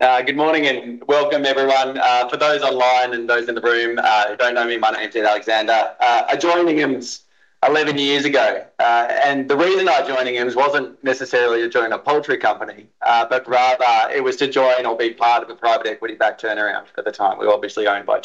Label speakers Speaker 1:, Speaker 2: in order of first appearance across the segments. Speaker 1: Good morning, and welcome everyone. For those online and those in the room, who don't know me, my name's Ed Alexander. I joined Inghams 11 years ago. The reason I joined Inghams wasn't necessarily to join a poultry company, but rather it was to join or be part of a private equity-backed turnaround at the time. We were obviously owned by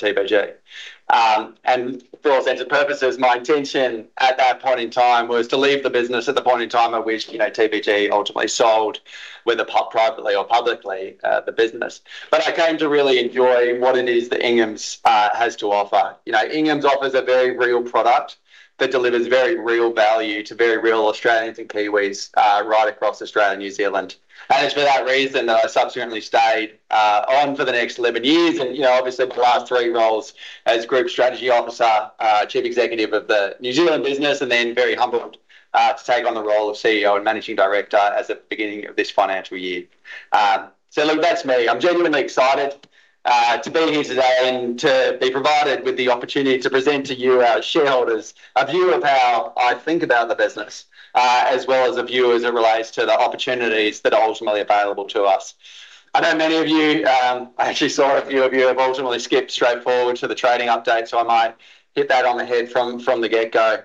Speaker 1: TPG. For all sense and purposes, my intention at that point in time was to leave the business at the point in time at which, you know, TPG ultimately sold, whether privately or publicly, the business. I came to really enjoy what it is that Inghams has to offer. You know, Inghams offers a very real product that delivers very real value to very real Australians and Kiwis, right across Australia and New Zealand. It's for that reason that I subsequently stayed on for the next 11 years. You know, obviously the last three roles as Group Strategy Officer, Chief Executive of the New Zealand business, and then very humbled to take on the role of CEO and Managing Director as of the beginning of this financial year. Look, that's me. I'm genuinely excited to be here today and to be provided with the opportunity to present to you, our shareholders, a view of how I think about the business, as well as a view as it relates to the opportunities that are ultimately available to us. I know many of you, I actually saw a few of you have ultimately skipped straight forward to the trading update, I might hit that on the head from the get-go.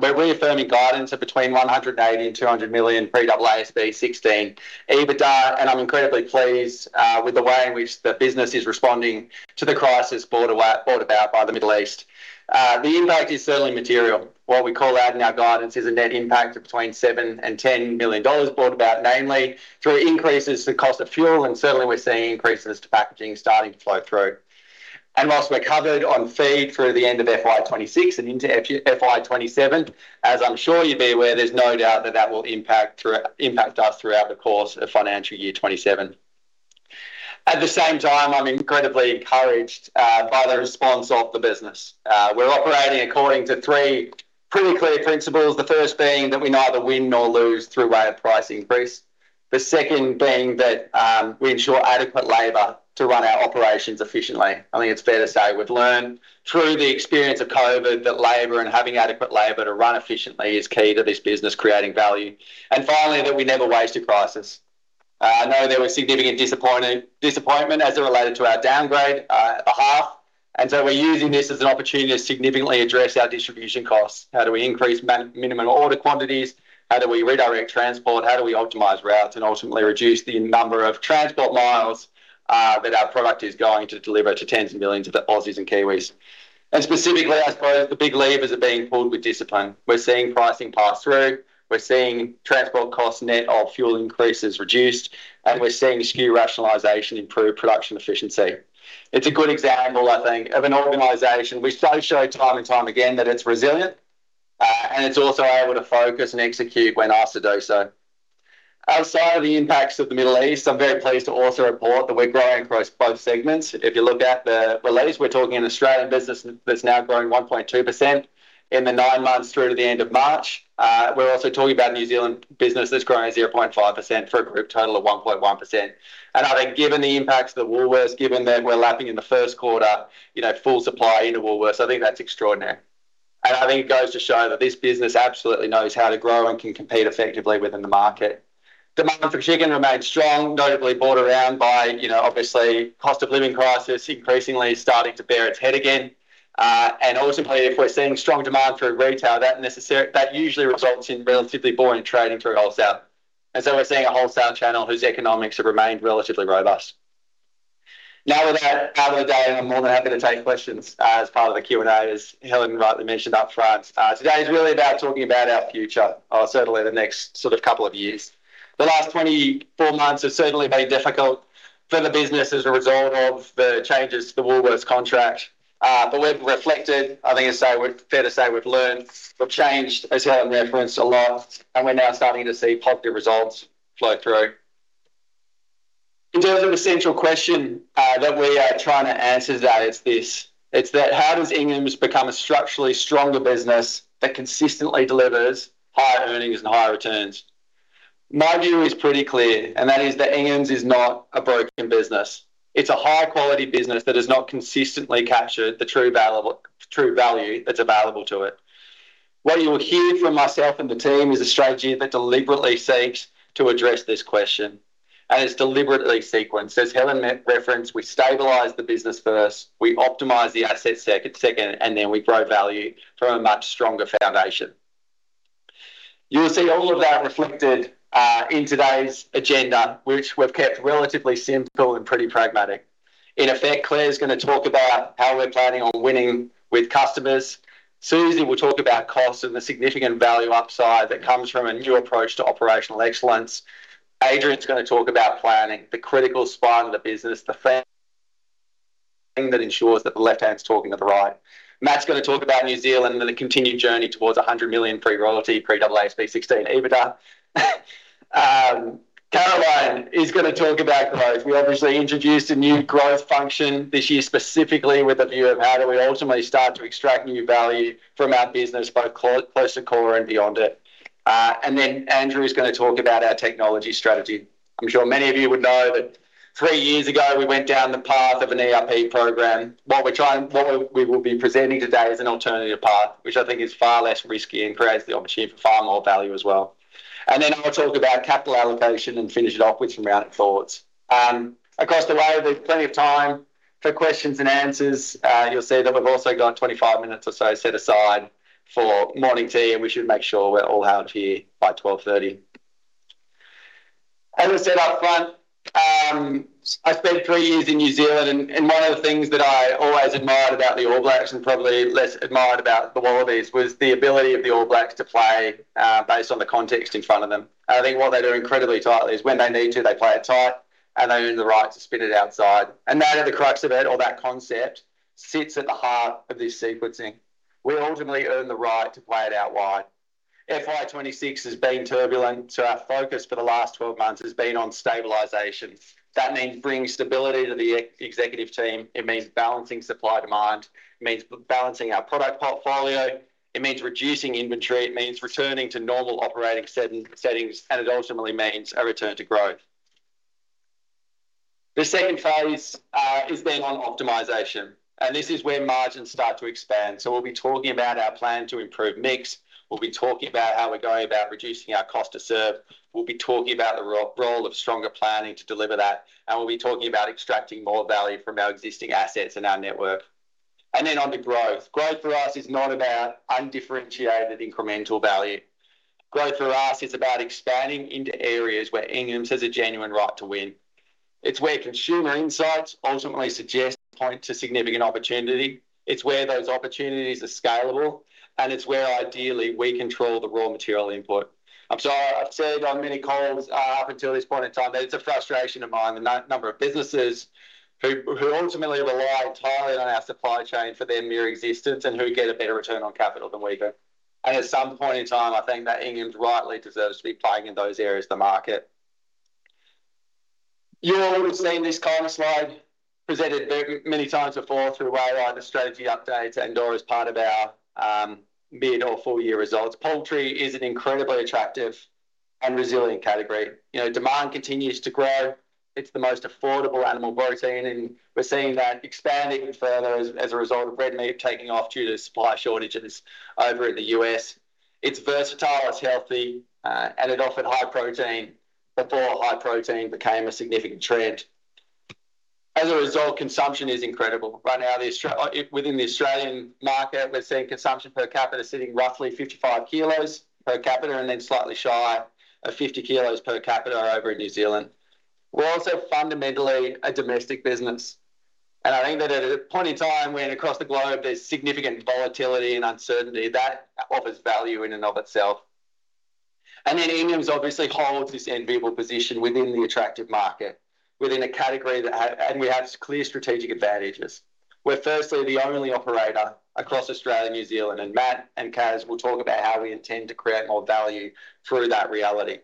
Speaker 1: We're reaffirming guidance of between 180 million and 200 million pre-AASB 16 EBITDA. I'm incredibly pleased with the way in which the business is responding to the crisis brought about by the Middle East. The impact is certainly material. What we call out in our guidance is a net impact of between 7 million-10 million dollars brought about namely through increases to cost of fuel. Certainly we're seeing increases to packaging starting to flow through. Whilst we're covered on feed through the end of FY 2026 and into FY 2027, as I'm sure you'd be aware, there's no doubt that that will impact us throughout the course of financial year 2027. At the same time, I'm incredibly encouraged by the response of the business. We're operating according to three pretty clear principles. The first being that we neither win nor lose through way of price increase. The second being that we ensure adequate labor to run our operations efficiently. I think it's fair to say we've learned through the experience of COVID that labor and having adequate labor to run efficiently is key to this business creating value. Finally, that we never waste a crisis. I know there was significant disappointment as it related to our downgrade at the half, we're using this as an opportunity to significantly address our distribution costs. How do we increase minimum order quantities? How do we redirect transport? How do we optimize routes and ultimately reduce the number of transport miles that our product is going to deliver to tens of millions of Aussies and Kiwis? Specifically, I suppose, the big levers are being pulled with discipline. We're seeing pricing pass through. We're seeing transport costs net of fuel increases reduced, and we're seeing SKU rationalization improve production efficiency. It's a good example, I think, of an organization which does show time and time again that it's resilient, and it's also able to focus and execute when asked to do so. Outside of the impacts of the Middle East, I'm very pleased to also report that we're growing across both segments. If you look at the latest, we're talking an Australian business that's now growing 1.2% in the nine months through to the end of March. We're also talking about a New Zealand business that's growing 0.5% for a group total of 1.1%. I think given the impacts of the Woolworths, given that we're lapping in the first quarter, you know, full supply into Woolworths, I think that's extraordinary. I think it goes to show that this business absolutely knows how to grow and can compete effectively within the market. Demand for chicken remains strong, notably brought around by, you know, obviously cost of living crisis increasingly starting to bear its head again. Ultimately, if we're seeing strong demand through retail, that usually results in relatively buoyant trading through wholesale. We're seeing a wholesale channel whose economics have remained relatively robust. Now that I've covered the day, I'm more than happy to take questions as part of the Q&A, as Helen rightly mentioned upfront. Today is really about talking about our future, or certainly the next sort of couple of years. The last 24 months have certainly been difficult for the business as a result of the changes to the Woolworths contract. We've reflected. I think it's fair to say we've learned. We've changed, as Helen referenced, a lot. We're now starting to see positive results flow through. In terms of essential question that we are trying to answer today is this. It's that, how does Inghams become a structurally stronger business that consistently delivers higher earnings and higher returns? My view is pretty clear. That is that Inghams is not a broken business. It's a high-quality business that has not consistently captured the true value that's available to it. What you will hear from myself and the team is a strategy that deliberately seeks to address this question. It's deliberately sequenced. As Helen referenced, we stabilize the business first, we optimize the asset second. We grow value from a much stronger foundation. You will see all of that reflected in today's agenda, which we've kept relatively simple and pretty pragmatic. In effect, Clair's going to talk about how we're planning on winning with customers. Susy will talk about cost and the significant value upside that comes from a new approach to operational excellence. Adrian's going to talk about planning, the critical spine of the business, the thing that ensures that the left hand's talking to the right. Matt's going to talk about New Zealand and the continued journey towards 100 million pre-royalty, pre-AASB 16 EBITDA. Caroline is going to talk about growth. We obviously introduced a new growth function this year, specifically with a view of how do we ultimately start to extract new value from our business, both close to core and beyond it. Then Andrew's gonna talk about our technology strategy. I'm sure many of you would know that three years ago we went down the path of an ERP program. What we will be presenting today is an alternative path, which I think is far less risky and creates the opportunity for far more value as well. Then I'll talk about capital allocation and finish it off with some rounded thoughts. Across the way, we've plenty of time for questions and answers, you'll see that we've also got 25 minutes or so set aside for morning tea, and we should make sure we're all out of here by 12:30. As I said up front, I spent three years in New Zealand and one of the things that I always admired about the All Blacks, and probably less admired about the Wallabies, was the ability of the All Blacks to play based on the context in front of them. I think what they do incredibly tightly is when they need to, they play it tight and they earn the right to spin it outside. That, at the crux of it, or that concept, sits at the heart of this sequencing. We ultimately earn the right to play it out wide. FY 2026 has been turbulent, our focus for the last 12 months has been on stabilization. That means bringing stability to the executive team. It means balancing supply-demand. It means balancing our product portfolio. It means reducing inventory. It means returning to normal operating settings, and it ultimately means a return to growth. The second phase has been on optimization, and this is where margins start to expand. We'll be talking about our plan to improve mix. We'll be talking about how we're going about reducing our cost to serve. We'll be talking about the role of stronger planning to deliver that, and we'll be talking about extracting more value from our existing assets and our network. Then on to growth. Growth for us is not about undifferentiated incremental value. Growth for us is about expanding into areas where Inghams has a genuine right to win. It's where consumer insights ultimately suggest, point to significant opportunity. It's where those opportunities are scalable, and it's where ideally we control the raw material input. I've said on many calls, up until this point in time that it's a frustration of mine, the number of businesses who ultimately rely entirely on our supply chain for their mere existence and who get a better return on capital than we do. At some point in time, I think that Inghams rightly deserves to be playing in those areas of the market. You all would've seen this kind of slide presented many times before through our other strategy updates and/or as part of our, mid or full-year results. Poultry is an incredibly attractive and resilient category. You know, demand continues to grow. It's the most affordable animal protein, we're seeing that expand even further as a result of red meat taking off due to supply shortages over in the U.S. It's versatile, it's healthy, and it offered high protein before high protein became a significant trend. As a result, consumption is incredible. Right now, within the Australian market, we're seeing consumption per capita sitting roughly 55 kilos per capita and then slightly shy of 50 kilos per capita over in New Zealand. We're also fundamentally a domestic business. I think that at a point in time when across the globe there's significant volatility and uncertainty, that offers value in and of itself. Inghams obviously holds this enviable position within the attractive market, within a category that we have clear strategic advantages. We're firstly the only operator across Australia, New Zealand, and Matt and Kaz will talk about how we intend to create more value through that reality.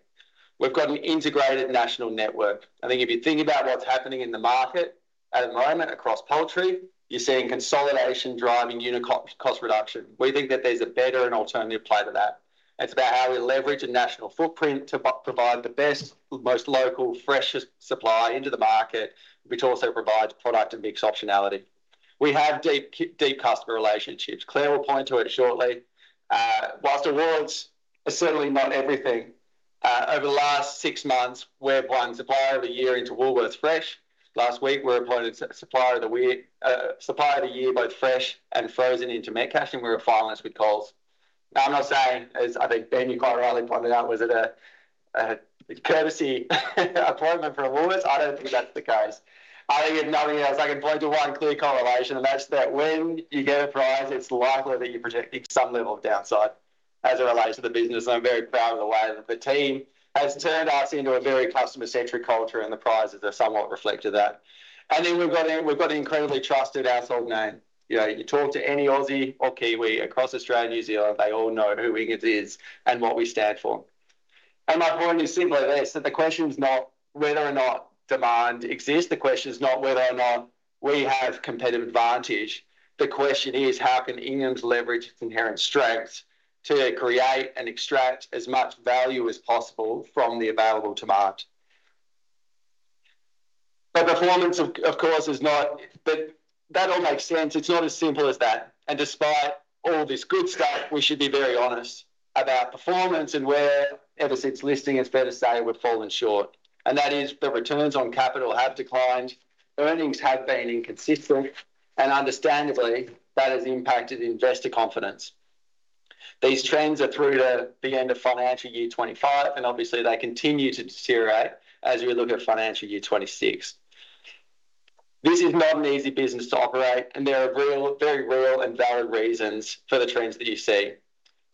Speaker 1: We've got an integrated national network. I think if you think about what's happening in the market at the moment across poultry, you're seeing consolidation driving unit cost reduction. We think that there's a better and alternative play to that. It's about how we leverage a national footprint to provide the best, most local, freshest supply into the market, which also provides product and mix optionality. We have deep customer relationships. Clair will point to it shortly. Whilst awards are certainly not everything, over the last six months, we have won Supplier of the Year into Woolworths Fresh. Last week, we were appointed Supplier of the Year, both fresh and frozen into Metcash, and we were finalists with Coles. I'm not saying, as I think Ben quite rightly pointed out, was it a courtesy appointment from Woolworths? I don't think that's the case. I think if nothing else, I can point to one clear correlation, that's that when you get a prize, it's likely that you're projecting some level of downside as it relates to the business. I'm very proud of the way that the team has turned us into a very customer-centric culture, the prizes have somewhat reflected that. We've got an incredibly trusted household name. You know, you talk to any Aussie or Kiwi across Australia, New Zealand, they all know who Inghams is and what we stand for. My point is simply this, that the question's not whether or not demand exists. The question's not whether or not we have competitive advantage. The question is, how can Inghams leverage its inherent strengths to create and extract as much value as possible from the available demand? That all makes sense. It's not as simple as that. Despite all this good stuff, we should be very honest about performance and where, ever since listing, it's fair to say we've fallen short. That is the returns on capital have declined, earnings have been inconsistent, and understandably, that has impacted investor confidence. These trends are through to the end of financial year 2025, and obviously they continue to deteriorate as we look at financial year 2026. This is not an easy business to operate, and there are very real and valid reasons for the trends that you see.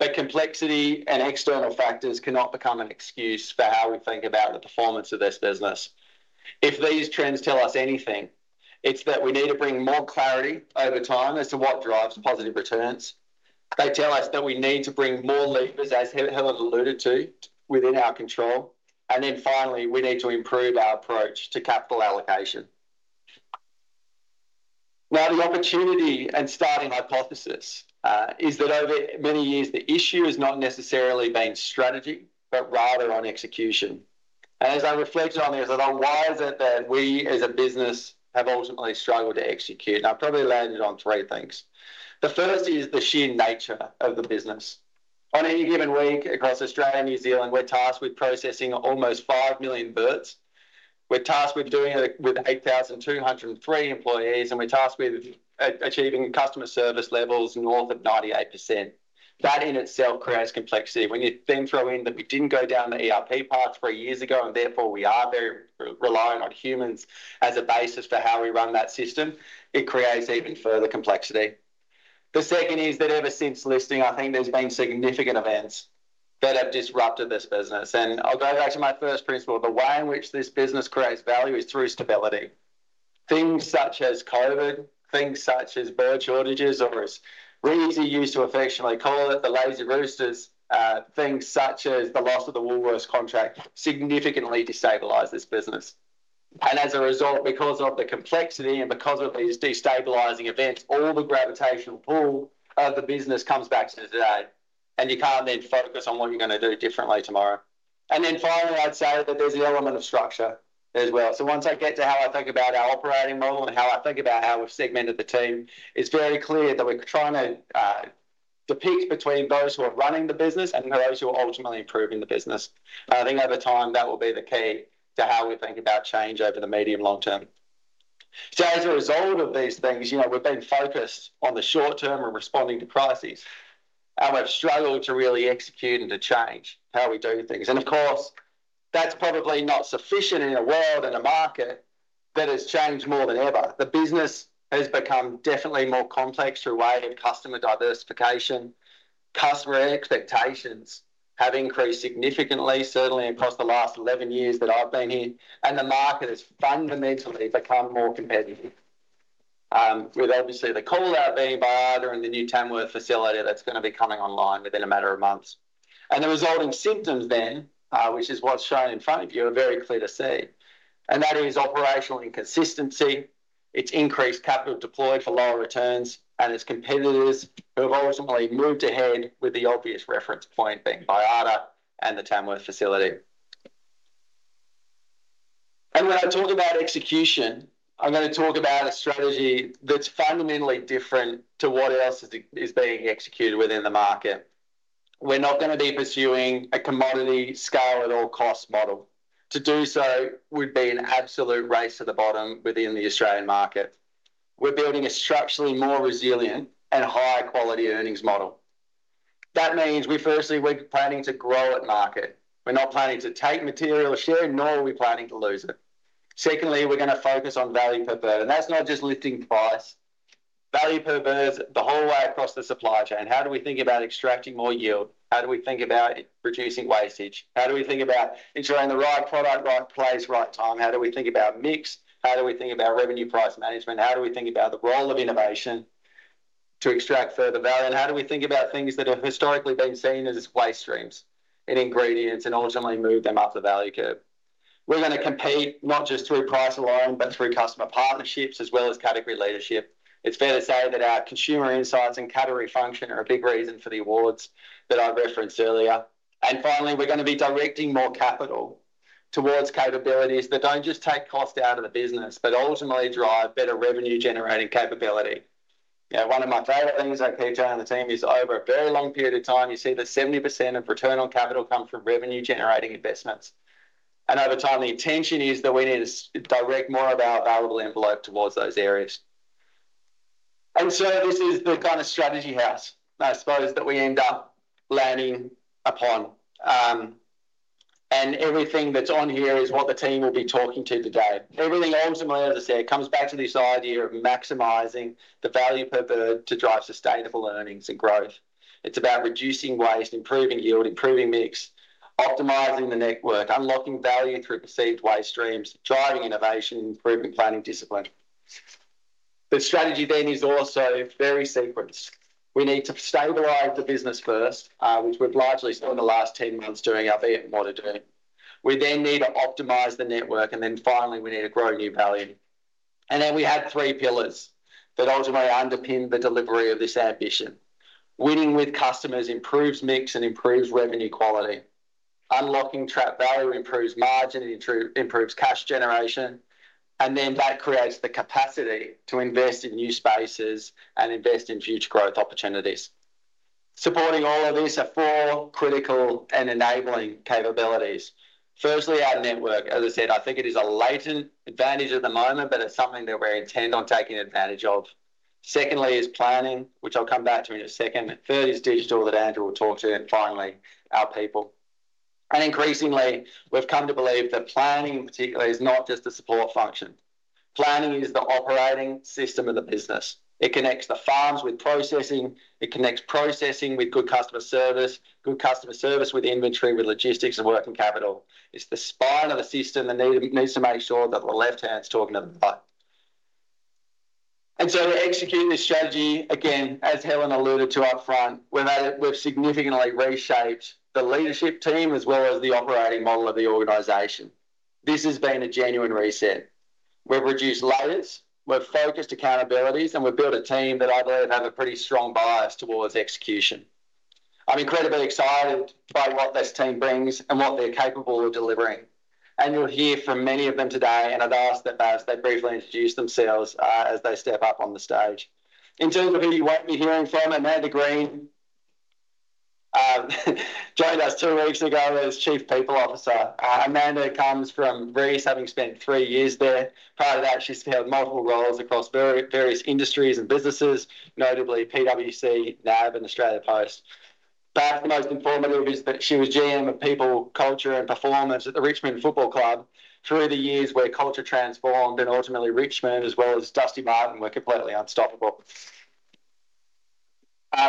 Speaker 1: Complexity and external factors cannot become an excuse for how we think about the performance of this business. If these trends tell us anything, it's that we need to bring more clarity over time as to what drives positive returns. They tell us that we need to bring more levers, as Helen alluded to, within our control. Finally, we need to improve our approach to capital allocation. The opportunity and starting hypothesis is that over many years, the issue has not necessarily been strategy, but rather on execution. As I reflected on this, I thought, why is it that we as a business have ultimately struggled to execute? I probably landed on three things. The first is the sheer nature of the business. On any given week across Australia and New Zealand, we're tasked with processing almost 5 million birds. We're tasked with doing it with 8,203 employees, we're tasked with achieving customer service levels north of 98%. That in itself creates complexity. When you then throw in that we didn't go down the ERP path three years ago and therefore we are very reliant on humans as a basis for how we run that system, it creates even further complexity. The second is that ever since listing, I think there's been significant events that have disrupted this business. I'll go back to my first principle. The way in which this business creates value is through stability. Things such as COVID, things such as bird shortages or as Reevesy used to affectionately call it, the lazy roosters, things such as the loss of the Woolworths contract significantly destabilize this business. As a result, because of the complexity and because of these destabilizing events, all the gravitational pull of the business comes back to today, and you can't then focus on what you're gonna do differently tomorrow. Then finally, I'd say that there's the element of structure as well. Once I get to how I think about our operating model and how I think about how we've segmented the team, it's very clear that we're trying to depict between those who are running the business and those who are ultimately improving the business. I think over time, that will be the key to how we think about change over the medium long term. As a result of these things, you know, we've been focused on the short term, we're responding to crises and we've struggled to really execute and to change how we do things. Of course, that's probably not sufficient in a world and a market that has changed more than ever. The business has become definitely more complex through a wave of customer diversification. Customer expectations have increased significantly, certainly across the last 11 years that I've been here, and the market has fundamentally become more competitive, with obviously the call-out being Baiada and the new Tamworth facility that's gonna be coming online within a matter of months. The resulting symptoms then, which is what's shown in front of you, are very clear to see. That is operational inconsistency. It's increased capital deployed for lower returns and its competitors who have ultimately moved ahead with the obvious reference point being Baiada and the Tamworth facility. When I talk about execution, I'm gonna talk about a strategy that's fundamentally different to what else is being executed within the market. We're not gonna be pursuing a commodity scale-it-all cost model. To do so would be an absolute race to the bottom within the Australian market. We're building a structurally more resilient and higher quality earnings model. That means firstly, we're planning to grow at market. We're not planning to take material share, nor are we planning to lose it. Secondly, we're gonna focus on value per bird, and that's not just lifting price. Value per bird the whole way across the supply chain. How do we think about extracting more yield? How do we think about reducing wastage? How do we think about ensuring the right product, right place, right time? How do we think about mix? How do we think about revenue price management? How do we think about the role of innovation to extract further value? How do we think about things that have historically been seen as waste streams and ingredients and ultimately move them up the value curve? We're gonna compete not just through price alone, but through customer partnerships as well as category leadership. It's fair to say that our consumer insights and category function are a big reason for the awards that I referenced earlier. Finally, we're gonna be directing more capital towards capabilities that don't just take cost out of the business, but ultimately drive better revenue-generating capability. You know, one of my favorite things I keep telling the team is over a very long period of time, you see that 70% of return on capital comes from revenue-generating investments. Over time, the intention is that we need to direct more of our available envelope towards those areas. This is the kind of strategy house I suppose that we end up landing upon. Everything that's on here is what the team will be talking to you today. It really ultimately, as I said, comes back to this idea of maximizing the value per bird to drive sustainable earnings and growth. It's about reducing waste, improving yield, improving mix, optimizing the network, unlocking value through perceived waste streams, driving innovation, and improving planning discipline. The strategy is also very sequenced. We need to stabilize the business first, which we've largely spent the last 10 months doing our Value for Money audit. We need to optimize the network. Finally, we need to grow new value. We have three pillars that ultimately underpin the delivery of this ambition. Winning with customers improves mix and improves revenue quality. Unlocking trapped value improves margin and improves cash generation. That creates the capacity to invest in new spaces and invest in future growth opportunities. Supporting all of these are four critical and enabling capabilities. Firstly, our network. As I said, I think it is a latent advantage at the moment, but it's something that we intend on taking advantage of. Secondly is planning, which I'll come back to in a second. Third is digital that Andrew will talk to, and finally, our people. Increasingly, we've come to believe that planning in particular is not just a support function. Planning is the operating system of the business. It connects the farms with processing. It connects processing with good customer service, good customer service with inventory, with logistics and working capital. It's the spine of the system that needs to make sure that the left hand's talking to the right. To execute this strategy, again, as Helen alluded to up front, we've significantly reshaped the leadership team as well as the operating model of the organization. This has been a genuine reset. We've reduced layers, we've focused accountabilities, and we've built a team that I believe have a pretty strong bias towards execution. I'm incredibly excited by what this team brings and what they're capable of delivering. You'll hear from many of them today, and I'd ask that they briefly introduce themselves as they step up on the stage. In terms of who you won't be hearing from, Amanda Green joined us two weeks ago as Chief People Officer. Amanda comes from Reece, having spent three years there. Prior to that, she's had multiple roles across various industries and businesses, notably PwC, NAB, and Australia Post. Perhaps the most informative is that she was GM of People, Culture, and Performance at the Richmond Football Club through the years where culture transformed and ultimately Richmond as well as Dusty Martin were completely unstoppable.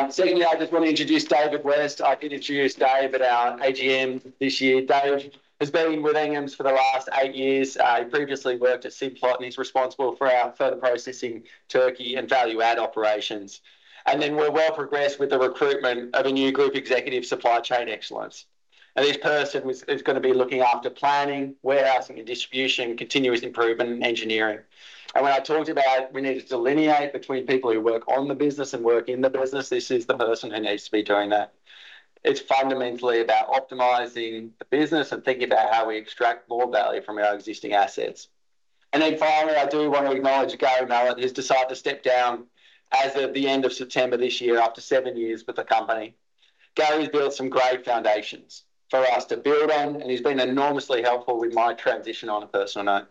Speaker 1: Secondly, I just want to introduce David West. I did introduce Dave at our AGM this year. Dave has been with Inghams for the last eight years. He previously worked at Simplot, and he's responsible for our further processing turkey and value-add operations. Then we're well-progressed with the recruitment of a new Group Executive Supply Chain Excellence. Now, this person is gonna be looking after planning, warehousing and distribution, continuous improvement, and engineering. When I talked about we need to delineate between people who work on the business and work in the business, this is the person who needs to be doing that. It's fundamentally about optimizing the business and thinking about how we extract more value from our existing assets. Finally, I do want to acknowledge Gary Mallett, who's decided to step down as of the end of September this year after seven years with the company. Gary's built some great foundations for us to build on, and he's been enormously helpful with my transition on a personal note.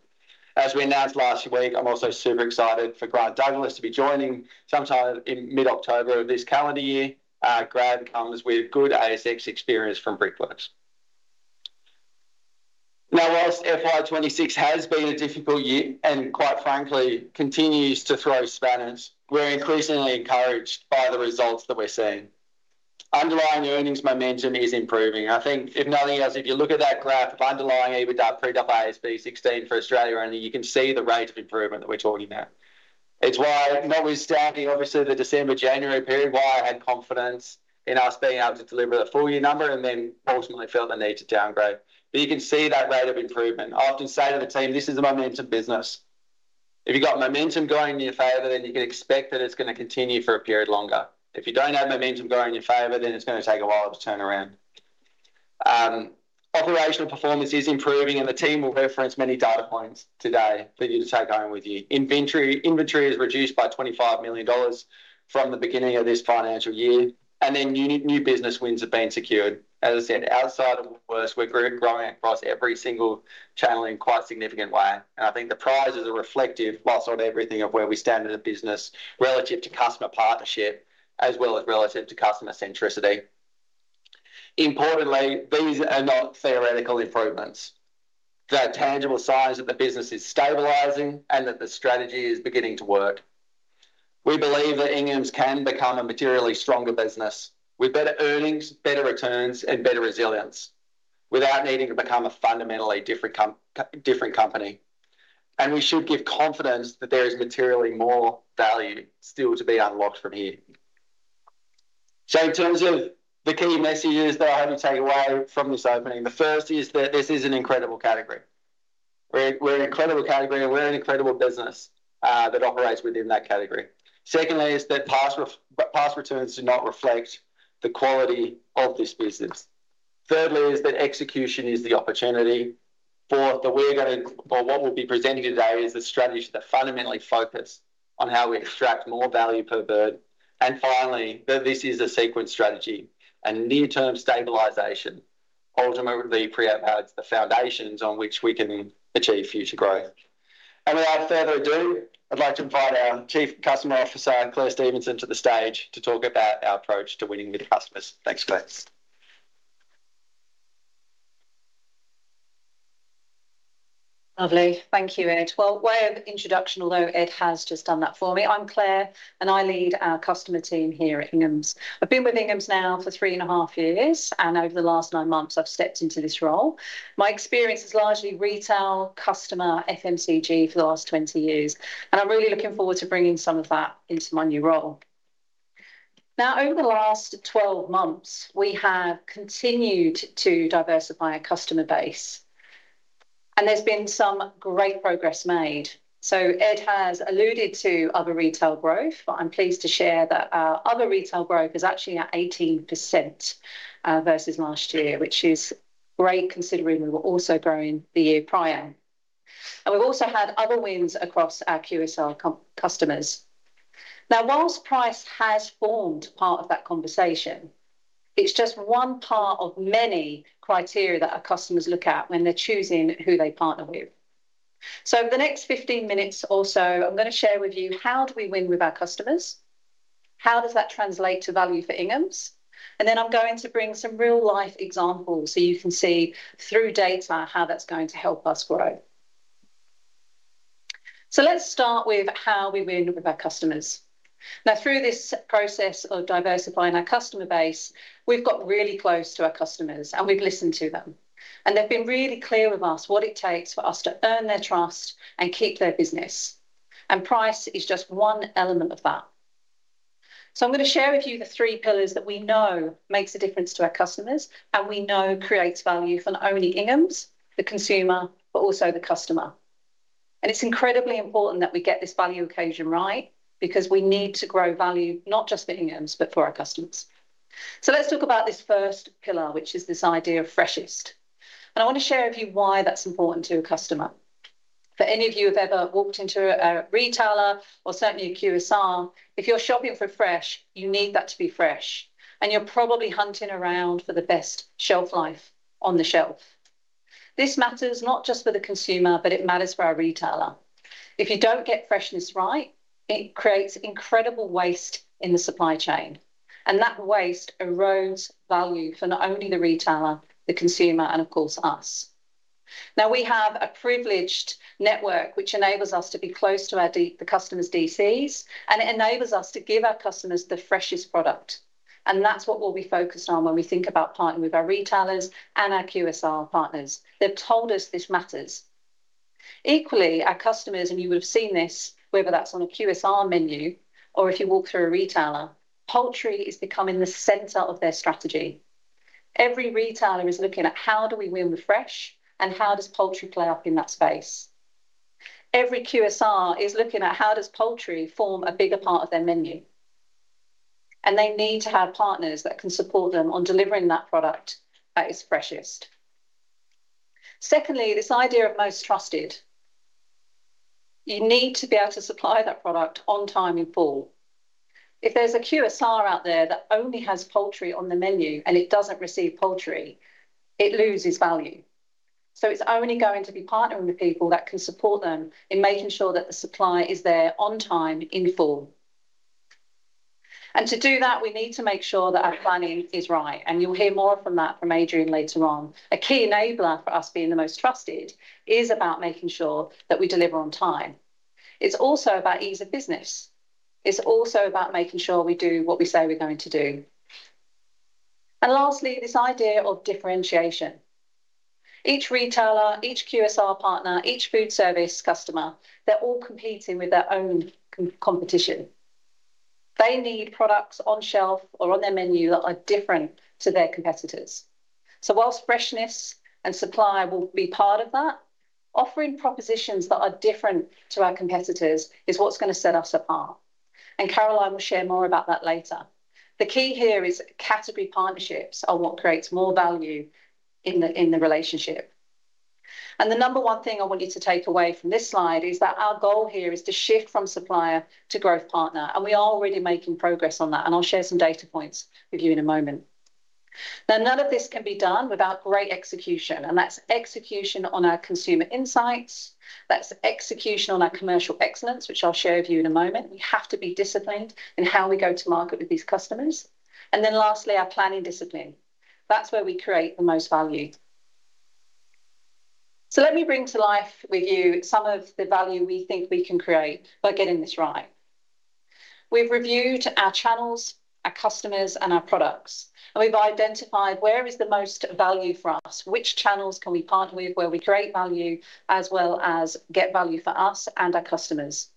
Speaker 1: As we announced last week, I'm also super excited for Grant Douglas to be joining sometime in mid-October of this calendar year. Grant comes with good ASX experience from Brickworks. Whilst FY 2026 has been a difficult year and, quite frankly, continues to throw spanners, we're increasingly encouraged by the results that we're seeing. Underlying earnings momentum is improving. I think if nothing else, if you look at that graph of underlying EBITDA pre-AASB 16 for Australia only, you can see the rate of improvement that we're talking about. It's why notwithstanding obviously the December-January period, why I had confidence in us being able to deliver the full-year number and then ultimately felt the need to downgrade. You can see that rate of improvement. I often say to the team, "This is a momentum business." If you've got momentum going in your favor, then you can expect that it's gonna continue for a period longer. If you don't have momentum going in your favor, then it's gonna take a while to turn around. Operational performance is improving, and the team will reference many data points today for you to take home with you. Inventory is reduced by 25 million dollars from the beginning of this financial year, then new business wins have been secured. As I said, outside of Woolworths, we're growing across every single channel in quite significant way. I think the prizes are reflective, whilst not everything, of where we stand in the business relative to customer partnership as well as relative to customer centricity. Importantly, these are not theoretical improvements. They are tangible signs that the business is stabilizing and that the strategy is beginning to work. We believe that Inghams can become a materially stronger business with better earnings, better returns, and better resilience without needing to become a fundamentally different company. We should give confidence that there is materially more value still to be unlocked from here. In terms of the key messages that I want you to take away from this opening, the first is that this is an incredible category. We're an incredible category, and we're an incredible business that operates within that category. Secondly is that past returns do not reflect the quality of this business. Thirdly is that execution is the opportunity. Fourth, what we'll be presenting today is a strategy to fundamentally focus on how we extract more value per bird. Finally, that this is a sequence strategy. Near-term stabilization ultimately creates the foundations on which we can achieve future growth. Without further ado, I'd like to invite our Chief Customer Officer, Clair Stevenson, to the stage to talk about our approach to winning with customers. Thanks, Clair.
Speaker 2: Lovely. Thank you, Ed. Way of introduction, although Ed has just done that for me, I'm Clair, and I lead our customer team here at Inghams. I've been with Inghams now for three and a half years, and over the last nine months I've stepped into this role. My experience is largely retail, customer, FMCG for the last 20 years, and I'm really looking forward to bringing some of that into my new role. Over the last 12 months, we have continued to diversify our customer base, and there's been some great progress made. Ed has alluded to other retail growth, but I'm pleased to share that our other retail growth is actually at 18% versus last year, which is great considering we were also growing the year prior. We've also had other wins across our QSR customers. While price has formed part of that conversation, it's just one part of many criteria that our customers look at when they're choosing who they partner with. Over the next 15 minutes or so I'm gonna share with you how do we win with our customers, how does that translate to value for Inghams, and then I'm going to bring some real-life examples so you can see through data how that's going to help us grow. Let's start with how we win with our customers. Through this process of diversifying our customer base, we've got really close to our customers, and we've listened to them. They've been really clear with us what it takes for us to earn their trust and keep their business. Price is just one element of that. I'm going to share with you the three pillars that we know makes a difference to our customers and we know creates value for not only Inghams, the consumer, but also the customer. It's incredibly important that we get this value equation right because we need to grow value, not just for Inghams but for our customers. Let's talk about this first pillar, which is this idea of freshest. I want to share with you why that's important to a customer. For any of you who've ever walked into a retailer or certainly a QSR, if you're shopping for fresh, you need that to be fresh, and you're probably hunting around for the best shelf life on the shelf. This matters not just for the consumer, but it matters for our retailer. If you don't get freshness right, it creates incredible waste in the supply chain. That waste erodes value for not only the retailer, the consumer, and of course us. We have a privileged network which enables us to be close to our the customer's DCs. It enables us to give our customers the freshest product. That's what we'll be focused on when we think about partnering with our retailers and our QSR partners. They've told us this matters. Equally, our customers, you would have seen this, whether that's on a QSR menu or if you walk through a retailer, poultry is becoming the center of their strategy. Every retailer is looking at how do we win with fresh, how does poultry play up in that space? Every QSR is looking at how does poultry form a bigger part of their menu. They need to have partners that can support them on delivering that product at its freshest. Secondly, this idea of most trusted. You need to be able to supply that product on time in full. If there's a QSR out there that only has poultry on the menu and it doesn't receive poultry, it loses value. It's only going to be partnering with people that can support them in making sure that the supply is there on time in full. To do that, we need to make sure that our planning is right, and you'll hear more from that from Adrian later on. A key enabler for us being the most trusted is about making sure that we deliver on time. It's also about ease of business. It's also about making sure we do what we say we're going to do. Lastly, this idea of differentiation. Each retailer, each QSR partner, each food service customer, they're all competing with their own competition. They need products on shelf or on their menu that are different to their competitors. Whilst freshness and supply will be part of that, offering propositions that are different to our competitors is what's gonna set us apart, and Caroline will share more about that later. The key here is category partnerships are what creates more value in the relationship. The number one thing I want you to take away from this slide is that our goal here is to shift from supplier to growth partner, and we are already making progress on that, and I'll share some data points with you in a moment. None of this can be done without great execution, and that's execution on our consumer insights. That's execution on our commercial excellence, which I'll share with you in a moment. We have to be disciplined in how we go to market with these customers. Then lastly, our planning discipline. That's where we create the most value. Let me bring to life with you some of the value we think we can create by getting this right. We've reviewed our channels, our customers, and our products, and we've identified where is the most value for us, which channels can we partner with where we create value as well as get value for us and our customers.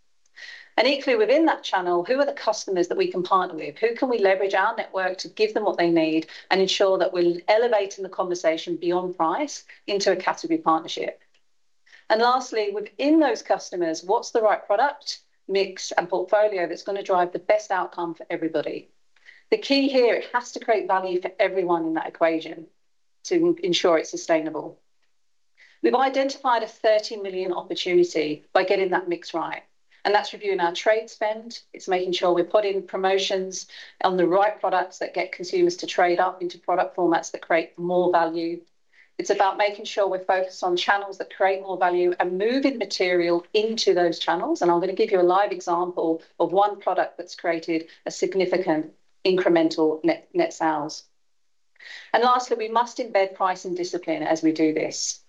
Speaker 2: Equally within that channel, who are the customers that we can partner with? Who can we leverage our network to give them what they need and ensure that we're elevating the conversation beyond price into a category partnership? Lastly, within those customers, what's the right product mix and portfolio that's gonna drive the best outcome for everybody? The key here, it has to create value for everyone in that equation to ensure it's sustainable. We've identified an 30 million opportunity by getting that mix right. That's reviewing our trade spend. It's making sure we're putting promotions on the right products that get consumers to trade up into product formats that create more value. It's about making sure we're focused on channels that create more value and moving material into those channels. I'm gonna give you a live example of one product that's created a significant incremental net net sales. Lastly, we must embed pricing discipline as we do this.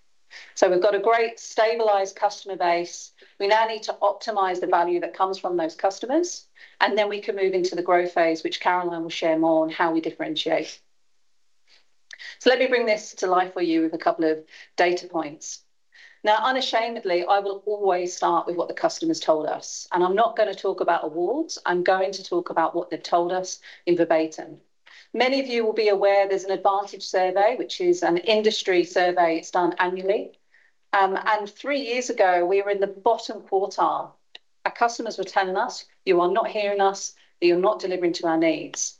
Speaker 2: We've got a great stabilized customer base. We now need to optimize the value that comes from those customers, and then we can move into the growth phase, which Caroline will share more on how we differentiate. Let me bring this to life for you with a couple of data points. Unashamedly, I will always start with what the customers told us, and I'm not going to talk about awards. I'm going to talk about what they've told us in verbatim. Many of you will be aware there's an Advantage survey, which is an industry survey. It's done annually. Three years ago, we were in the bottom quartile. Our customers were telling us, "You are not hearing us, that you're not delivering to our needs."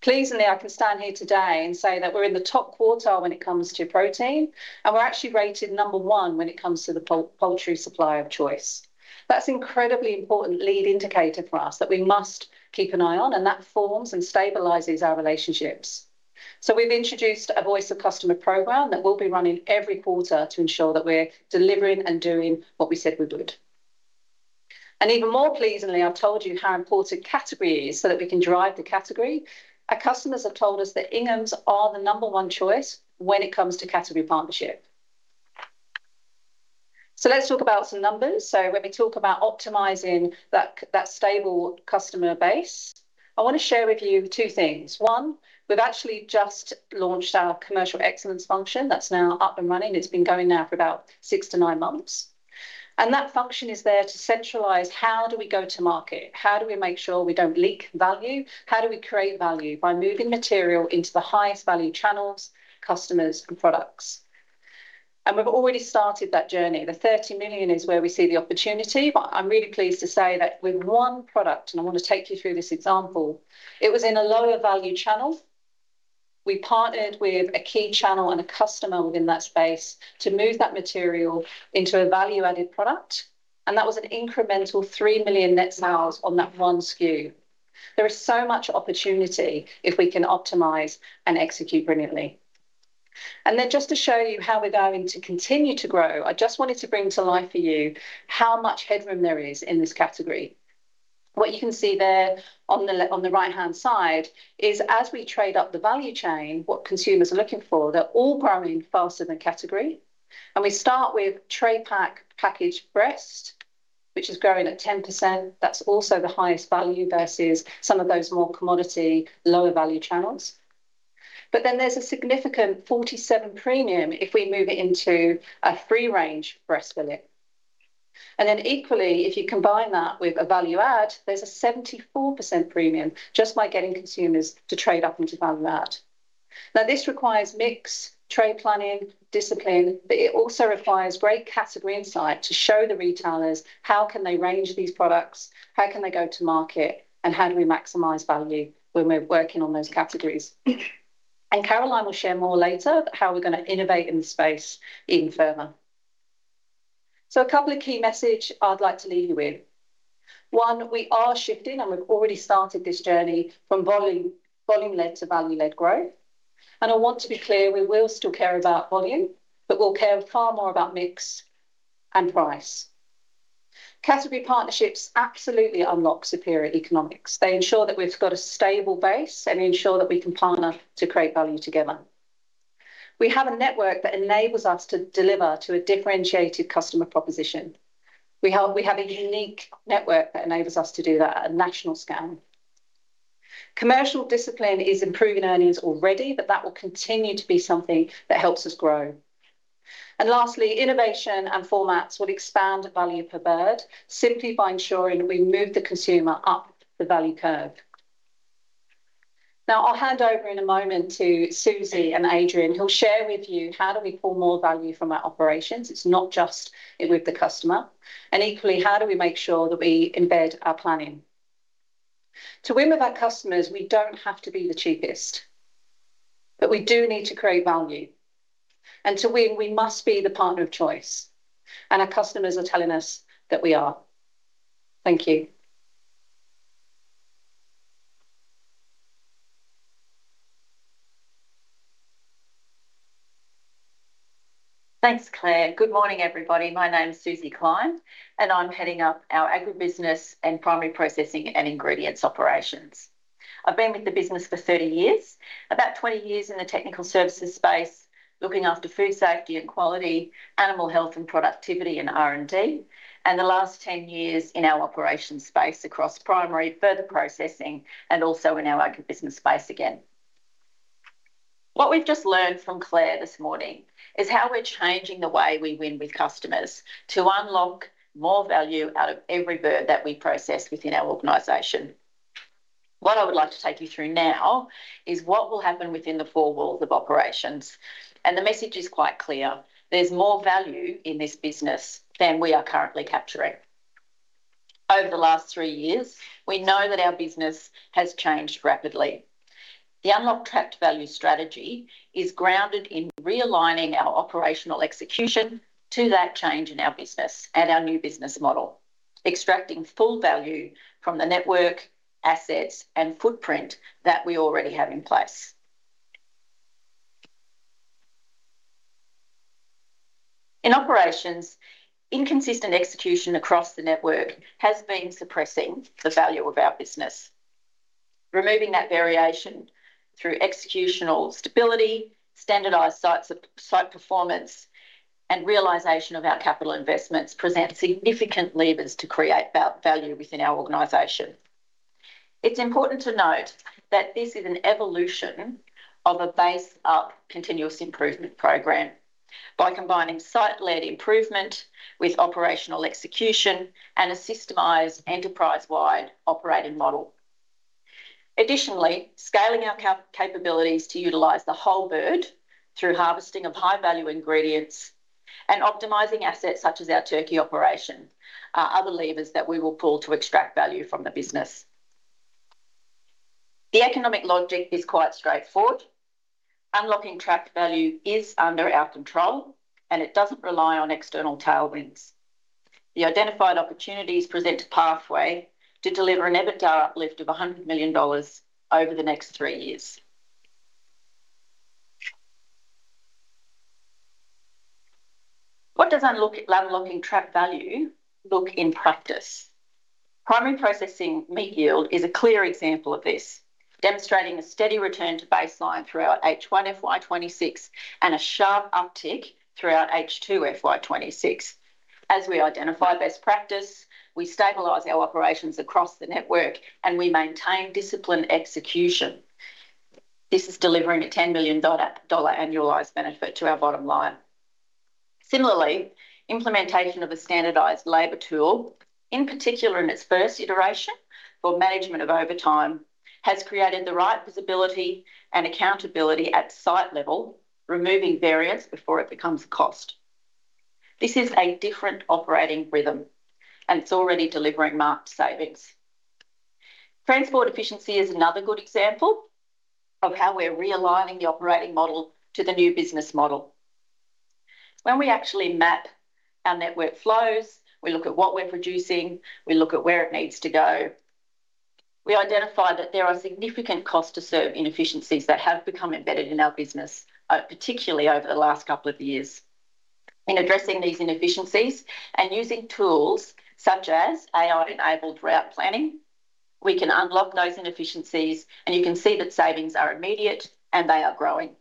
Speaker 2: Pleasingly, I can stand here today and say that we're in the top quartile when it comes to protein, and we're actually rated number one when it comes to the poultry supplier of choice. That's incredibly important lead indicator for us that we must keep an eye on, and that forms and stabilizes our relationships. We've introduced a voice of customer program that we'll be running every quarter to ensure that we're delivering and doing what we said we would. Even more pleasingly, I've told you how important category is so that we can drive the category. Our customers have told us that Inghams are the number one choice when it comes to category partnership. Let's talk about some numbers. When we talk about optimizing that stable customer base, I want to share with you two things. One, we've actually just launched our Commercial Excellence function. That's now up and running. It's been going now for about six-nine months. That function is there to centralize how do we go to market, how do we make sure we don't leak value, how do we create value by moving material into the highest value channels, customers, and products. We've already started that journey. The 30 million is where we see the opportunity. I'm really pleased to say that with one product, and I want to take you through this example, it was in a lower value channel. We partnered with a key channel and a customer within that space to move that material into a value-added product, and that was an incremental 3 million net sales on that one SKU. There is so much opportunity if we can optimize and execute brilliantly. Then just to show you how we're going to continue to grow, I just wanted to bring to life for you how much headroom there is in this category. What you can see there on the right-hand side is, as we trade up the value chain, what consumers are looking for, they're all growing faster than category. We start with tray pack packaged breast, which is growing at 10%. That's also the highest value versus some of those more commodity lower value channels. Then there's a significant 47% premium if we move it into a free-range breast fillet. Equally, if you combine that with a value add, there's a 74% premium just by getting consumers to trade up into value add. This requires mix, trade planning, discipline, but it also requires great category insight to show the retailers how can they range these products, how can they go to market, and how do we maximize value when we're working on those categories. Caroline will share more later about how we're gonna innovate in the space even further. A couple of key message I'd like to leave you with. One, we are shifting, and we've already started this journey from volume-led to value-led growth. I want to be clear, we will still care about volume, but we'll care far more about mix and price. Category partnerships absolutely unlock superior economics. They ensure that we've got a stable base and ensure that we can partner to create value together. We have a network that enables us to deliver to a differentiated customer proposition. We have a unique network that enables us to do that at a national scale. Commercial discipline is improving earnings already, that will continue to be something that helps us grow. Lastly, innovation and formats will expand value per bird simply by ensuring we move the consumer up the value curve. Now, I'll hand over in a moment to Susy and Adrian, who'll share with you how do we pull more value from our operations. It's not just with the customer. Equally, how do we make sure that we embed our planning? To win with our customers, we don't have to be the cheapest, we do need to create value. To win, we must be the partner of choice. Our customers are telling us that we are. Thank you.
Speaker 3: Thanks, Clair. Good morning, everybody. My name's Susy Klein. I'm heading up our agribusiness and primary processing and ingredients operations. I've been with the business for 30 years, about 20 years in the technical services space, looking after food safety and quality, animal health and productivity and R&D. The last 10 years in our operations space across primary, further processing, and also in our agribusiness space again. What we've just learned from Clair this morning is how we're changing the way we win with customers to unlock more value out of every bird that we process within our organization. What I would like to take you through now is what will happen within the four walls of operations. The message is quite clear. There's more value in this business than we are currently capturing. Over the last three years, we know that our business has changed rapidly. The Unlock Trapped Value strategy is grounded in realigning our operational execution to that change in our business and our new business model, extracting full value from the network, assets, and footprint that we already have in place. In operations, inconsistent execution across the network has been suppressing the value of our business. Removing that variation through executional stability, standardized sites, site performance, and realization of our capital investments present significant levers to create value within our organization. It's important to note that this is an evolution of a base up continuous improvement program by combining site-led improvement with operational execution and a systemized enterprise-wide operating model. Scaling our capabilities to utilize the whole bird through harvesting of high-value ingredients and optimizing assets such as our turkey operation are other levers that we will pull to extract value from the business. The economic logic is quite straightforward. Unlocking trapped value is under our control, and it doesn't rely on external tailwinds. The identified opportunities present a pathway to deliver an EBITDA uplift of 100 million dollars over the next three years. What does unlocking trapped value look in practice? Primary processing meat yield is a clear example of this, demonstrating a steady return to baseline throughout H1 FY 2026 and a sharp uptick throughout H2 FY 2026. As we identify best practice, we stabilize our operations across the network, and we maintain disciplined execution. This is delivering an 10 million dollar annualized benefit to our bottom line. Similarly, implementation of a standardized labor tool, in particular, in its first iteration for management of overtime has created the right visibility and accountability at site level, removing variance before it becomes cost. This is a different operating rhythm, and it's already delivering marked savings. Transport efficiency is another good example of how we're realigning the operating model to the new business model. When we actually map our network flows, we look at what we're producing, we look at where it needs to go. We identify that there are significant cost to serve inefficiencies that have become embedded in our business, particularly over the last couple of years. In addressing these inefficiencies and using tools such as AI-enabled route planning, we can unlock those inefficiencies and you can see that savings are immediate and they are growing.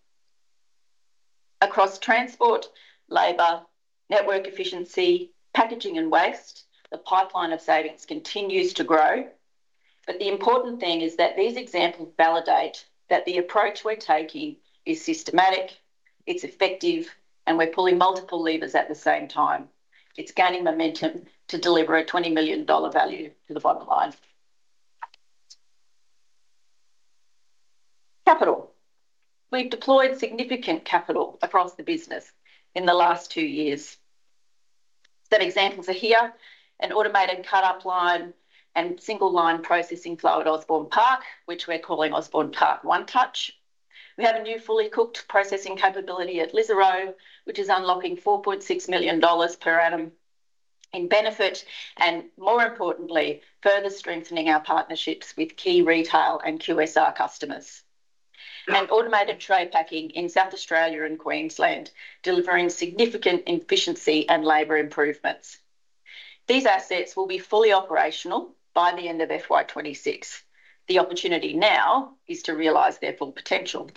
Speaker 3: Across transport, labor, network efficiency, packaging and waste, the pipeline of savings continues to grow. The important thing is that these examples validate that the approach we're taking is systematic, it's effective, and we're pulling multiple levers at the same time. It's gaining momentum to deliver a 20 million dollar value to the bottom line. Capital. We've deployed significant capital across the business in the last two years. Some examples are here. An automated cut-up line and single line processing flow at Osborne Park, which we're calling Osborne Park One Touch. We have a new fully cooked processing capability at Lisarow, which is unlocking 4.6 million dollars per annum in benefit and, more importantly, further strengthening our partnerships with key retail and QSR customers. Automated tray packing in South Australia and Queensland, delivering significant efficiency and labor improvements. These assets will be fully operational by the end of FY 2026. The opportunity now is to realize their full potential.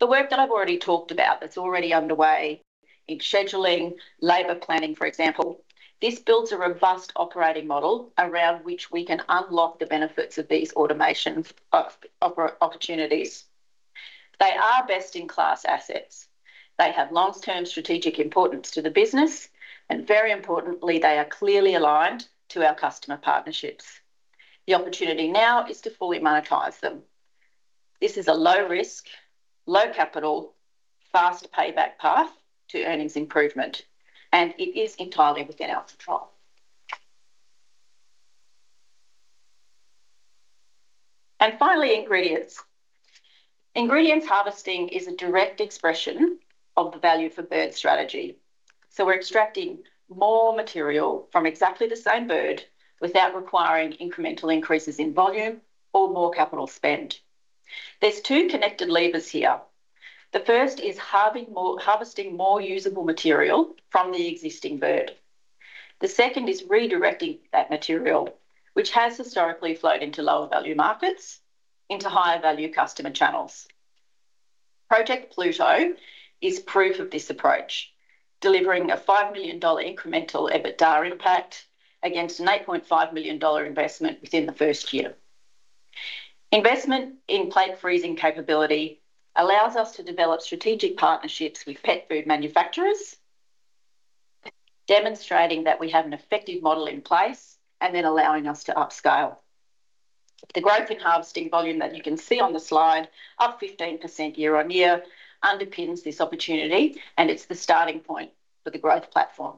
Speaker 3: The work that I've already talked about that's already underway in scheduling, labor planning, for example, this builds a robust operating model around which we can unlock the benefits of these automation opportunities. They are best-in-class assets. They have long-term strategic importance to the business, very importantly, they are clearly aligned to our customer partnerships. The opportunity now is to fully monetize them. This is a low risk, low capital, fast payback path to earnings improvement, it is entirely within our control. Finally, ingredients. Ingredients harvesting is a direct expression of the Value for Bird strategy. We're extracting more material from exactly the same bird without requiring incremental increases in volume or more capital spend. There's two connected levers here. The first is harvesting more usable material from the existing bird. The second is redirecting that material, which has historically flowed into lower value markets, into higher value customer channels. Project Pluto is proof of this approach, delivering an 5 million dollar incremental EBITDA impact against an 8.5 million dollar investment within the first year. Investment in plate freezing capability allows us to develop strategic partnerships with pet food manufacturers, demonstrating that we have an effective model in place and then allowing us to upscale. The growth in harvesting volume that you can see on the slide, up 15% year-on-year, underpins this opportunity, and it's the starting point for the growth platform.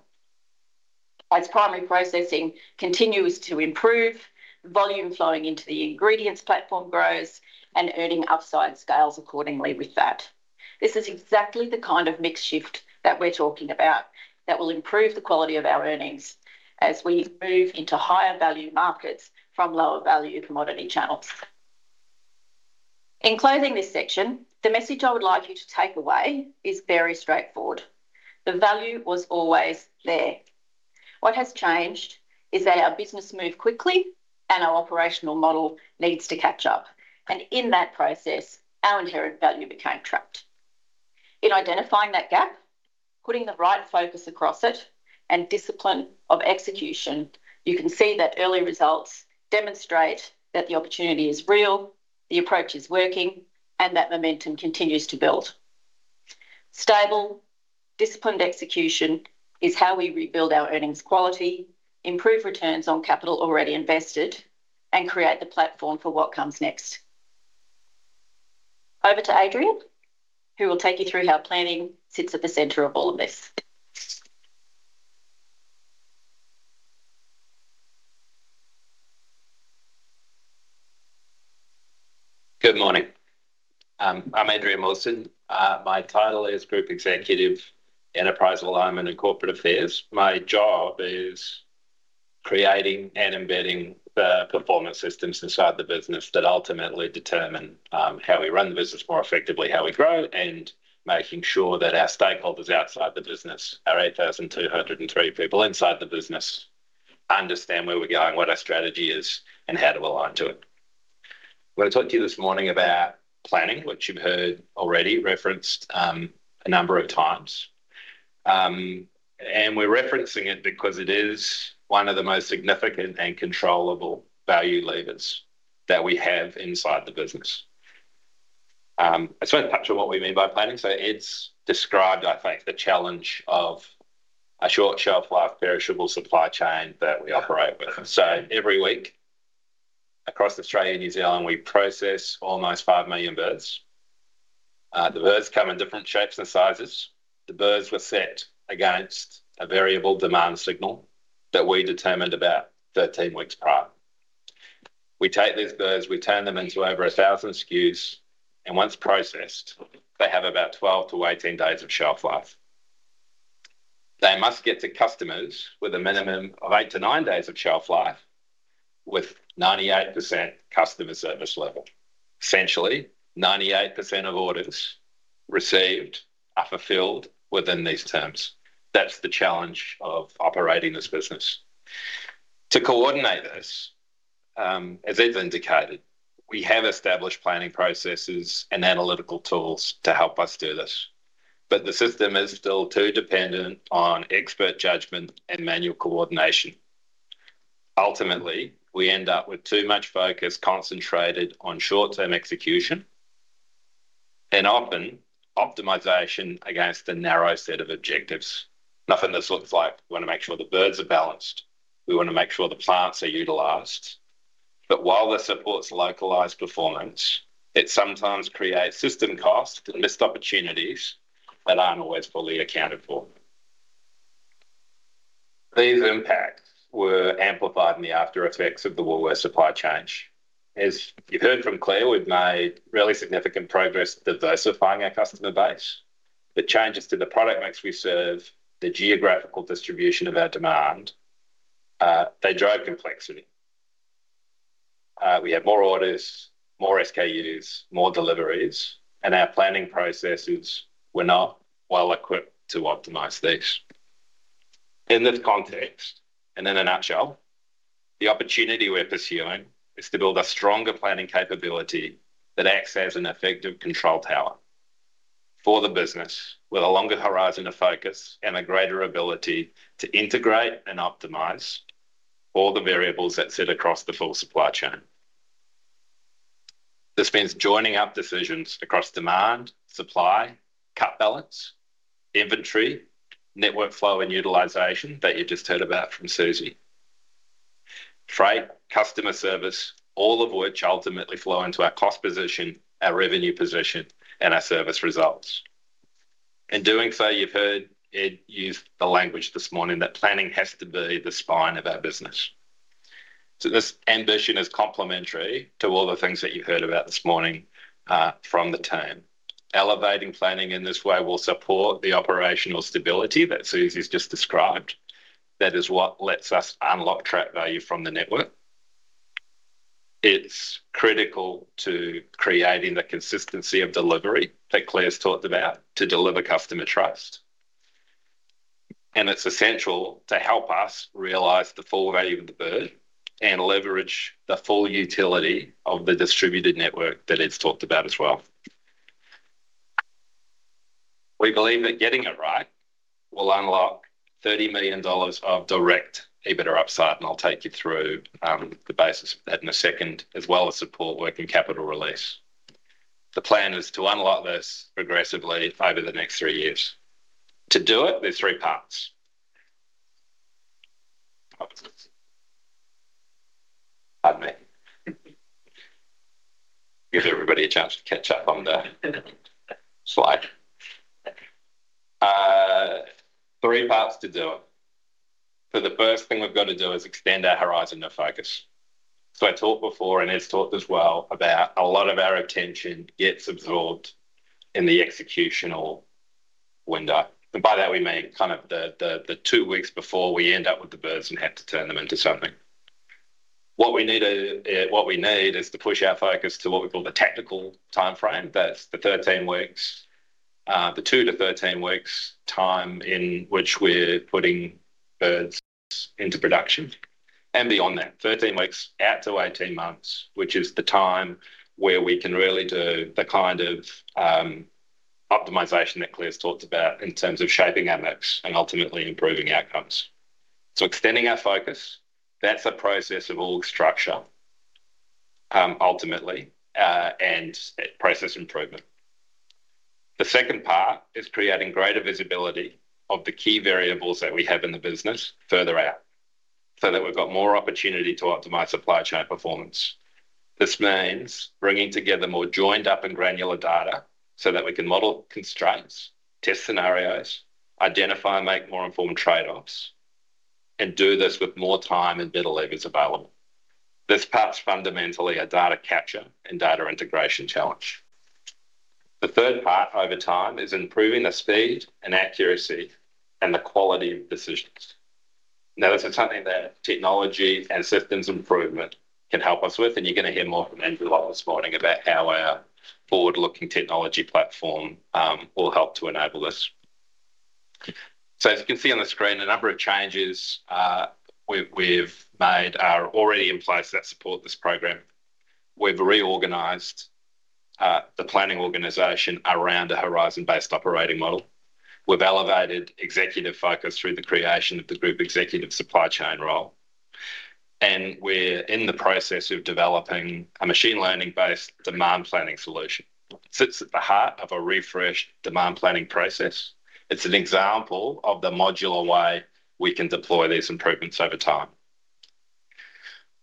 Speaker 3: As primary processing continues to improve, volume flowing into the ingredients platform grows and earning upside scales accordingly with that. This is exactly the kind of mix shift that we're talking about that will improve the quality of our earnings as we move into higher value markets from lower value commodity channels. In closing this section, the message I would like you to take away is very straightforward. The value was always there. What has changed is that our business move quickly and our operational model needs to catch up. In that process, our inherent value became trapped. In identifying that gap, putting the right focus across it and discipline of execution, you can see that early results demonstrate that the opportunity is real, the approach is working, and that momentum continues to build. Stable, disciplined execution is how we rebuild our earnings quality, improve returns on capital already invested, and create the platform for what comes next. Over to Adrian, who will take you through how planning sits at the center of all of this.
Speaker 4: Good morning. I'm Adrian Wilson. My title is Group Executive, Enterprise Alignment and Corporate Affairs. My job is creating and embedding the performance systems inside the business that ultimately determine how we run the business more effectively, how we grow, and making sure that our stakeholders outside the business, our 8,203 people inside the business, understand where we're going, what our strategy is, and how to align to it. I'm gonna talk to you this morning about planning, which you've heard already referenced a number of times. We're referencing it because it is one of the most significant and controllable value levers that we have inside the business. I just want to touch on what we mean by planning. Ed's described, I think, the challenge of a short shelf life perishable supply chain that we operate with. Every week across Australia and New Zealand, we process almost 5 million birds. The birds come in different shapes and sizes. The birds were set against a variable demand signal that we determined about 13 weeks prior. We take these birds, we turn them into over 1,000 SKUs, and once processed, they have about 12-18 days of shelf life. They must get to customers with a minimum of eight-nine days of shelf life with 98% customer service level. Essentially, 98% of orders received are fulfilled within these terms. That's the challenge of operating this business. To coordinate this, as Ed's indicated, we have established planning processes and analytical tools to help us do this, but the system is still too dependent on expert judgment and manual coordination. Ultimately, we end up with too much focus concentrated on short-term execution and often optimization against a narrow set of objectives. Nothing this looks like we wanna make sure the birds are balanced, we wanna make sure the plants are utilized. While this supports localized performance, it sometimes creates system costs and missed opportunities that aren't always fully accounted for. These impacts were amplified in the aftereffects of the Woolworths supply chain. As you've heard from Clair, we've made really significant progress diversifying our customer base. The changes to the product mix we serve, the geographical distribution of our demand, they drive complexity. We have more orders, more SKUs, more deliveries, and our planning processes were not well-equipped to optimize these. In this context, in a nutshell, the opportunity we're pursuing is to build a stronger planning capability that acts as an effective control tower for the business with a longer horizon of focus and a greater ability to integrate and optimize all the variables that sit across the full supply chain. This means joining up decisions across demand, supply, cut balance, inventory, network flow and utilization that you just heard about from Susy. Freight, customer service, all of which ultimately flow into our cost position, our revenue position, and our service results. In doing so, you've heard Ed use the language this morning that planning has to be the spine of our business. This ambition is complementary to all the things that you heard about this morning from the team. Elevating planning in this way will support the operational stability that Susy's just described. That is what lets us unlock track value from the network. It's critical to creating the consistency of delivery that Clair's talked about to deliver customer trust. It's essential to help us realize the full value of the bird and leverage the full utility of the distributed network that Ed's talked about as well. We believe that getting it right will unlock 30 million dollars of direct EBITDA upside, I'll take you through the basis for that in a second, as well as support working capital release. The plan is to unlock this progressively over the next three years. To do it, there's three parts. Pardon me. Give everybody a chance to catch up on the slide. Three parts to do it. The first thing we've got to do is extend our horizon of focus. I talked before, and Ed's talked as well, about a lot of our attention gets absorbed in the executional window. By that we mean kind of the two weeks before we end up with the birds and have to turn them into something. What we need is to push our focus to what we call the tactical timeframe. That's the 13 weeks, the two-13 weeks time in which we're putting birds into production. Beyond that, 13 weeks out to 18 months, which is the time where we can really do the kind of optimization that Clair's talked about in terms of shaping our mix and ultimately improving outcomes. Extending our focus, that's a process of org structure, ultimately, and process improvement. The second part is creating greater visibility of the key variables that we have in the business further out, so that we've got more opportunity to optimize supply chain performance. This means bringing together more joined up and granular data so that we can model constraints, test scenarios, identify and make more informed trade-offs, and do this with more time and better levers available. This part's fundamentally a data capture and data integration challenge. The third part over time is improving the speed and accuracy and the quality of decisions. This is something that technology and systems improvement can help us with, and you're gonna hear more from Andrew this morning about how our forward-looking technology platform will help to enable this. As you can see on the screen, a number of changes we've made are already in place that support this program. We've reorganized the planning organization around a horizon-based operating model. We've elevated executive focus through the creation of the group executive supply chain role. We're in the process of developing a machine learning-based demand planning solution. Sits at the heart of a refreshed demand planning process. It's an example of the modular way we can deploy these improvements over time.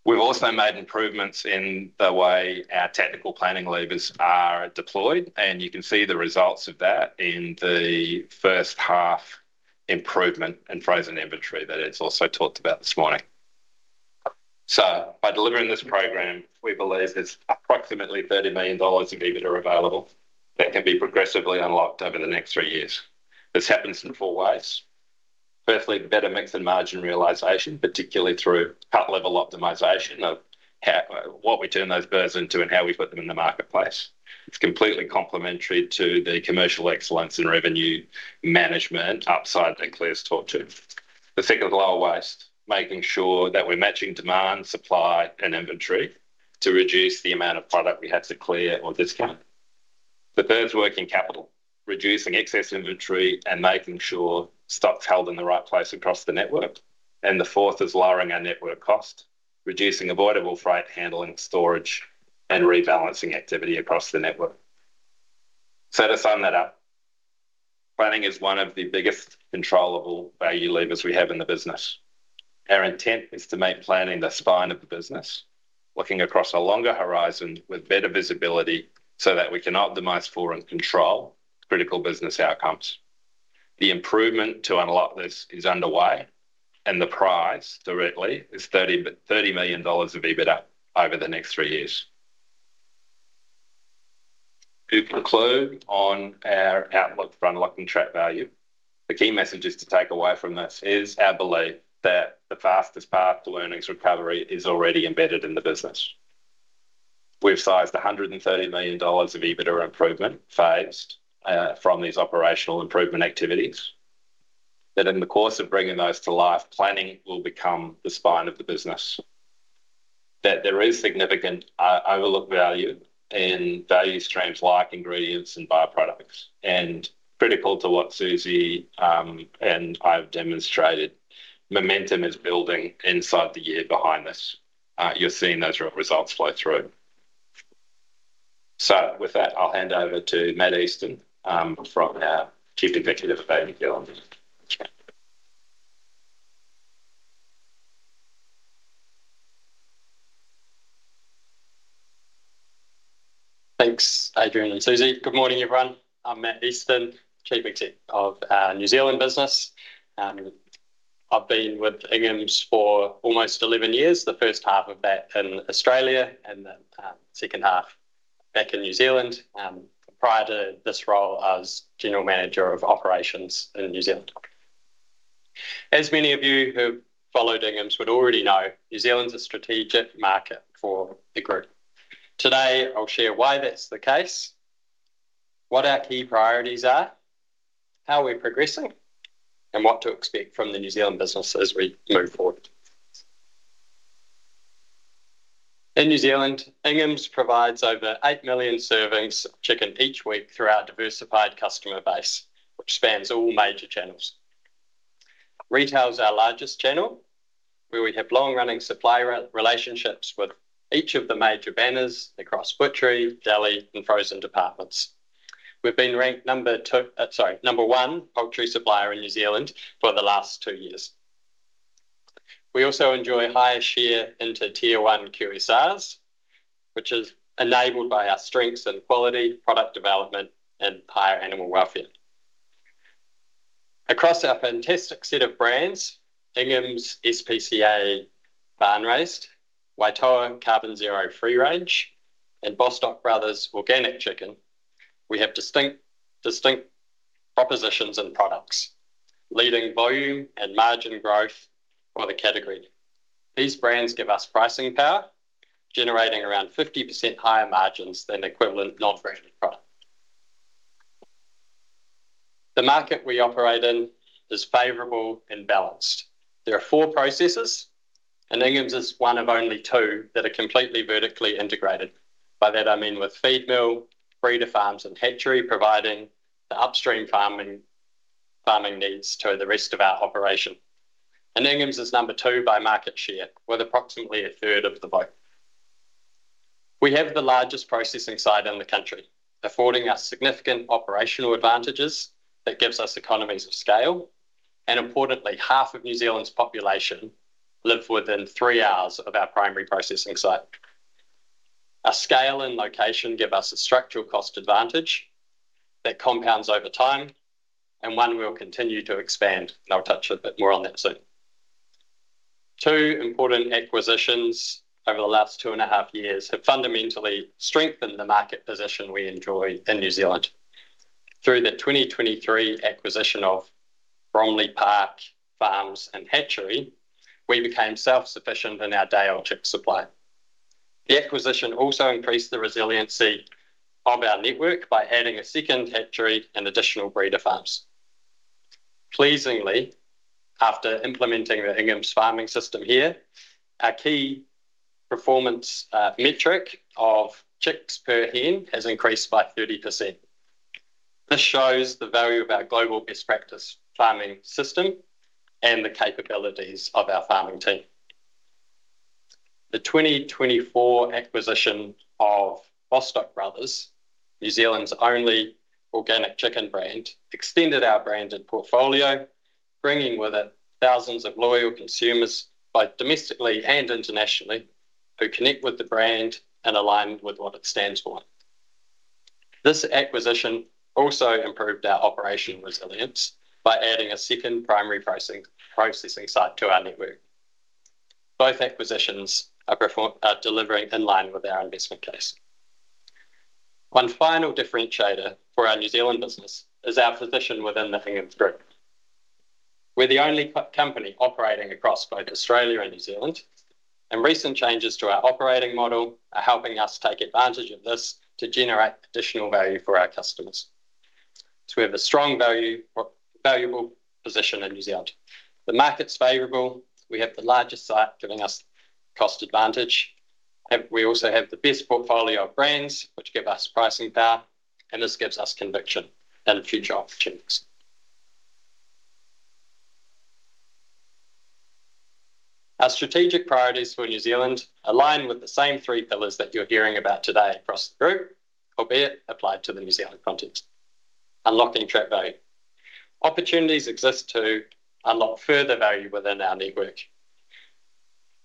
Speaker 4: We've also made improvements in the way our technical planning levers are deployed, and you can see the results of that in the first half improvement in frozen inventory that Ed's also talked about this morning. By delivering this program, we believe there's approximately 30 million dollars of EBITDA available that can be progressively unlocked over the next three years. This happens in four ways. Firstly, better mix and margin realization, particularly through part-level optimization of how, what we turn those birds into and how we put them in the marketplace. It's completely complementary to the commercial excellence and revenue management upside that Clair's talked to. The second is lower waste, making sure that we're matching demand, supply, and inventory to reduce the amount of product we have to clear or discount. The third is working capital, reducing excess inventory and making sure stock's held in the right place across the network. The fourth is lowering our network cost, reducing avoidable freight, handling, storage, and rebalancing activity across the network. To sum that up, planning is one of the biggest controllable value levers we have in the business. Our intent is to make planning the spine of the business, looking across a longer horizon with better visibility so that we can optimize for and control critical business outcomes. The improvement to unlock this is underway, and the prize directly is 30 million dollars of EBITDA over the next three years. To conclude on our outlook for unlocking trapped value, the key messages to take away from this is our belief that the fastest path to earnings recovery is already embedded in the business. We've sized 130 million dollars of EBITDA improvement phased from these operational improvement activities, that in the course of bringing those to life, planning will become the spine of the business. There is significant overlooked value in value streams like ingredients and byproducts. Critical to what Susy and I have demonstrated, momentum is building inside the year behind this. You're seeing those results flow through. With that, I'll hand over to Matt Easton, from our Chief Executive of New Zealand.
Speaker 5: Thanks, Adrian and Susy. Good morning, everyone. I'm Matt Easton, Chief Exec of our New Zealand business. I've been with Inghams for almost 11 years, the first half of that in Australia and the second half back in New Zealand. Prior to this role, I was General Manager of Operations in New Zealand. As many of you who follow Inghams would already know, New Zealand's a strategic market for the Group. Today, I'll share why that's the case, what our key priorities are, how we're progressing, and what to expect from the New Zealand business as we move forward. In New Zealand, Inghams provides over 8 million servings of chicken each week through our diversified customer base, which spans all major channels. Retail is our largest channel, where we have long-running supplier relationships with each of the major banners across butchery, deli, and frozen departments. We've been ranked number two, sorry, number one poultry supplier in New Zealand for the last two years. We also enjoy higher share into Tier 1 QSRs, which is enabled by our strengths in quality, product development, and higher animal welfare. Across our fantastic set of brands, Inghams SPCA Barn Raised, Waitoa Carbon Zero Free Range, and Bostock Brothers Organic Chicken, we have distinct propositions and products, leading volume and margin growth for the category. These brands give us pricing power, generating around 50% higher margins than equivalent non-branded product. The market we operate in is favorable and balanced. There are four processors, and Inghams is one of only two that are completely vertically integrated. By that I mean with feed mill, breeder farms, and hatchery providing the upstream farming needs to the rest of our operation. Inghams is number two by market share, with approximately a third of the volume. We have the largest processing site in the country, affording us significant operational advantages that gives us economies of scale. Importantly, half of New Zealand's population live within three hours of our primary processing site. Our scale and location give us a structural cost advantage that compounds over time, and one we'll continue to expand. I'll touch a bit more on that soon. Two important acquisitions over the last 2.5 years have fundamentally strengthened the market position we enjoy in New Zealand. Through the 2023 acquisition of Bromley Park Hatcheries and Hatchery, we became self-sufficient in our day-old chick supply. The acquisition also increased the resiliency of our network by adding a second hatchery and additional breeder farms. Pleasingly, after implementing the Inghams farming system here, our key performance metric of chicks per hen has increased by 30%. This shows the value of our global best practice farming system and the capabilities of our farming team. The 2024 acquisition of Bostock Brothers, New Zealand's only organic chicken brand, extended our branded portfolio, bringing with it thousands of loyal consumers both domestically and internationally, who connect with the brand and align with what it stands for. This acquisition also improved our operation resilience by adding a second primary processing site to our network. Both acquisitions are delivering in line with our investment case. One final differentiator for our New Zealand business is our position within the Inghams Group. We're the only company operating across both Australia and New Zealand. Recent changes to our operating model are helping us take advantage of this to generate additional value for our customers. We have a strong value, valuable position in New Zealand. The market's favorable. We have the largest site giving us cost advantage. We also have the best portfolio of brands which give us pricing power. This gives us conviction and future opportunities. Our strategic priorities for New Zealand align with the same three pillars that you're hearing about today across the Group, albeit applied to the New Zealand context. Unlocking trapped value. Opportunities exist to unlock further value within our network.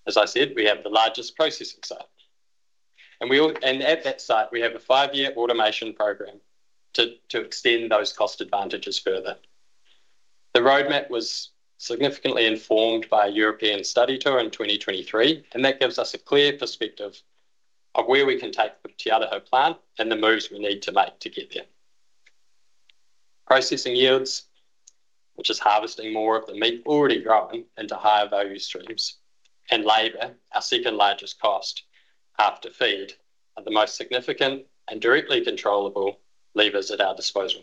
Speaker 5: As I said, we have the largest processing site. At that site, we have a five-year automation program to extend those cost advantages further. The roadmap was significantly informed by a European study tour in 2023. That gives us a clear perspective of where we can take the Te Aroha plant and the moves we need to make to get there. Processing yields, which is harvesting more of the meat already grown into higher value streams, and labor, our second-largest cost after feed, are the most significant and directly controllable levers at our disposal.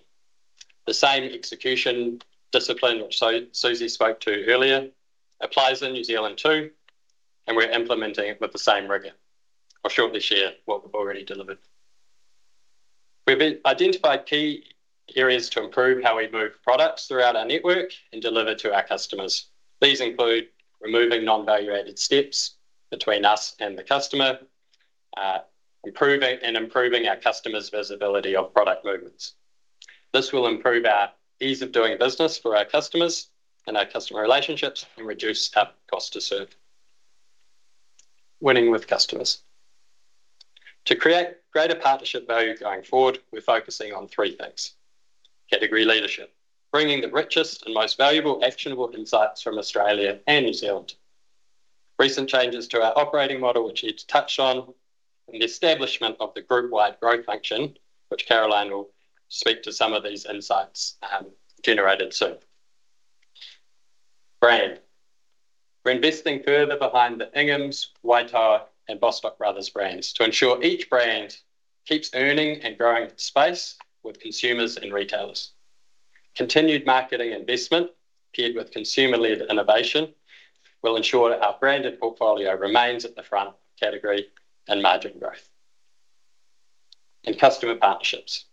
Speaker 5: The same execution discipline, which Susie spoke to earlier, applies in New Zealand too. We're implementing it with the same rigor. I'll shortly share what we've already delivered. We've identified key areas to improve how we move products throughout our network and deliver to our customers. These include removing non-value-added steps between us and the customer and improving our customers' visibility of product movements. This will improve our ease of doing business for our customers and our customer relationships and reduce our cost to serve. Winning with customers. To create greater partnership value going forward, we're focusing on three things. Category leadership, bringing the richest and most valuable, actionable insights from Australia and New Zealand. Recent changes to our operating model, which Ed's touched on, and the establishment of the group-wide growth function, which Caroline will speak to some of these insights generated soon. Brand. We're investing further behind the Inghams, Waitoa, and Bostock Brothers brands to ensure each brand keeps earning and growing space with consumers and retailers. Continued marketing investment paired with consumer-led innovation will ensure our branded portfolio remains at the front of category and margin growth. In customer partnerships,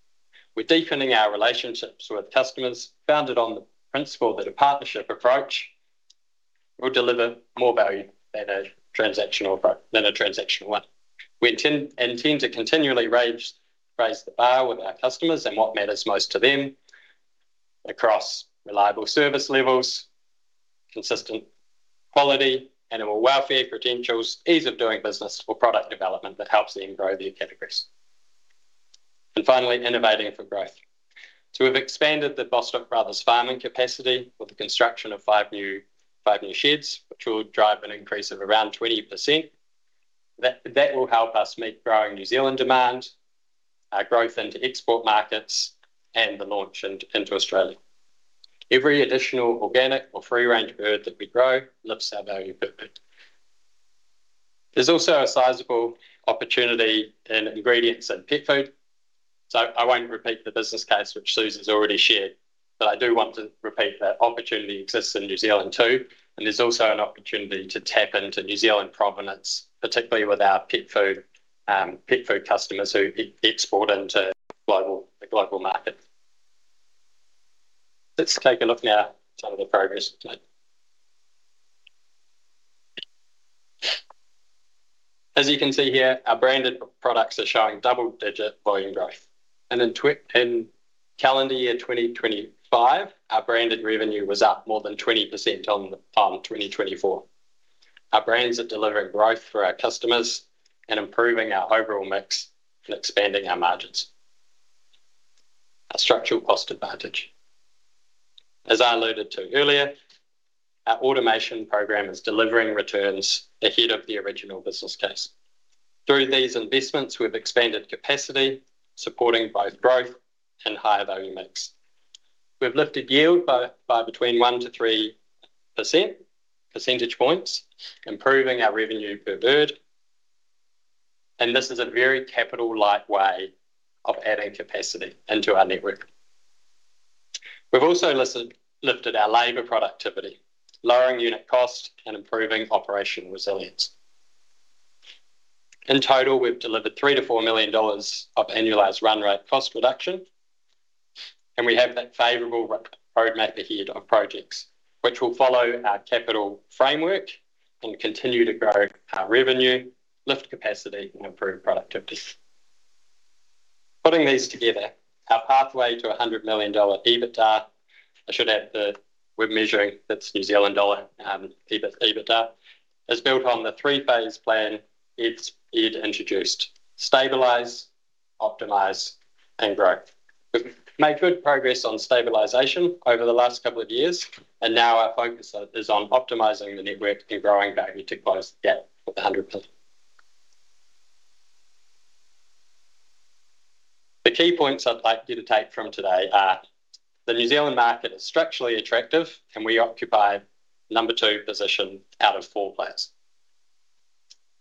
Speaker 5: we're deepening our relationships with customers founded on the principle that a partnership approach will deliver more value than a transactional approach, than a transactional one. We intend to continually raise the bar with our customers and what matters most to them across reliable service levels, consistent quality, animal welfare credentials, ease of doing business or product development that helps them grow their categories. Finally, innovating for growth. We've expanded the Bostock Brothers farming capacity with the construction of five new sheds, which will drive an increase of around 20%. That will help us meet growing New Zealand demand, growth into export markets and the launch into Australia. Every additional organic or free-range bird that we grow lifts our value per bird. There's also a sizable opportunity in ingredients and pet food, so I won't repeat the business case, which Susy's already shared, but I do want to repeat that opportunity exists in New Zealand too, and there's also an opportunity to tap into New Zealand provenance, particularly with our pet food customers who export into the global market. Let's take a look now at some of the progress we've made. As you can see here, our branded products are showing double-digit volume growth. In calendar year 2025, our branded revenue was up more than 20% on 2024. Our brands are delivering growth for our customers and improving our overall mix and expanding our margins. Our structural cost advantage. As I alluded to earlier, our automation program is delivering returns ahead of the original business case. Through these investments, we've expanded capacity, supporting both growth and higher-value mix. We've lifted yield by between 1-3 percentage points, improving our revenue per bird. This is a very capital-light way of adding capacity into our network. We've also lifted our labor productivity, lowering unit cost and improving operational resilience. In total, we've delivered 3 million to 4 million dollars of annualized run rate cost reduction. We have that favorable roadmap ahead of projects, which will follow our capital framework and continue to grow our revenue, lift capacity, and improve productivity. Putting these together, our pathway to a 100 million dollar EBITDA, I should add that we're measuring that's New Zealand dollar EBITDA, is built on the three-phase plan Ed introduced: stabilize, optimize, and grow. We've made good progress on stabilization over the last couple of years, now our focus is on optimizing the network and growing value to close the gap of the 100%. The key points I'd like you to take from today are, the New Zealand market is structurally attractive, we occupy number two position out of four players.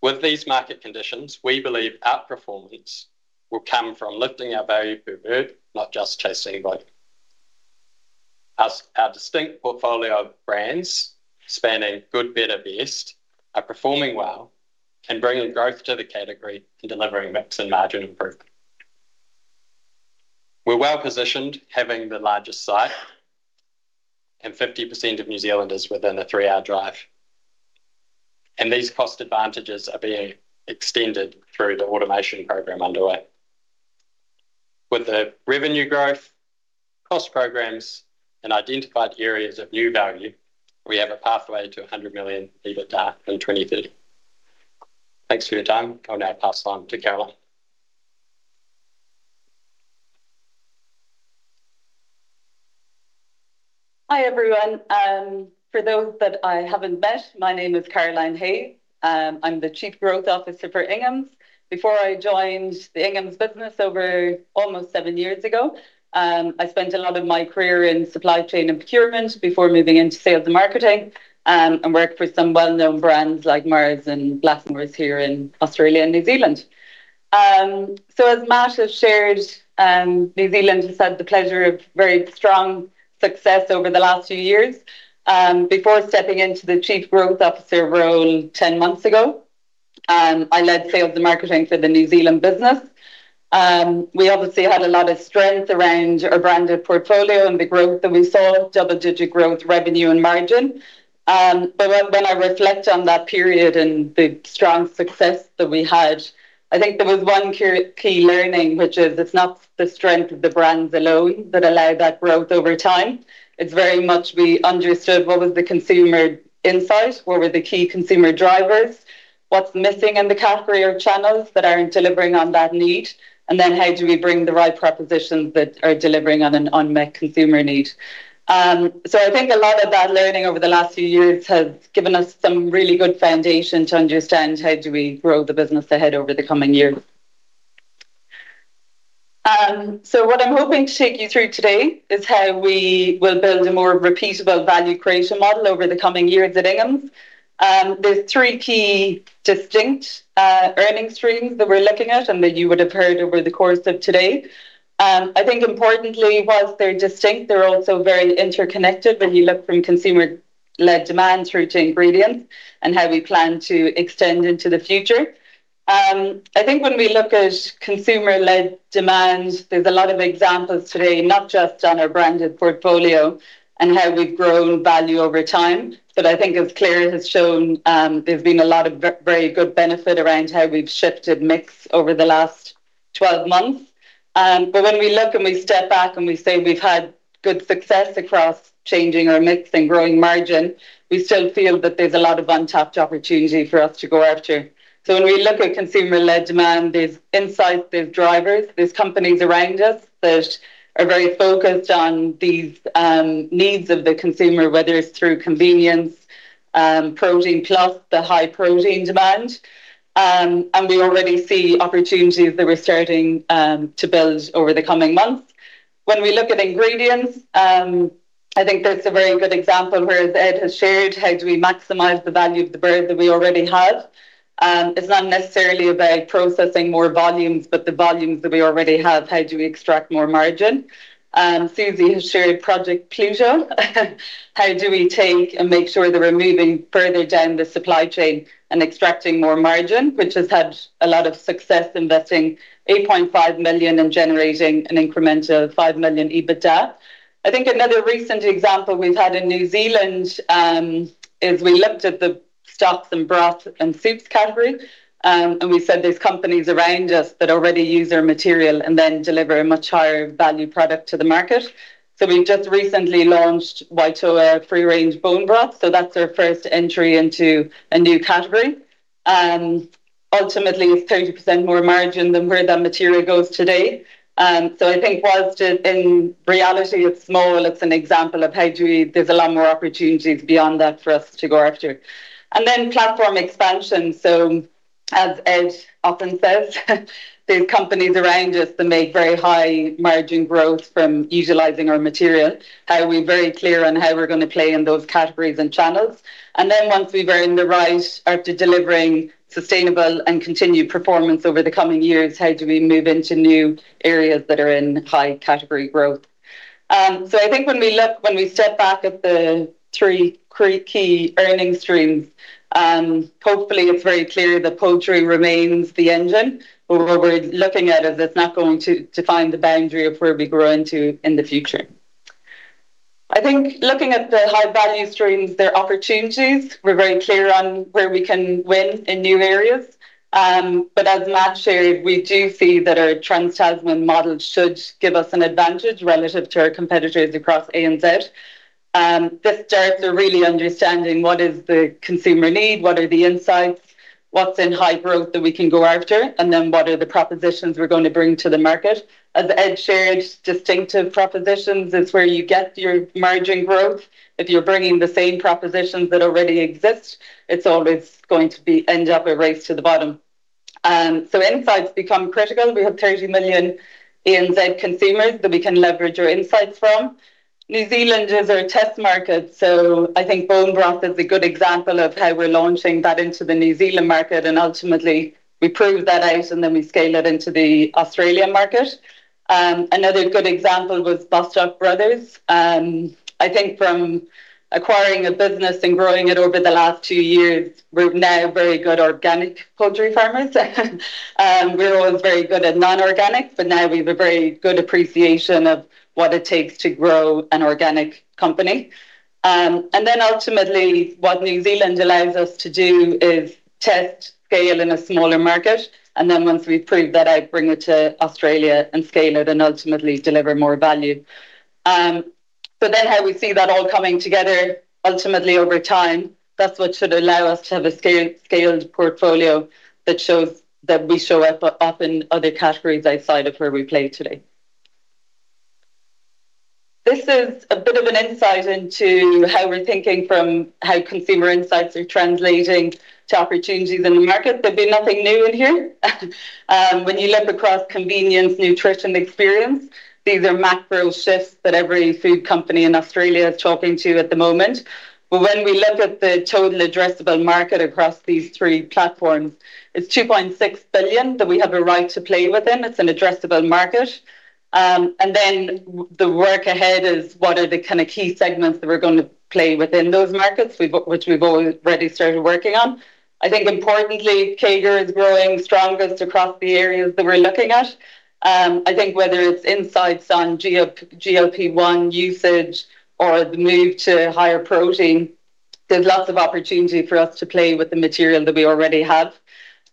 Speaker 5: With these market conditions, we believe outperformance will come from lifting our value per bird, not just chasing volume. Our distinct portfolio of brands spanning good, better, best, are performing well and bringing growth to the category and delivering mix and margin improvement. We're well-positioned having the largest site, 50% of New Zealand is within a three-hour drive. These cost advantages are being extended through the automation program underway. With the revenue growth, cost programs, and identified areas of new value, we have a pathway to 100 million EBITDA in 2030. Thanks for your time. I'll now pass on to Caroline.
Speaker 6: Hi, everyone. For those that I haven't met, my name is Caroline Hayes. I'm the Chief Growth Officer for Inghams. Before I joined the Inghams business over almost seven years ago, I spent a lot of my career in supply chain and procurement before moving into sales and marketing, and worked for some well-known brands like Mars and Blast Masters here in Australia and New Zealand. As Matt has shared, New Zealand has had the pleasure of very strong success over the last few years. Before stepping into the Chief Growth Officer role 10 months ago, I led sales and marketing for the New Zealand business. We obviously had a lot of strength around our branded portfolio and the growth that we saw, double-digit growth, revenue and margin. When, when I reflect on that period and the strong success that we had, I think there was one key learning, which is it's not the strength of the brands alone that allow that growth over time. It's very much we understood what was the consumer insight, what were the key consumer drivers, what's missing in the category or channels that aren't delivering on that need, and then how do we bring the right propositions that are delivering on an unmet consumer need. I think a lot of that learning over the last few years has given us some really good foundation to understand how do we grow the business ahead over the coming years. What I'm hoping to take you through today is how we will build a more repeatable value creation model over the coming years at Inghams. There's three key distinct earning streams that we're looking at and that you would have heard over the course of today. I think importantly, whilst they're distinct, they're also very interconnected when you look from consumer-led demand through to ingredients and how we plan to extend into the future. I think when we look at consumer-led demand, there's a lot of examples today, not just on our branded portfolio and how we've grown value over time. I think as Clair has shown, there's been a lot of very good benefit around how we've shifted mix over the last 12 months. When we look and we step back and we say we've had good success across changing our mix and growing margin, we still feel that there's a lot of untapped opportunity for us to go after. When we look at consumer-led demand, there's insights, there's drivers, there's companies around us that are very focused on these needs of the consumer, whether it's through convenience, protein plus, the high protein demand, and we already see opportunities that we're starting to build over the coming months. When we look at ingredients, I think that's a very good example whereas Ed has shared how do we maximize the value of the bird that we already have. It's not necessarily about processing more volumes, but the volumes that we already have, how do we extract more margin? Susy has shared Project Pluto. How do we take and make sure that we're moving further down the supply chain and extracting more margin, which has had a lot of success investing 8.5 million and generating an incremental 5 million EBITDA. I think another recent example we've had in New Zealand, is we looked at the stocks and broth and soups category, and we said there's companies around us that already use our material and then deliver a much higher value product to the market. We've just recently launched Waitoa Free Range Bone Broth, so that's our first entry into a new category. Ultimately, it's 30% more margin than where that material goes today. I think whilst in reality it's small, it's an example of there's a lot more opportunities beyond that for us to go after. Platform expansion, so as Ed often says, there's companies around us that make very high margin growth from utilizing our material. How are we very clear on how we're gonna play in those categories and channels? Once we've earned the right after delivering sustainable and continued performance over the coming years, how do we move into new areas that are in high category growth? I think when we step back at the three key earning streams, hopefully it's very clear that poultry remains the engine. What we're looking at is it's not going to define the boundary of where we grow into in the future. I think looking at the high value streams, there are opportunities. We're very clear on where we can win in new areas. As Matt shared, we do see that our trans-Tasman model should give us an advantage relative to our competitors across ANZ. This starts with really understanding what is the consumer need, what are the insights, what's in high growth that we can go after, what are the propositions we're gonna bring to the market. As Ed shared, distinctive propositions is where you get your margin growth. If you're bringing the same propositions that already exist, it's always going to be end up a race to the bottom. Insights become critical. We have 30 million ANZ consumers that we can leverage our insights from. New Zealand is our test market, I think bone broth is a good example of how we're launching that into the New Zealand market, ultimately we prove that out, then we scale it into the Australian market. Another good example was Bostock Brothers. I think from acquiring a business and growing it over the last two years, we're now very good organic poultry farmers. We're always very good at non-organic, but now we've a very good appreciation of what it takes to grow an organic company. Ultimately, what New Zealand allows us to do is test scale in a smaller market, and then once we've proved that out, bring it to Australia and scale it and ultimately deliver more value. How we see that all coming together ultimately over time, that's what should allow us to have a scale-scaled portfolio that shows that we show up in other categories outside of where we play today. This is a bit of an insight into how we're thinking from how consumer insights are translating to opportunities in the market. There'll be nothing new in here. When you look across convenience, nutrition, experience, these are macro shifts that every food company in Australia is talking to at the moment. When we look at the total addressable market across these three platforms, it's 2.6 billion that we have a right to play within. It's an addressable market. The work ahead is what are the kinda key segments that we're gonna play within those markets. Which we've already started working on. I think importantly, CAGR is growing strongest across the areas that we're looking at. I think whether it's insights on GLP-1 usage or the move to higher protein, there's lots of opportunity for us to play with the material that we already have.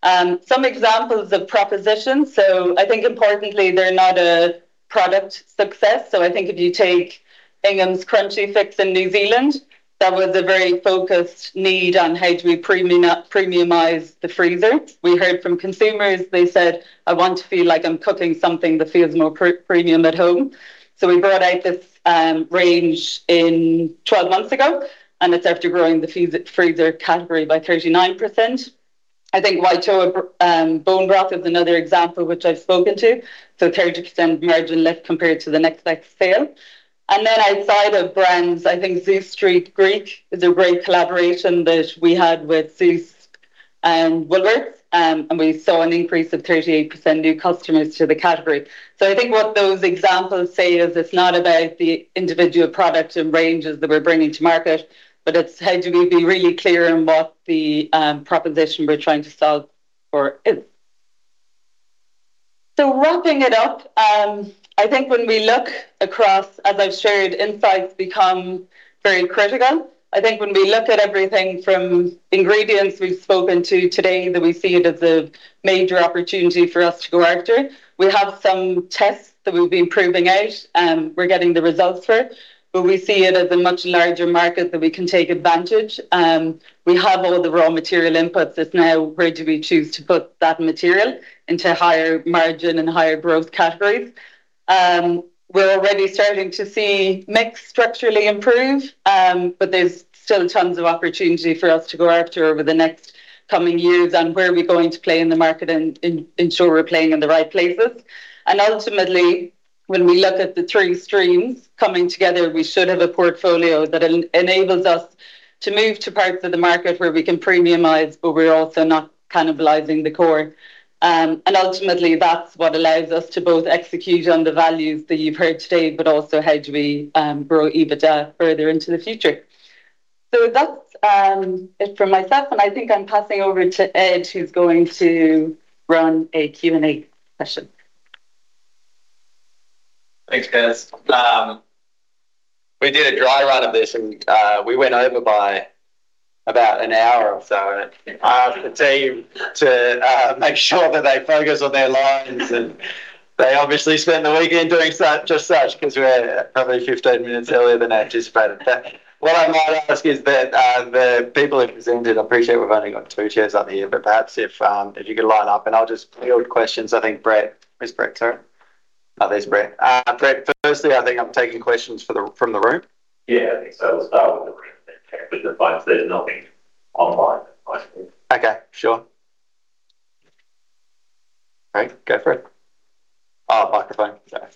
Speaker 6: Some examples of propositions. I think importantly, they're not a product success. I think if you take Ingham's crunchy fix in New Zealand, that was a very focused need on how do we premiumize the freezer. We heard from consumers, they said, "I want to feel like I'm cooking something that feels more premium at home." We brought out this range 12 months ago, and it's after growing the freezer category by 39%. I think Waitoa bone broth is another example which I've spoken to. 30% margin lift compared to the next best sale. Outside of brands, I think Zeus Street Greek is a great collaboration that we had with Zeus, Woolworths, and we saw an increase of 38% new customers to the category. I think what those examples say is it's not about the individual product and ranges that we're bringing to market, but it's how do we be really clear in what the proposition we're trying to solve for is. Wrapping it up, I think when we look across, as I've shared, insights become very critical. I think when we look at everything from ingredients we've spoken to today that we see it as a major opportunity for us to go after. We have some tests that we'll be proving out, we're getting the results for, but we see it as a much larger market that we can take advantage. We have all the raw material inputs, it's now where do we choose to put that material into higher margin and higher growth categories. We're already starting to see mix structurally improve, there's still tons of opportunity for us to go after over the next coming years on where we're going to play in the market and ensure we're playing in the right places. Ultimately, when we look at the three streams coming together, we should have a portfolio that enables us to move to parts of the market where we can premiumize, but we're also not cannibalizing the core. Ultimately, that's what allows us to both execute on the values that you've heard today, but also how do we grow EBITDA further into the future. That's it from myself, and I think I'm passing over to Ed, who's going to run a Q&A session.
Speaker 1: Thanks, Kaz. We did a dry run of this, we went over by about an hour or so. I asked the team to make sure that they focus on their lines, and they obviously spent the weekend doing just such 'cause we're probably 15 minutes earlier than anticipated. What I might ask is that the people who presented, I appreciate we've only got two chairs up here, but perhaps if you could line up, and I'll just field questions. I think Brett. Is Brett here? There's Brett. Brett, firstly, I think I'm taking questions from the room.
Speaker 7: Yeah, I think so. We'll start with the room then check with the folks. There's nothing online I think.
Speaker 1: Okay. Sure. All right. Go for it. Oh, microphone. Sorry.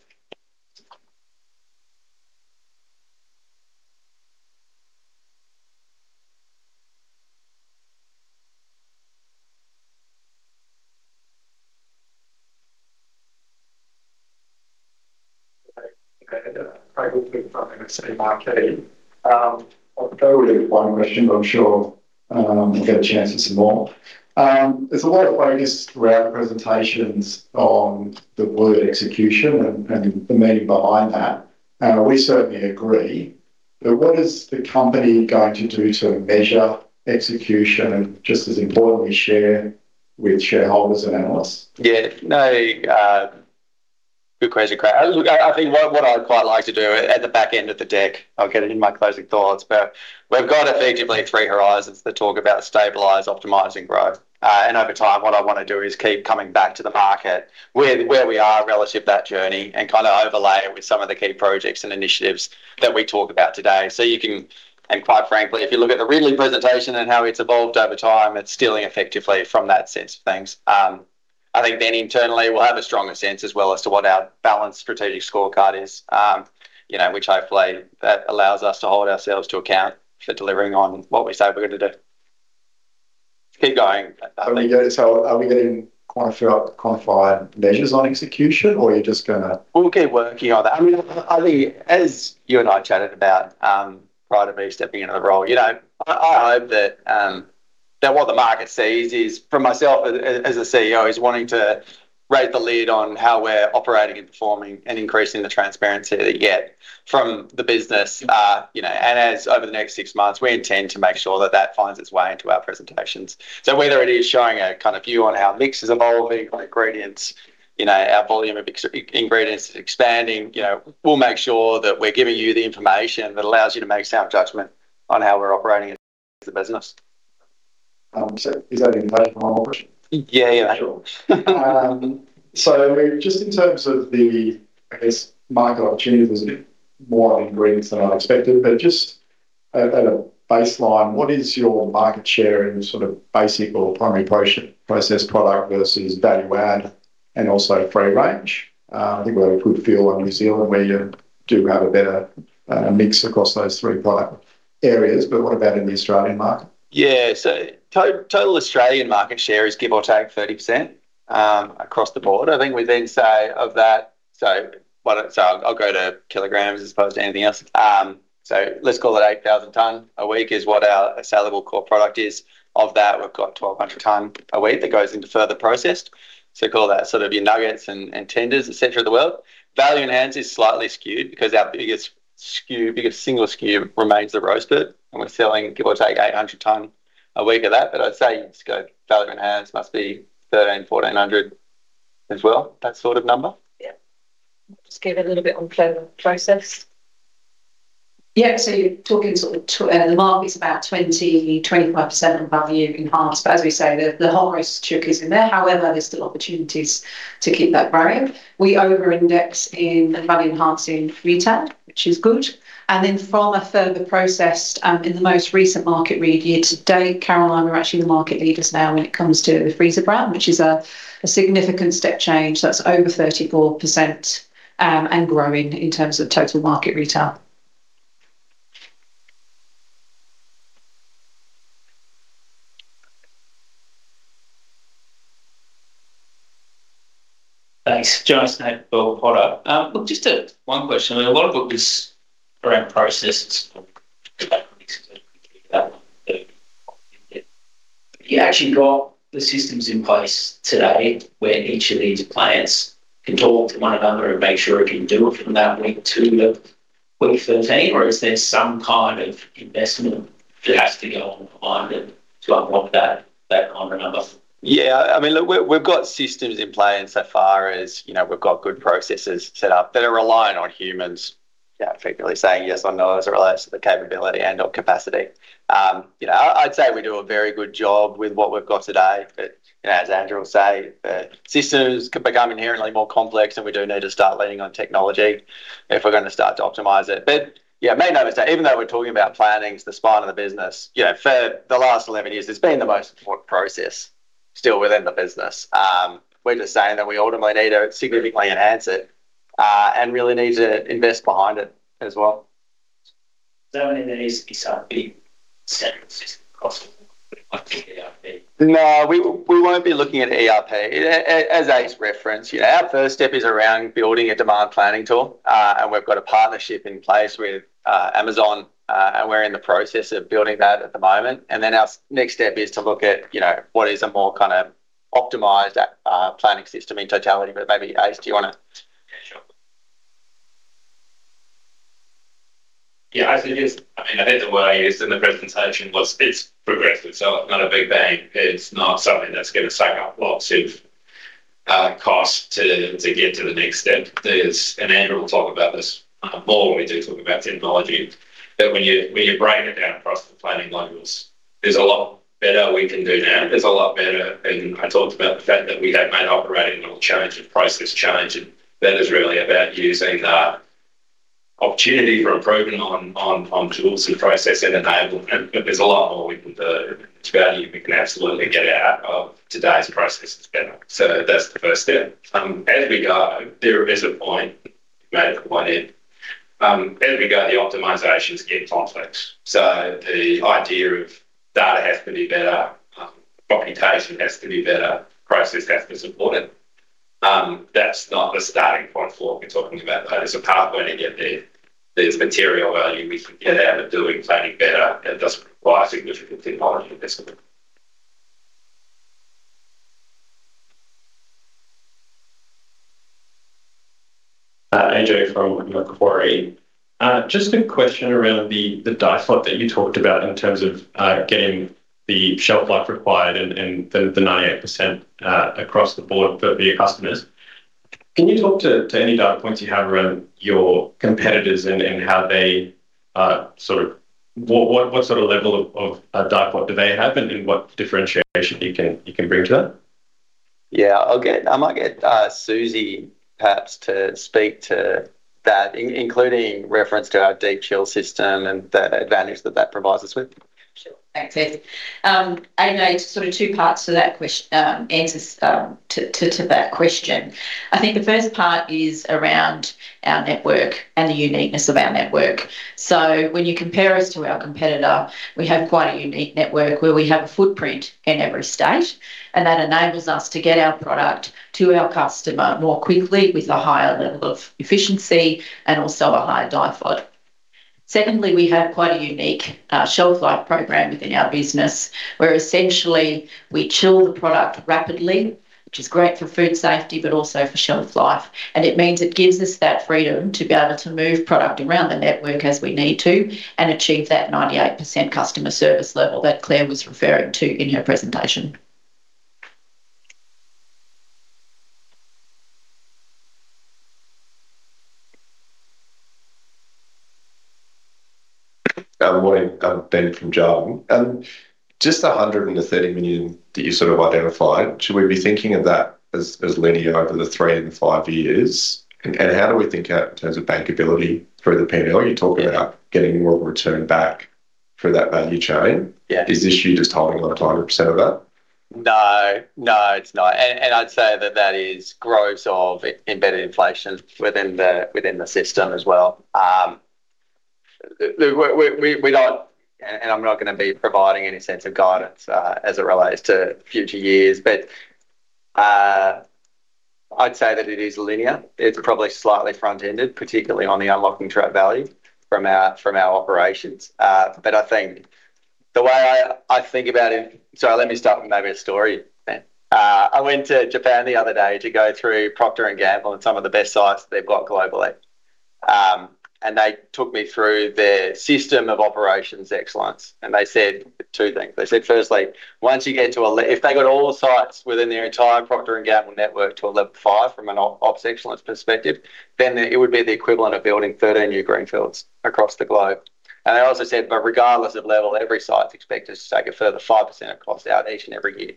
Speaker 8: Okay. Craig Woolford from MST Marquee. I've got really one question, but I'm sure we'll get a chance for some more. There's a lot of focus throughout the presentations on the word execution and the meaning behind that. We certainly agree. What is the company going to do to measure execution, and just as importantly, share with shareholders and analysts?
Speaker 1: Good question, Craig. I think what I'd quite like to do at the back end of the deck, I'll get it in my closing thoughts. We've got effectively three horizons that talk about stabilize, optimize, and grow. Over time, what I wanna do is keep coming back to the market with where we are relative to that journey and kind of overlay it with some of the key projects and initiatives that we talk about today. Quite frankly, if you look at the Ridley presentation and how it's evolved over time, it's stealing effectively from that sense of things. I think internally we'll have a stronger sense as well as to what our balanced strategic scorecard is. You know, which hopefully that allows us to hold ourselves to account for delivering on what we say we're gonna do. Keep going.
Speaker 8: Are we getting quantified measures on execution or you're just?
Speaker 1: We'll keep working on that. I mean, I think as you and I chatted about, prior to me stepping into the role, you know, I hope that what the market sees is, from myself as a CEO, is wanting to rate the lead on how we're operating and performing and increasing the transparency that you get from the business. As over the next six months, we intend to make sure that that finds its way into our presentations. Whether it is showing a kind of view on how mix is evolving on ingredients, you know, our volume of ex-in-ingredients is expanding, you know, we'll make sure that we're giving you the information that allows you to make sound judgment on how we're operating as a business.
Speaker 8: Is that an invitation for one more question?
Speaker 1: Yeah, yeah.
Speaker 8: Sure. Just in terms of the market opportunities, there's a bit more on ingredients than I expected. Just at a baseline, what is your market share in sort of basic or primary processed product versus value add and also free range? I think we have a good feel on New Zealand where you do have a better mix across those three product areas. What about in the Australian market?
Speaker 1: Yeah. Total Australian market share is give or take 30% across the board. I think we then say of that, I'll go to kilograms as opposed to anything else. Let's call it 8,000 tons a week is what our sellable core product is. Of that, we've got 1,200 tons a week that goes into further processed. Call that sort of your nuggets and tenders, et cetera of the world. Value enhance is slightly skewed because our biggest SKU, biggest single SKU remains the roasted, and we're selling give or take 800 tons a week of that. I'd say just go Value enhance must be 1,300-1,400 tons as well, that sort of number.
Speaker 2: Yeah. Just give a little bit on flow of process. Yeah. You're talking sort of to the market's about 20%-25% on value enhanced. As we say, the whole roast chook is in there. However, there's still opportunities to keep that growing. We over-index in the value enhanced in retail, which is good. From a further processed, in the most recent market read year to date, Caroline, we're actually the market leaders now when it comes to freezer brand, which is a significant step change. That's over 34% and growing in terms of total market retail.
Speaker 9: Thanks. Jonathan Snape, Bell Potter. Look, just one question. A lot of it was around processes. Have you actually got the systems in place today where each of these plants can talk to one another and make sure it can do it from that week two to week 13? Is there some kind of investment that has to go on behind it to unlock that kind of number?
Speaker 1: Yeah. I mean, look, we've got systems in play in so far as, you know, we've got good processes set up that are reliant on humans, yeah, effectively saying yes or no as it relates to the capability and/or capacity. You know, I'd say we do a very good job with what we've got today. You know, as Andrew will say, the systems could become inherently more complex, and we do need to start leaning on technology if we're gonna start to optimize it. Yeah, you may notice that even though we're talking about planning is the spine of the business, you know, for the last 11 years, it's been the most important process still within the business. We're just saying that we ultimately need to significantly enhance it and really need to invest behind it as well.
Speaker 9: I mean, there needs to be some big central system, possibly like an ERP.
Speaker 1: No, we won't be looking at ERP. As Ace referenced, you know, our first step is around building a demand planning tool. We've got a partnership in place with Amazon, and we're in the process of building that at the moment. Then our next step is to look at, you know, what is a more kind of optimized planning system in totality. Maybe, Ace, do you wanna.
Speaker 4: Yeah, sure. Yeah, I suggest, I mean, I think the word I used in the presentation was it's progressive, so not a big bang. It's not something that's gonna suck up lots of cost to get to the next step. Andrew will talk about this more when we do talk about technology, that when you, when you break it down across the planning levels, there's a lot better we can do now. There's a lot better. I talked about the fact that we have made operating model change and process change, and that is really about using the opportunity for improvement on tools and process enablement. There's a lot more we can do. There's value we can absolutely get out of today's processes better. That's the first step. As we go, there is a point. You made a good point there. We go, the optimizations get complex. The idea of data has to be better, reputation has to be better, process has to support it. That's not the starting point for what we're talking about. There's a pathway to get there. There's material value we can get out of doing planning better, and it does require significant technology investment.
Speaker 10: Ajay from Macquarie. Just a question around the days life that you talked about in terms of getting the shelf life required and the 98% across the board for your customers. Can you talk to any data points you have around your competitors and how they sort of what level of day slot do they have, and what differentiation you can bring to that?
Speaker 1: Yeah. I might get Susy perhaps to speak to that including reference to our Deepchill system and the advantage that that provides us with.
Speaker 3: Sure. Thanks, Ed. Ajay, sort of two parts to that answers to that question. I think the first part is around our network and the uniqueness of our network. When you compare us to our competitor, we have quite a unique network where we have a footprint in every state, and that enables us to get our product to our customer more quickly with a higher level of efficiency and also a higher day slot. Secondly, we have quite a unique shelf life program within our business, where essentially we chill the product rapidly, which is great for food safety but also for shelf life. It means it gives us that freedom to be able to move product around the network as we need to and achieve that 98% customer service level that Clair was referring to in her presentation.
Speaker 11: Morning. I'm Ben from Jarden. Just the 130 million that you sort of identified, should we be thinking of that as linear over the three and five years? How do we think out in terms of bankability through the P&L? You talk about getting more return back for that value chain.
Speaker 1: Yeah.
Speaker 11: Is the issue just holding on to 100% of that?
Speaker 1: No. No, it's not. I'd say that that is gross of embedded inflation within the system as well. I'm not gonna be providing any sense of guidance as it relates to future years. I'd say that it is linear. It's probably slightly front-ended, particularly on the unlocking trade value from our operations. I think the way I think about it. Sorry, let me start with maybe a story, Ben. I went to Japan the other day to go through Procter & Gamble and some of the best sites they've got globally. They took me through their system of operations excellence, and they said two things. They said, firstly, once you get to If they got all the sites within their entire Procter & Gamble network to a level 5 from an ops excellence perspective, then it would be the equivalent of building 13 new greenfields across the globe. They also said, regardless of level, every site's expected to take a further 5% of cost out each and every year.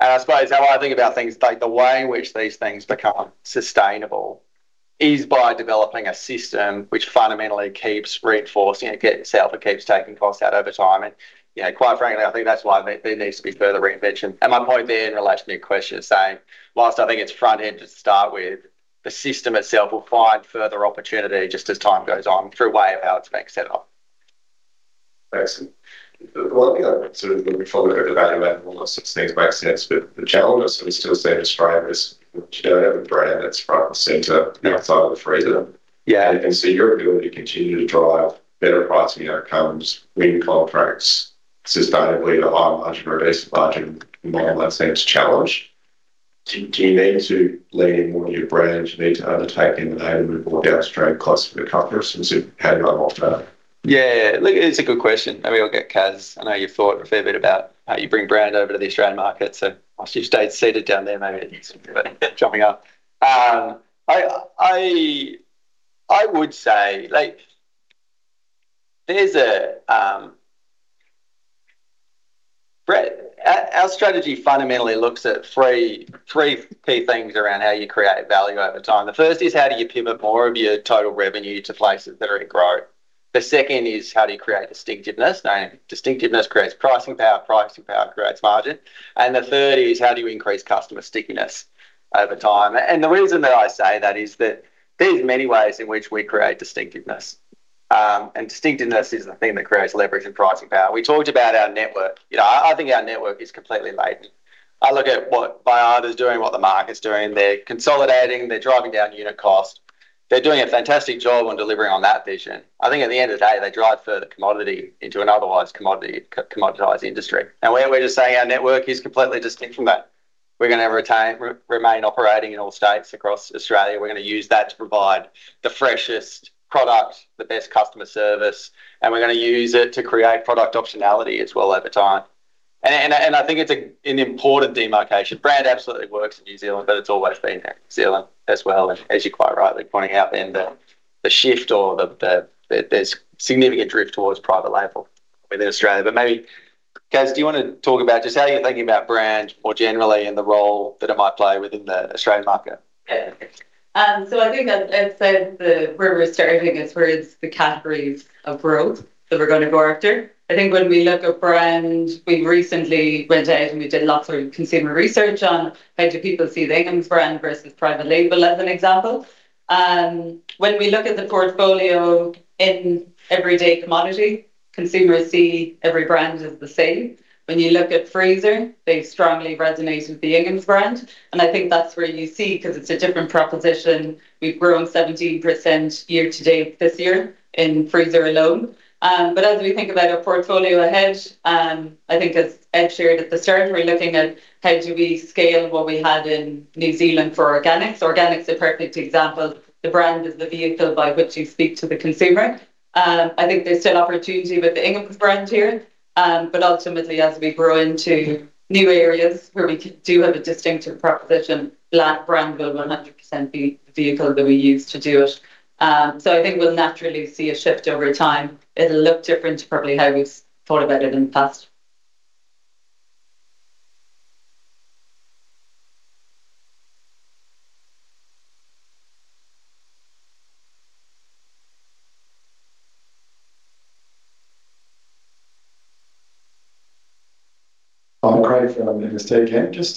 Speaker 1: I suppose how I think about things, like, the way in which these things become sustainable, is by developing a system which fundamentally keeps reinforcing itself and keeps taking costs out over time. You know, quite frankly, I think that's why there needs to be further reinvention. My point there in relation to your question is saying, while I think it's front-ended to start with, the system itself will find further opportunity just as time goes on through way of how it's been set up.
Speaker 11: Excellent. Well, you know, sort of looking forward at the value add and all those sorts of things make sense. The challenge I sort of still see in Australia is you don't have a brand that's front and center outside of the freezer.
Speaker 1: Yeah.
Speaker 11: Your ability to continue to drive better pricing outcomes, win contracts sustainably at a higher margin versus a larger volume, that seems challenged. Do you need to lean in more on your brand? Do you need to undertake innovative move more down the cost curve for the competitors and see how you go after that?
Speaker 1: Yeah. Look, it's a good question. Maybe I'll get Kaz. I know you've thought a fair bit about how you bring brand over to the Australian market. Whilst you stayed seated down there, maybe jumping up. I would say, like, our strategy fundamentally looks at three key things around how you create value over time. The first is how do you pivot more of your total revenue to places that are in growth? The second is how do you create distinctiveness? You know, distinctiveness creates pricing power. Pricing power creates margin. The third is how do you increase customer stickiness over time? The reason that I say that is that there's many ways in which we create distinctiveness. Distinctiveness is the thing that creates leverage and pricing power. We talked about our network. You know, I think our network is completely laden. I look at what Baiada's doing, what the market's doing. They're consolidating. They're driving down unit cost. They're doing a fantastic job on delivering on that vision. I think at the end of the day, they drive further commodity into an otherwise commoditized industry. Where we're just saying our network is completely distinct from that. We're gonna remain operating in all states across Australia. We're gonna use that to provide the freshest product, the best customer service, and we're gonna use it to create product optionality as well over time. I think it's an important demarcation. Brand absolutely works in New Zealand, but it's always been there in New Zealand as well. As you're quite rightly pointing out, Ben, the shift or There's significant drift towards private label within Australia. Maybe, Kaz, do you wanna talk about just how you're thinking about brand more generally and the role that it might play within the Australian market?
Speaker 6: Yeah. I think as said, where we're starting is where it's the categories of growth that we're gonna go after. I think when we look at brand, we recently went out, and we did lots of consumer research on how do people see the Inghams brand versus private label as an example. When we look at the portfolio in everyday commodity, consumers see every brand as the same. When you look at freezer, they strongly resonate with the Ingham's brand, and I think that's where you see because it's a different proposition. We've grown 17% year to date this year in freezer alone. But as we think about our portfolio ahead, I think as Ed shared at the start, we're looking at how do we scale what we had in New Zealand for organics. Organics, a perfect example. The brand is the vehicle by which you speak to the consumer. I think there's still opportunity with the Ingham brand here. Ultimately, as we grow into new areas where we do have a distinctive proposition, brand will 100% be the vehicle that we use to do it. I think we'll naturally see a shift over time. It'll look different to probably how we've thought about it in the past.
Speaker 8: I'm Craig from MST Marquee. Just,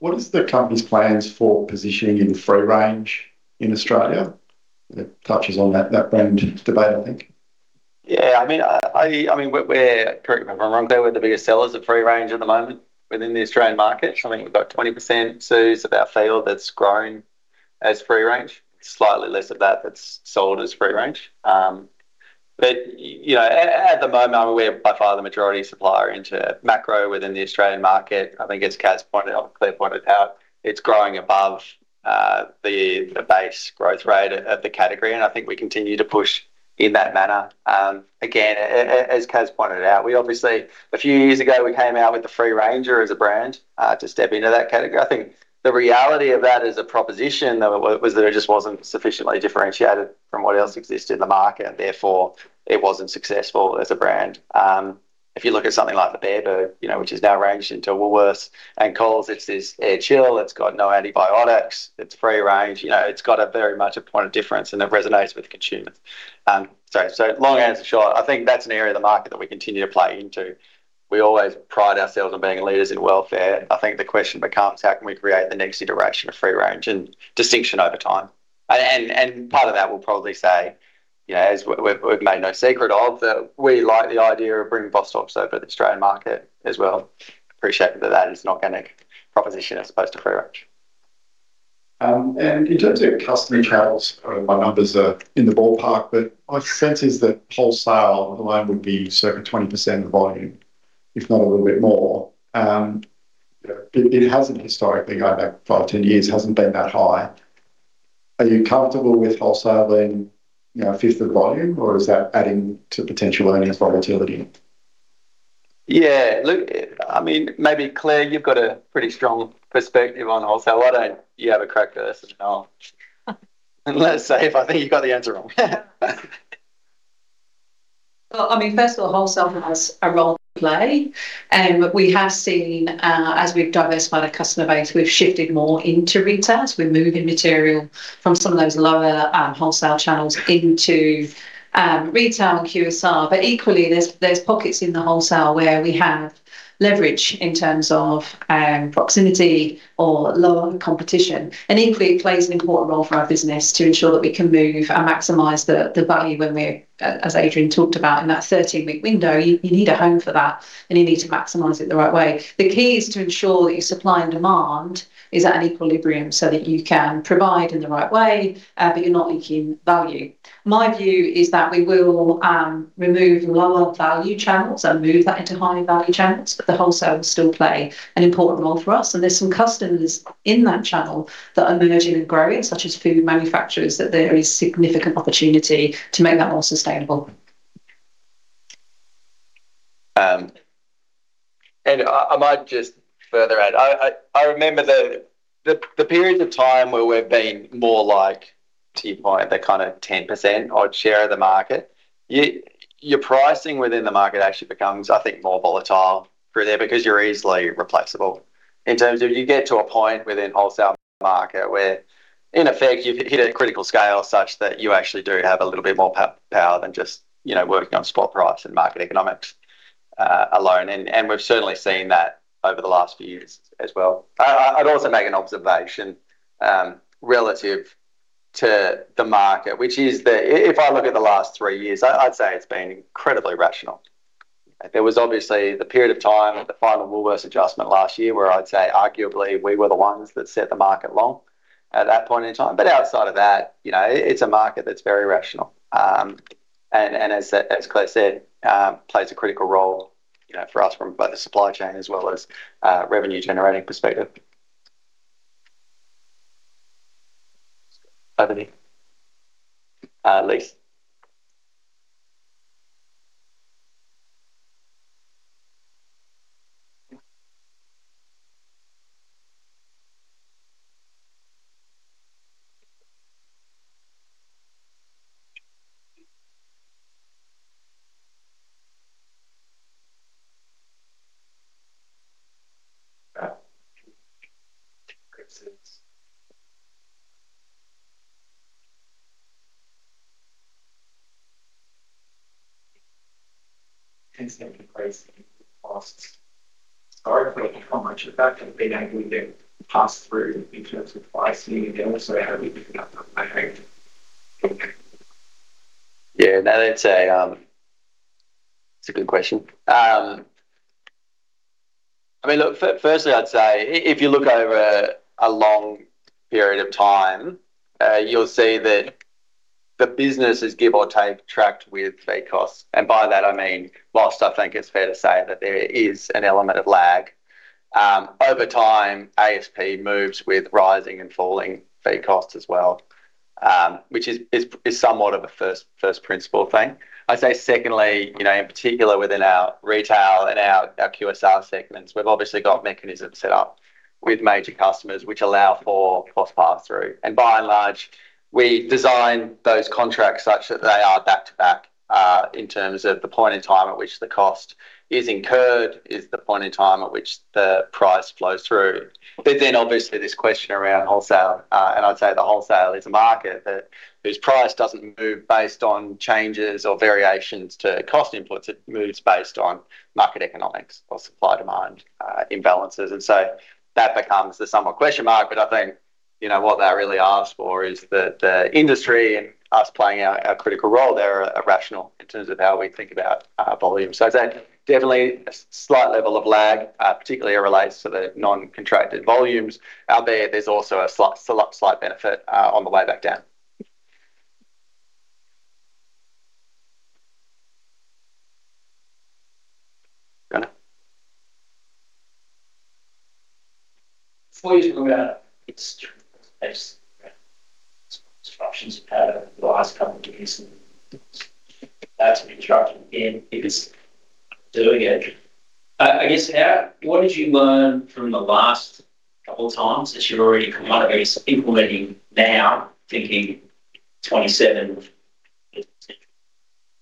Speaker 8: what is the company's plans for positioning in free-range in Australia? It touches on that brand debate, I think.
Speaker 1: I mean, I mean, we're, correct me if I'm wrong, Clair, we're the biggest sellers of free-range at the moment within the Australian market. I think we've got 20% so is about field that's growing as free-range. Slightly less of that that's sold as free-range. You know, at the moment, we're by far the majority supplier into Macro within the Australian market. I think as Kaz pointed out, Clair pointed out, it's growing above the base growth rate of the category, I think we continue to push in that manner. Again, as Kaz pointed out, we obviously A few years ago, we came out with The Free Ranger as a brand to step into that category. I think the reality of that as a proposition, though, was that it just wasn't sufficiently differentiated from what else exists in the market, therefore, it wasn't successful as a brand. If you look at something like the Bare Bird, you know, which is now ranged into Woolworths and Coles, it's this air chill. It's got no antibiotics. It's free-range. You know, it's got a very much a point of difference, and it resonates with consumers. Long answer short, I think that's an area of the market that we continue to play into. We always pride ourselves on being leaders in welfare. I think the question becomes: How can we create the next iteration of free-range and distinction over time? Part of that, we'll probably say, you know, as we've made no secret of, that we like the idea of bringing Bostocks over to the Australian market as well. Appreciate that that is an organic proposition as opposed to free-range.
Speaker 8: In terms of customer channels, I know my numbers are in the ballpark, but my sense is that wholesale alone would be circa 20% of the volume, if not a little bit more. It hasn't historically, going back five, 10 years, hasn't been that high. Are you comfortable with wholesaling, you know, a fifth of the volume, or is that adding to potential earnings volatility?
Speaker 1: Yeah. Look, I mean, maybe, Clair, you've got a pretty strong perspective on wholesale. Why don't you have a crack at this, let us say if I think you got the answer wrong.
Speaker 2: Well, I mean, first of all, wholesale has a role to play, and we have seen, as we've diversified our customer base, we've shifted more into retail, so we're moving material from some of those lower wholesale channels into retail and QSR. Equally, there's pockets in the wholesale where we have leverage in terms of proximity or lower competition. Equally, it plays an important role for our business to ensure that we can move and maximize the value when we're as Adrian talked about, in that 13-week window. You need a home for that, and you need to maximize it the right way. The key is to ensure that your supply and demand is at an equilibrium so that you can provide in the right way, but you're not leaking value. My view is that we will remove lower value channels and move that into higher value channels, but the wholesale will still play an important role for us. There's some customers in that channel that are emerging and growing, such as food manufacturers, that there is significant opportunity to make that more sustainable.
Speaker 1: I might just further add. I remember the periods of time where we've been more like, to your point, the kinda 10% odd share of the market. Your pricing within the market actually becomes, I think, more volatile through there because you're easily replaceable. In terms of you get to a point within wholesale market where, in effect, you've hit a critical scale such that you actually do have a little bit more power than just, you know, working on spot price and market economics alone. We've certainly seen that over the last few years as well. I'd also make an observation relative to the market, which is if I look at the last three years, I'd say it's been incredibly rational. There was obviously the period of time with the final Woolworths adjustment last year, where I'd say arguably we were the ones that set the market long at that point in time. Outside of that, you know, it's a market that's very rational. And as Clair said, plays a critical role, you know, for us from both the supply chain as well as revenue generating perspective. Over to you. Please.
Speaker 9: Tends to increase costs. I wonder how much of that has been able to get passed through in terms of pricing and also how you pick up on that.
Speaker 1: Yeah. No, that's a good question. I mean, look, firstly, I'd say if you look over a long period of time, you'll see that the business is give or take tracked with feed costs. By that I mean, whilst I think it's fair to say that there is an element of lag, over time, ASP moves with rising and falling feed costs as well, which is somewhat of a first principle thing. I say secondly, you know, in particular within our retail and our QSR segments, we've obviously got mechanisms set up with major customers which allow for cost pass-through. By and large, we design those contracts such that they are back to back, in terms of the point in time at which the cost is incurred, is the point in time at which the price flows through. Obviously this question around wholesale, and I'd say the wholesale is a market that whose price doesn't move based on changes or variations to cost inputs. It moves based on market economics or supply-demand imbalances. That becomes the somewhat question mark. I think, you know, what that really asks for is the industry and us playing our critical role there are irrational in terms of how we think about volume. I'd say definitely a slight level of lag, particularly it relates to the non-contracted volumes. Albeit there's also a slight, slight benefit on the way back down. Go on.
Speaker 9: Before you talk about instructions for the last couple of years. That's a construction in, if it's doing it. What did you learn from the last couple of times that you've already come up against implementing now thinking 2027 with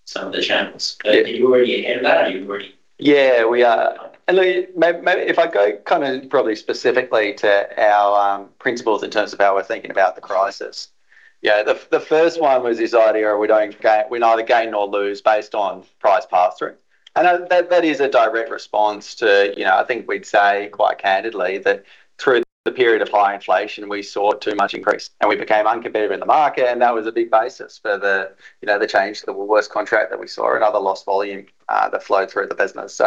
Speaker 9: some of the channels? Are you already ahead of that?
Speaker 1: We are. Look, if I go kind of probably specifically to our principles in terms of how we're thinking about the crisis. The first one was this idea we neither gain nor lose based on price pass-through. That, that is a direct response to, you know, I think we'd say quite candidly that through the period of high inflation, we saw too much increase and we became uncompetitive in the market and that was a big basis for the, you know, the change to the Woolworths contract that we saw and other lost volume that flowed through the business.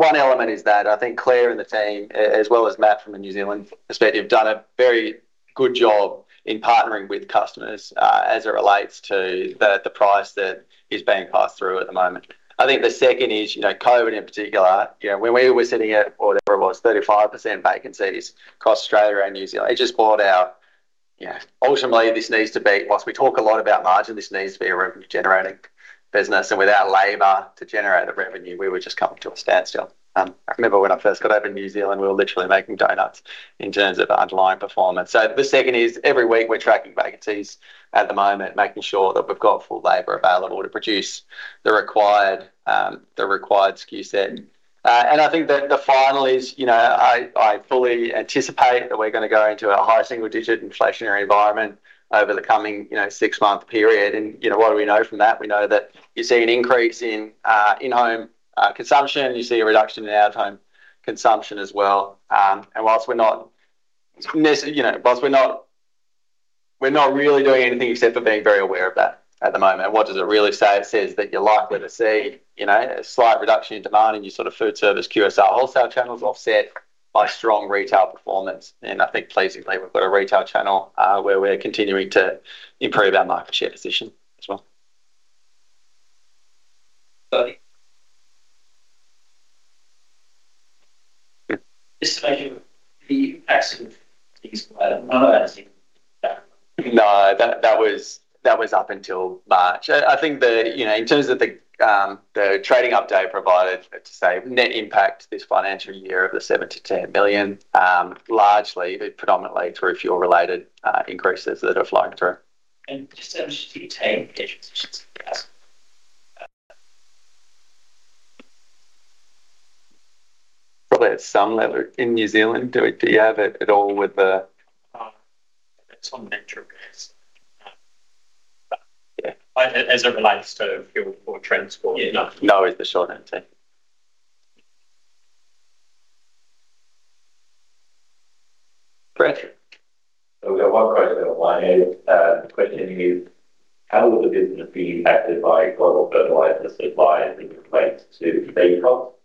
Speaker 1: One element is that I think Clair and the team, as well as Matt from the New Zealand perspective, have done a very good job in partnering with customers, as it relates to the price that is being passed through at the moment. I think the second is, you know, COVID in particular. You know, when we were sitting at, whatever it was, 35% vacancies across Australia and New Zealand. Ultimately, this needs to be, whilst we talk a lot about margin, this needs to be a revenue generating business and without labor to generate the revenue, we were just coming to a standstill. I remember when I first got over to New Zealand, we were literally making donuts in terms of underlying performance. The second is every week we're tracking vacancies at the moment, making sure that we've got full labor available to produce the required, the required SKU set. I think that the final is, you know, I fully anticipate that we're going to go into a higher single-digit inflationary environment over the coming, you know, six-month period. You know, what do we know from that? We know that you see an increase in in-home consumption, you see a reduction in out-of-home consumption as well. Whilst we're not, you know, whilst we're not, we're not really doing anything except for being very aware of that at the moment. What does it really say? It says that you're likely to see, you know, a slight reduction in demand in your sort of food service, QSR, wholesale channels offset by strong retail performance. I think pleasingly, we've got a retail channel, where we're continuing to improve our market share position as well.
Speaker 9: Buddy. Just making the excise piece. I don't know.
Speaker 1: No, that was up until March. I think the, you know, in terms of the trading update provided to say net impact this financial year of the 7 billion-10 billion, largely predominantly through fuel-related increases that have flown through.
Speaker 9: Just 7-10 positions.
Speaker 1: Probably at some level. In New Zealand, do you have it at all with the.
Speaker 9: It's on natural gas.
Speaker 1: Yeah.
Speaker 9: As it relates to fuel for transport.
Speaker 1: Yeah.
Speaker 9: No.
Speaker 1: No, is the short answer. Brett?
Speaker 7: We've got one question on my end. The question is: How will the business be impacted by global fertilizer supply as it relates to feed costs?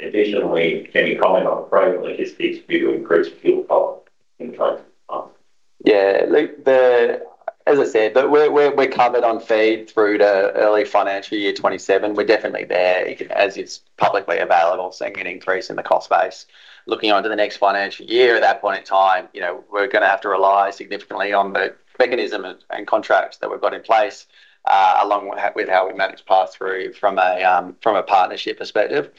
Speaker 7: Additionally, can you comment on freight and logistics due to increased fuel costs in terms of costs?
Speaker 1: As I said, we're covered on feed through to early financial year 2027. We're definitely there as it's publicly available, seeing an increase in the cost base. Looking onto the next financial year, at that point in time, you know, we're going to have to rely significantly on the mechanism and contracts that we've got in place, along with how we manage pass-through from a partnership perspective.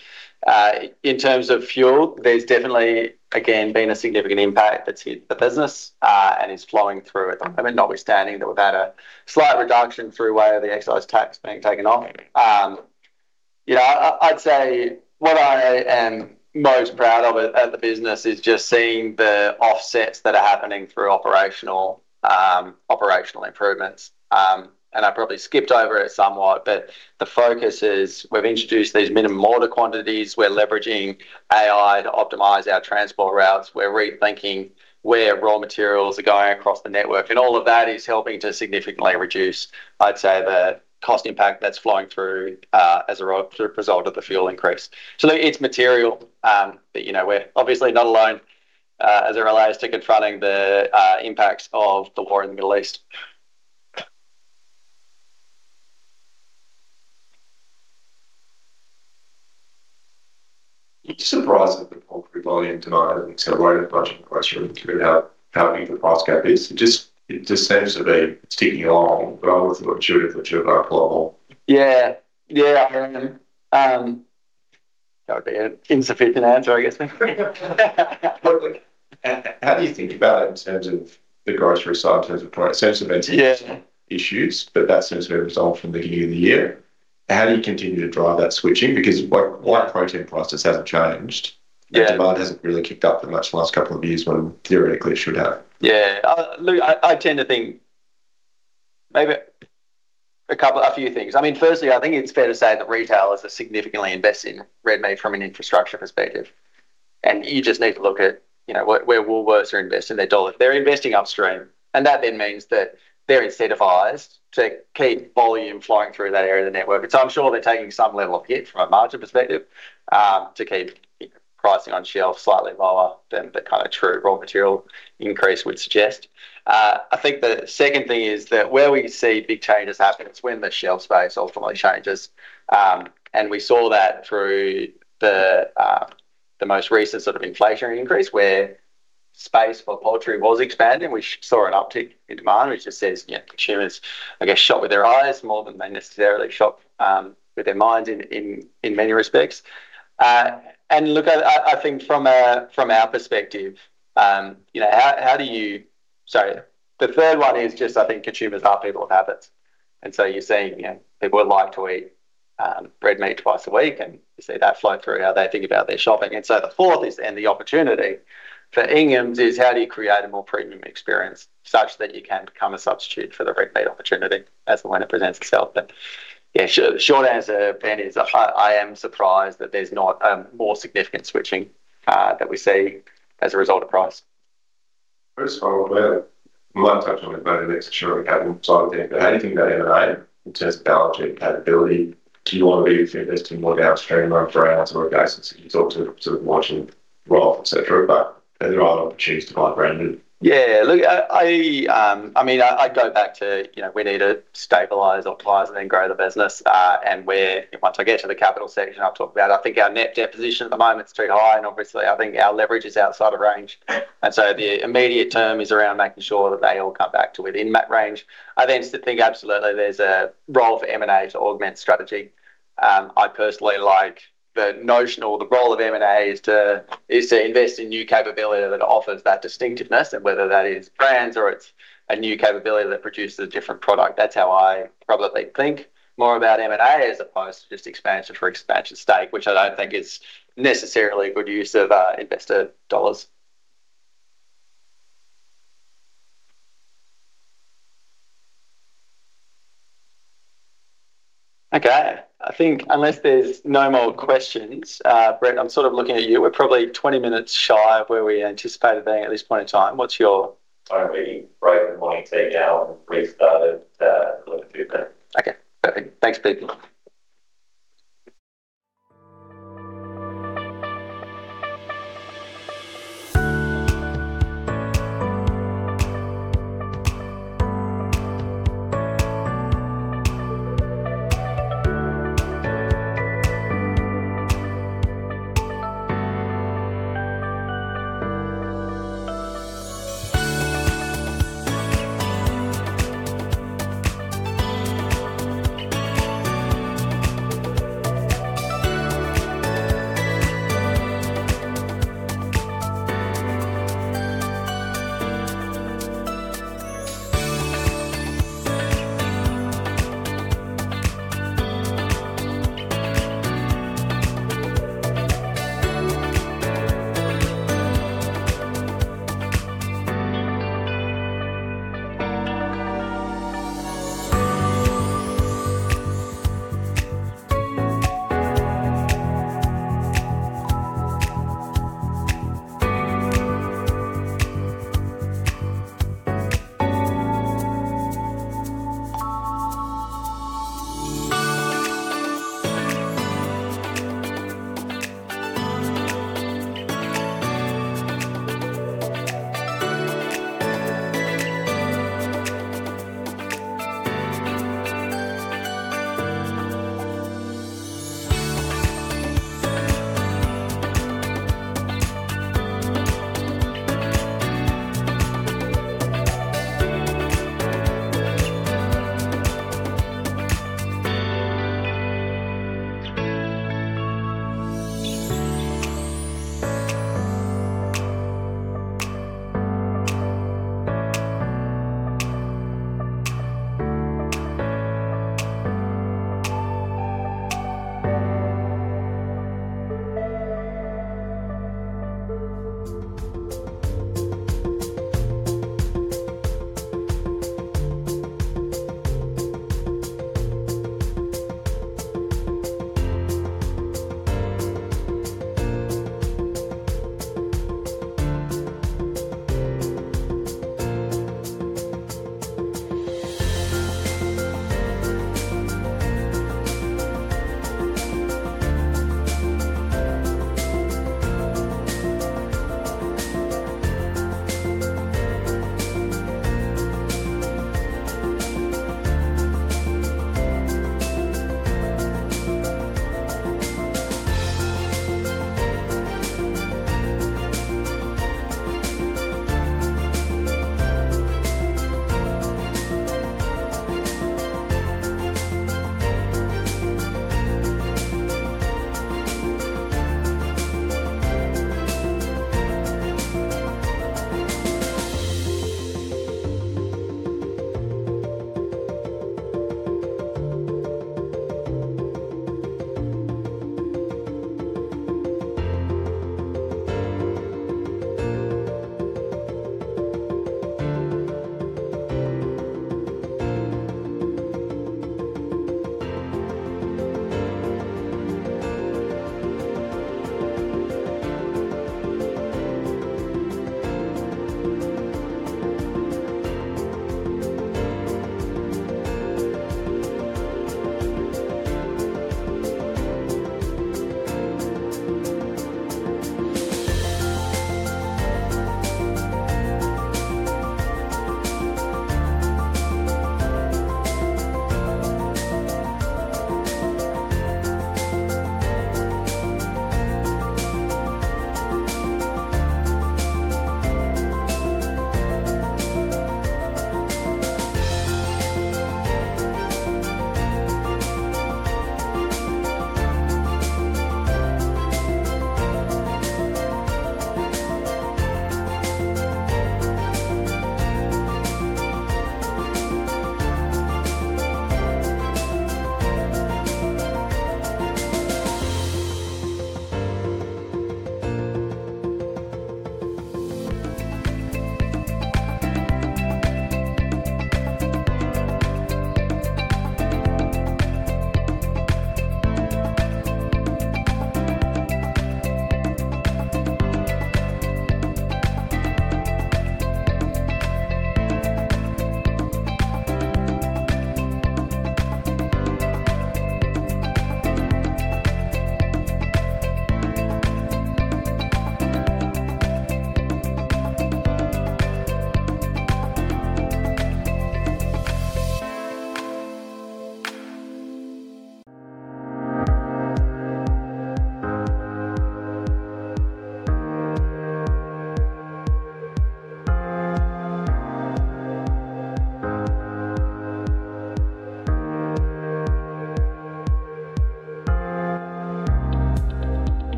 Speaker 1: In terms of fuel, there's definitely, again, been a significant impact that's hit the business and is flowing through at the moment, notwithstanding that we've had a slight reduction through way of the excise tax being taken off. You know, I'd say what I am most proud of at the business is just seeing the offsets that are happening through operational operational improvements. I probably skipped over it somewhat, but the focus is we've introduced these minimum order quantities. We're leveraging AI to optimize our transport routes. We're rethinking where raw materials are going across the network. All of that is helping to significantly reduce, I'd say, the cost impact that's flowing through as a result of the fuel increase. It's material, but, you know, we're obviously not alone as it relates to confronting the impacts of the war in the Middle East.
Speaker 11: Are you surprised that the poultry volume tonight hasn't accelerated much in the grocery through how big the price gap is? It just seems to be ticking along. I would have thought consumers would shift over a lot more.
Speaker 1: Yeah. Yeah. That would be an insufficient answer, I guess.
Speaker 11: How do you think about it in terms of the grocery side, in terms of price-
Speaker 1: Yeah
Speaker 11: - issues, but that seems to be resolved from the beginning of the year. How do you continue to drive that switching? While protein prices haven't changed.
Speaker 1: Yeah
Speaker 11: The demand hasn't really kicked up in the much the last couple of years when theoretically it should have.
Speaker 1: Yeah. Look, I tend to think maybe a few things. I mean, firstly, I think it's fair to say that retailers are significantly investing in red meat from an infrastructure perspective. You just need to look at, you know, where Woolworths are investing their dollars. They're investing upstream, that then means that they're incentivized to keep volume flowing through that area of the network. I'm sure they're taking some level of hit from a margin perspective, to keep pricing on shelf slightly lower than the kind of true raw material increase would suggest. I think the second thing is that where we see big changes happen, it's when the shelf space ultimately changes. We saw that through the most recent sort of inflationary increase, where space for poultry was expanding. We saw an uptick in demand, which just says, you know, consumers, I guess, shop with their eyes more than they necessarily shop with their minds in many respects. Look, I think from our perspective, you know, how do you Sorry. The third one is just I think consumers are people of habits. You're seeing, you know, people would like to eat red meat twice a week, and you see that flow through how they think about their shopping. The fourth is, and the opportunity for Inghams, is how do you create a more premium experience such that you can become a substitute for the red meat opportunity as the winner presents itself. yeah, short answer, Ben, is I am surprised that there's not a more significant switching that we see as a result of price.
Speaker 11: First of all, we might have touched on it, but I'm interested on the capital side of things. How do you think about M&A in terms of balance sheet compatibility? Do you wanna be investing more downstream around brands or basics? You talked to, sort of, launching broth, et cetera, but are there other opportunities to buy branded?
Speaker 1: Look, I, I mean, I go back to, you know, we need to stabilize, optimize, and then grow the business. Once I get to the capital section, I'll talk about it. I think our net debt position at the moment is too high, and obviously, I think our leverage is outside of range. The immediate term is around making sure that they all come back to within that range. I then still think absolutely there's a role for M&A to augment strategy. I personally like the notional. The role of M&A is to, is to invest in new capability that offers that distinctiveness, and whether that is brands or it's a new capability that produces a different product. That's how I probably think more about M&A as opposed to just expansion for expansion's sake, which I don't think is necessarily a good use of investor dollars. Okay. I think unless there's no more questions, Brett, I'm sort of looking at you. We're probably 20 minutes shy of where we anticipated being at this point in time.
Speaker 7: I think break and morning tea now. We've started a little bit late.
Speaker 1: Okay. Perfect. Thanks, people.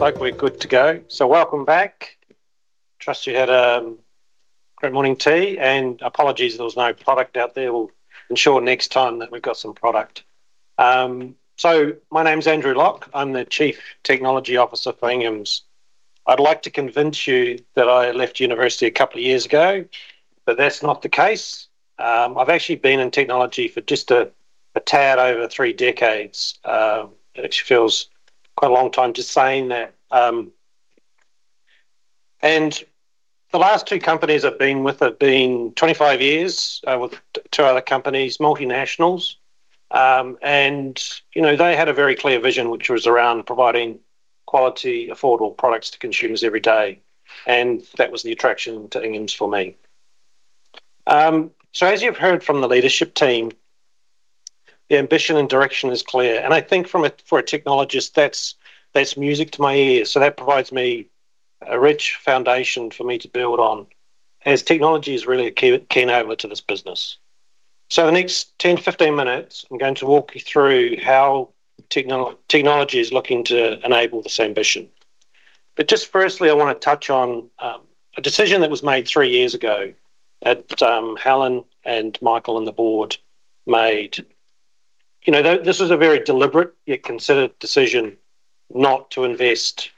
Speaker 12: Folk, we're good to go. Welcome back. Trust you had a great morning tea, and apologies there was no product out there. We'll ensure next time that we've got some product. My name's Andrew Lock. I'm the Chief Technology Officer for Inghams. I'd like to convince you that I left university a couple of years ago, but that's not the case. I've actually been in technology for just a tad over three decades. It actually feels quite a long time just saying that. The last two companies I've been with have been 25 years, with two other companies, multinationals. You know, they had a very clear vision, which was around providing quality, affordable products to consumers every day, and that was the attraction to Inghams for me. As you've heard from the leadership team, the ambition and direction is clear, and I think for a technologist, that's music to my ears. That provides me a rich foundation for me to build on as technology is really a key enabler to this business. The next 10, 15 minutes, I'm going to walk you through how technology is looking to enable this ambition. Just firstly, I wanna touch on a decision that was made three years ago at Helen and Michael and the board made. You know, this was a very deliberate, yet considered decision not to invest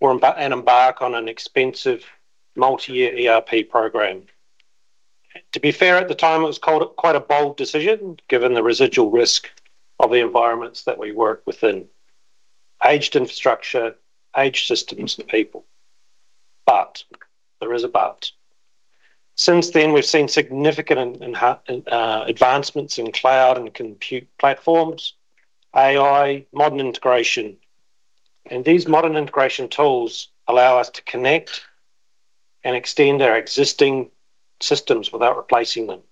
Speaker 12: or and embark on an expensive multi-year ERP program. To be fair, at the time, it was called quite a bold decision given the residual risk of the environments that we work within. Aged infrastructure, aged systems and people. There is a but. Since then, we've seen significant advancements in cloud and compute platforms, AI, modern integration. These modern integration tools allow us to connect and extend our existing systems without replacing them.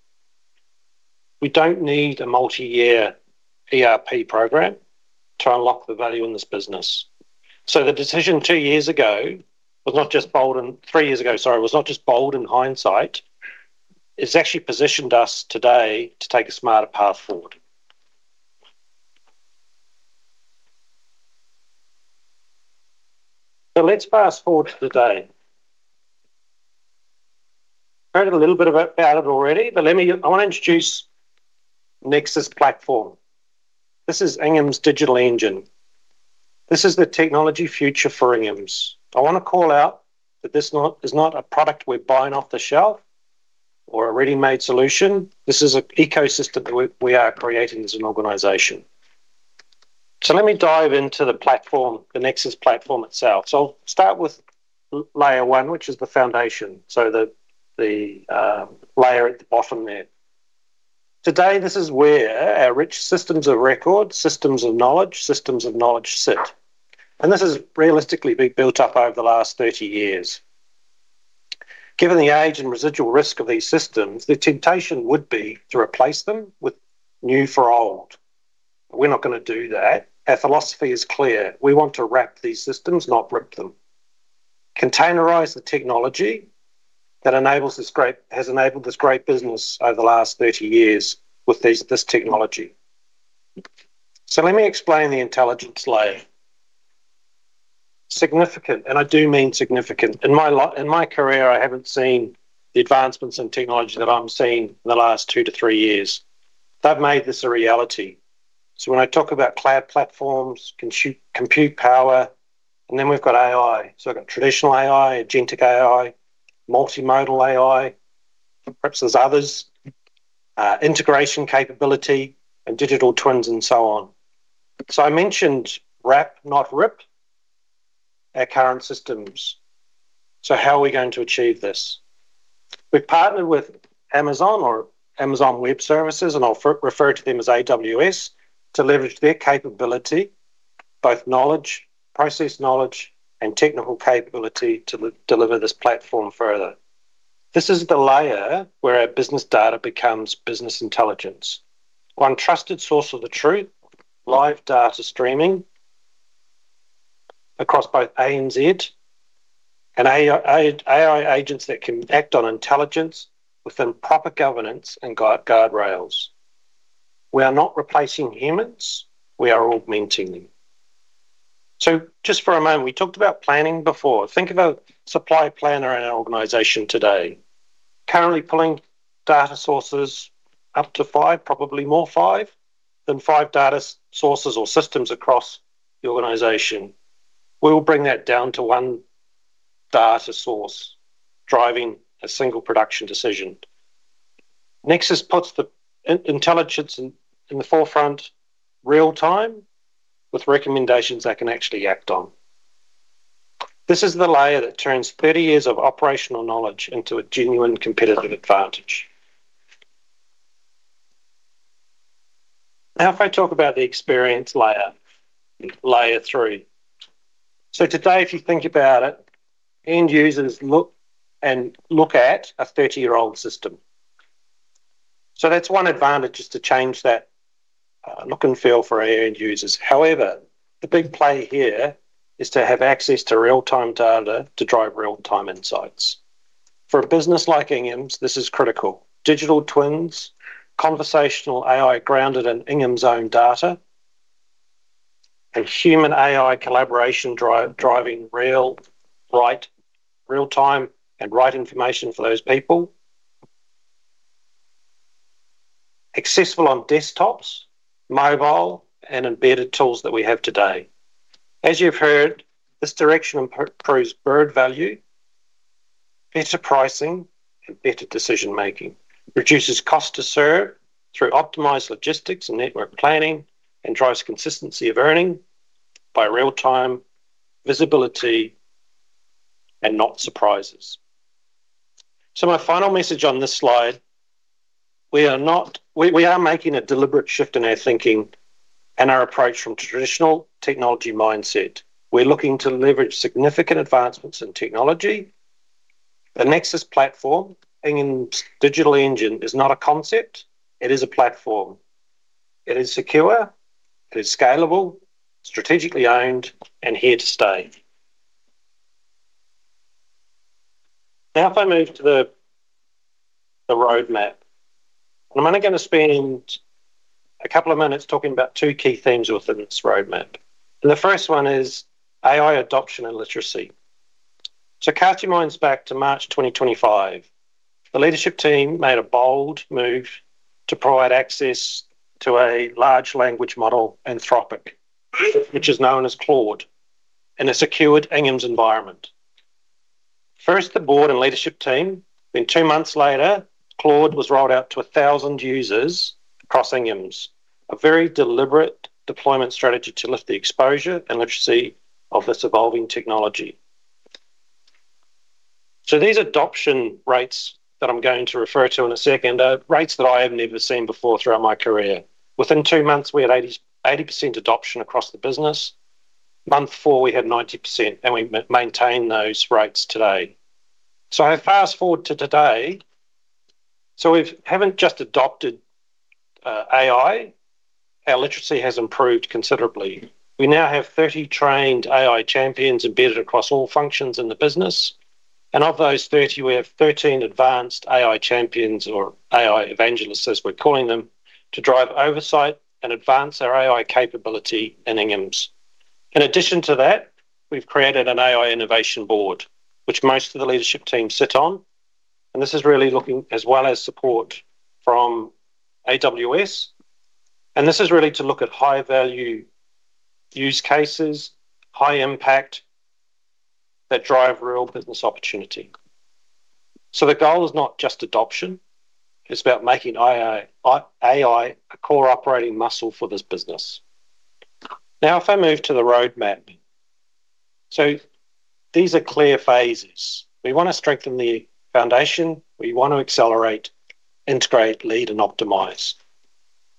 Speaker 12: We don't need a multi-year ERP program to unlock the value in this business. The decision two years ago was not just bold and three years ago, sorry, was not just bold in hindsight. It's actually positioned us today to take a smarter path forward. Let's fast-forward to today. Heard a little bit about it already, but I wanna introduce Nexus platform. This is Inghams digital engine. This is the technology future for Inghams. I wanna call out that this not a product we're buying off the shelf or a ready-made solution. This is an ecosystem that we are creating as an organization. Let me dive into the platform, the Nexus platform itself. I'll start with layer one, which is the foundation. The layer at the bottom there. Today, this is where our rich systems of record, systems of knowledge sit, and this has realistically been built up over the last 30 years. Given the age and residual risk of these systems, the temptation would be to replace them with new for old. We're not gonna do that. Our philosophy is clear. We want to wrap these systems, not rip them. Containerize the technology that has enabled this great business over the last 30 years with this technology. Let me explain the intelligence layer. Significant, I do mean significant. In my career, I haven't seen the advancements in technology that I'm seeing in the last two-three years. They've made this a reality. When I talk about cloud platforms, compute power, we've got AI. I've got traditional AI, agentic AI, multimodal AI, perhaps there's others, integration capability and digital twins, and so on. I mentioned wrap, not rip our current systems. How are we going to achieve this? We've partnered with Amazon or Amazon Web Services, and I'll refer to them as AWS, to leverage their capability, both knowledge, process knowledge, and technical capability to deliver this platform further. This is the layer where our business data becomes business intelligence. One trusted source of the truth, live data streaming across both ANZ and AI agents that can act on intelligence within proper governance and guardrails. We are not replacing humans, we are augmenting them. Just for a moment, we talked about planning before. Think of a supply planner in our organization today. Currently pulling data sources up to five, probably more five than five data sources or systems across the organization. We will bring that down to one data source driving a single production decision. Nexus puts the intelligence in the forefront real-time with recommendations they can actually act on. This is the layer that turns 30 years of operational knowledge into a genuine competitive advantage. If I talk about the experience layer three. Today, if you think about it, end users look at a 30-year-old system. That's one advantage is to change that look and feel for our end users. The big play here is to have access to real-time data to drive real-time insights. For a business like Inghams, this is critical. Digital twins, conversational AI grounded in Inghams' own data, and human AI collaboration driving real, right, real-time, and right information for those people. Accessible on desktops, mobile, and embedded tools that we have today. As you've heard, this direction improves bird value, better pricing, and better decision-making. Reduces cost to serve through optimized logistics and network planning, drives consistency of earning by real-time visibility and not surprises. My final message on this slide, we are not We are making a deliberate shift in our thinking and our approach from traditional technology mindset. We're looking to leverage significant advancements in technology. The Nexus platform, Inghams' digital engine, is not a concept, it is a platform. It is secure, it is scalable, strategically owned, and here to stay. If I move to the roadmap. I'm only going to spend a couple of minutes talking about two key themes within this roadmap, and the first one is AI adoption and literacy. Cast your minds back to March 2025. The leadership team made a bold move to provide access to a large language model, Anthropic, which is known as Claude, in a secured Inghams environment. First, the board and leadership team, then two months later, Claude was rolled out to 1,000 users across Inghams. A very deliberate deployment strategy to lift the exposure and literacy of this evolving technology. These adoption rates that I'm going to refer to in a second are rates that I have never seen before throughout my career. Within two months, we had 80% adoption across the business. Month four, we had 90%, we maintain those rates today. I fast-forward to today. We haven't just adopted AI, our literacy has improved considerably. We now have 30 trained AI champions embedded across all functions in the business, and of those 30, we have 13 advanced AI champions or AI evangelists, as we're calling them, to drive oversight and advance our AI capability in Inghams. In addition to that, we've created an AI innovation board, which most of the leadership team sit on, and this is really looking, as well as support from AWS, and this is really to look at high-value use cases, high impact, that drive real business opportunity. The goal is not just adoption, it's about making AI a core operating muscle for this business. Now if I move to the roadmap. These are clear phases. We want to strengthen the foundation, we want to accelerate, integrate, lead and optimize.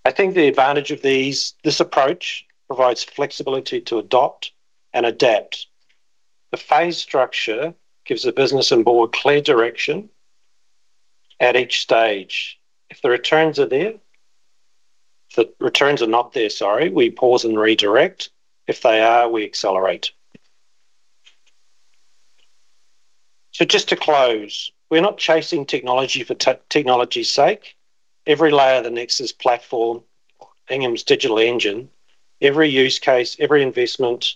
Speaker 12: I think the advantage of this approach provides flexibility to adopt and adapt. The phase structure gives the business and board clear direction at each stage. If the returns are not there, sorry, we pause and redirect. If they are, we accelerate. Just to close, we are not chasing technology for technology's sake. Every layer of the Nexus platform, Inghams' digital engine, every use case, every investment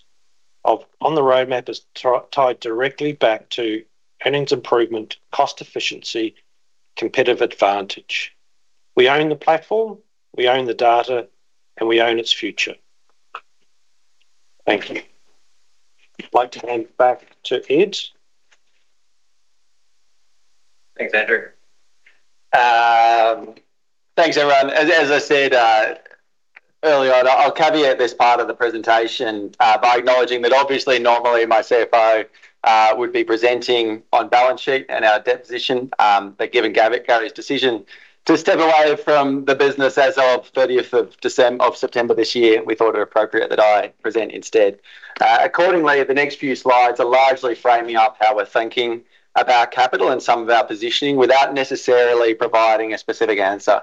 Speaker 12: on the roadmap is tied directly back to earnings improvement, cost efficiency, competitive advantage. We own the platform, we own the data, and we own its future. Thank you. I would like to hand back to Ed.
Speaker 1: Thanks, Andrew. Thanks, everyone. As I said earlier on, I'll caveat this part of the presentation by acknowledging that obviously normally my CFO would be presenting on balance sheet and our debt position, but given Gary's decision to step away from the business as of September 30th this year, we thought it appropriate that I present instead. Accordingly, the next few slides are largely framing up how we're thinking about capital and some of our positioning without necessarily providing a specific answer.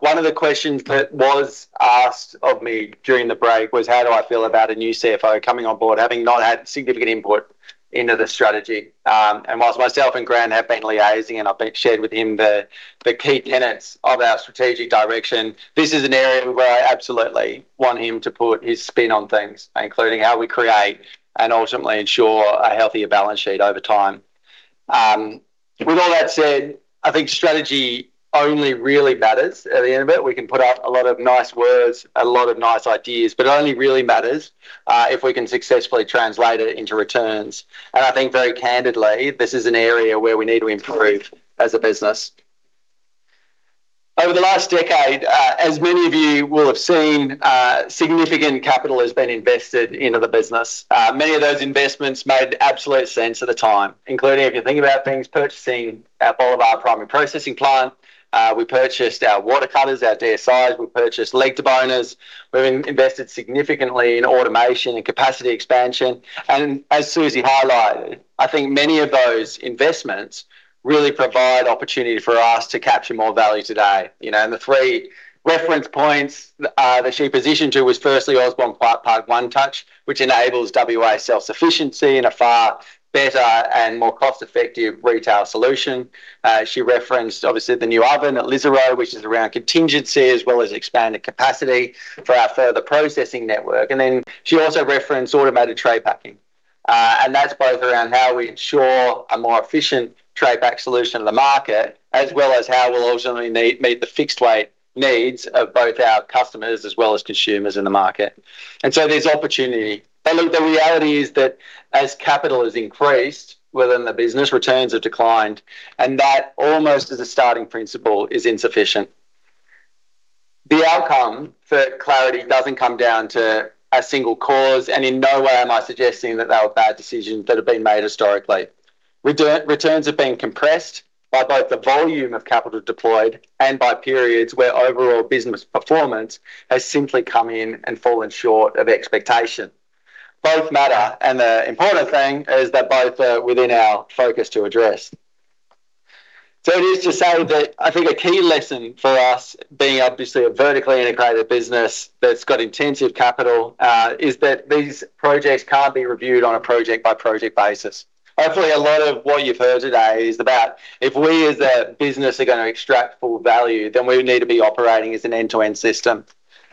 Speaker 1: One of the questions that was asked of me during the break was, how do I feel about a new CFO coming on board, having not had significant input into the strategy? Whilst myself and Grant have been liaising, and I've shared with him the key tenets of our strategic direction, this is an area where I absolutely want him to put his spin on things, including how we create and ultimately ensure a healthier balance sheet over time. With all that said, I think strategy only really matters, at the end of it, we can put up a lot of nice words, a lot of nice ideas, but it only really matters if we can successfully translate it into returns. I think very candidly, this is an area where we need to improve as a business. Over the last decade, as many of you will have seen, significant capital has been invested into the business. Many of those investments made absolute sense at the time, including, if you think about things, purchasing our Bolivar primary processing plant. We purchased our water cutters, our DSI, we purchased leg deboners. We've invested significantly in automation and capacity expansion. As Susy highlighted, I think many of those investments really provide opportunity for us to capture more value today. You know, the three reference points that she positioned to was firstly Osborne Park One Touch, which enables WA self-sufficiency in a far better and more cost-effective retail solution. She referenced obviously the new oven at Lisarow, which is around contingency as well as expanded capacity for our further processing network. She also referenced automated tray packing, and that's both around how we ensure a more efficient tray pack solution to the market, as well as how we'll ultimately meet the fixed weight needs of both our customers as well as consumers in the market. There's opportunity. Look, the reality is that as capital has increased within the business, returns have declined, and that almost as a starting principle is insufficient. The outcome for clarity doesn't come down to a single cause, and in no way am I suggesting that there were bad decisions that have been made historically. Returns have been compressed by both the volume of capital deployed and by periods where overall business performance has simply come in and fallen short of expectation. Both matter. The important thing is that both are within our focus to address. It is to say that I think a key lesson for us being obviously a vertically integrated business that's got intensive capital, is that these projects can't be reviewed on a project-by-project basis. Hopefully, a lot of what you've heard today is about if we as a business are gonna extract full value, then we need to be operating as an end-to-end system.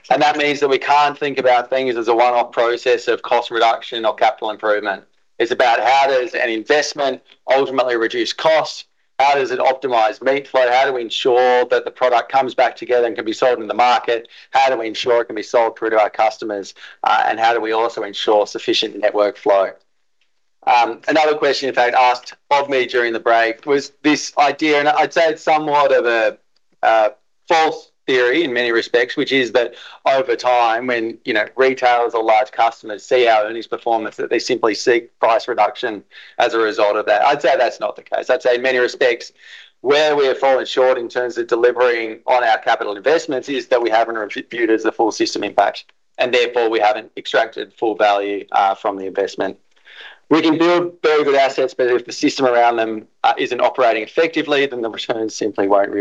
Speaker 1: That means that we can't think about things as a one-off process of cost reduction or capital improvement. It's about how does an investment ultimately reduce costs? How does it optimize meat flow? How do we ensure that the product comes back together and can be sold in the market? How do we ensure it can be sold through to our customers? How do we also ensure sufficient network flow? Another question in fact asked of me during the break was this idea, and I'd say it's somewhat of a false theory in many respects, which is that over time, when, you know, retailers or large customers see our earnings performance, that they simply seek price reduction as a result of that. I'd say that's not the case. I'd say in many respects, where we have fallen short in terms of delivering on our capital investments is that we haven't attributed the full system impact, and therefore, we haven't extracted full value from the investment. We can build very good assets, but if the system around them isn't operating effectively, then the returns simply won't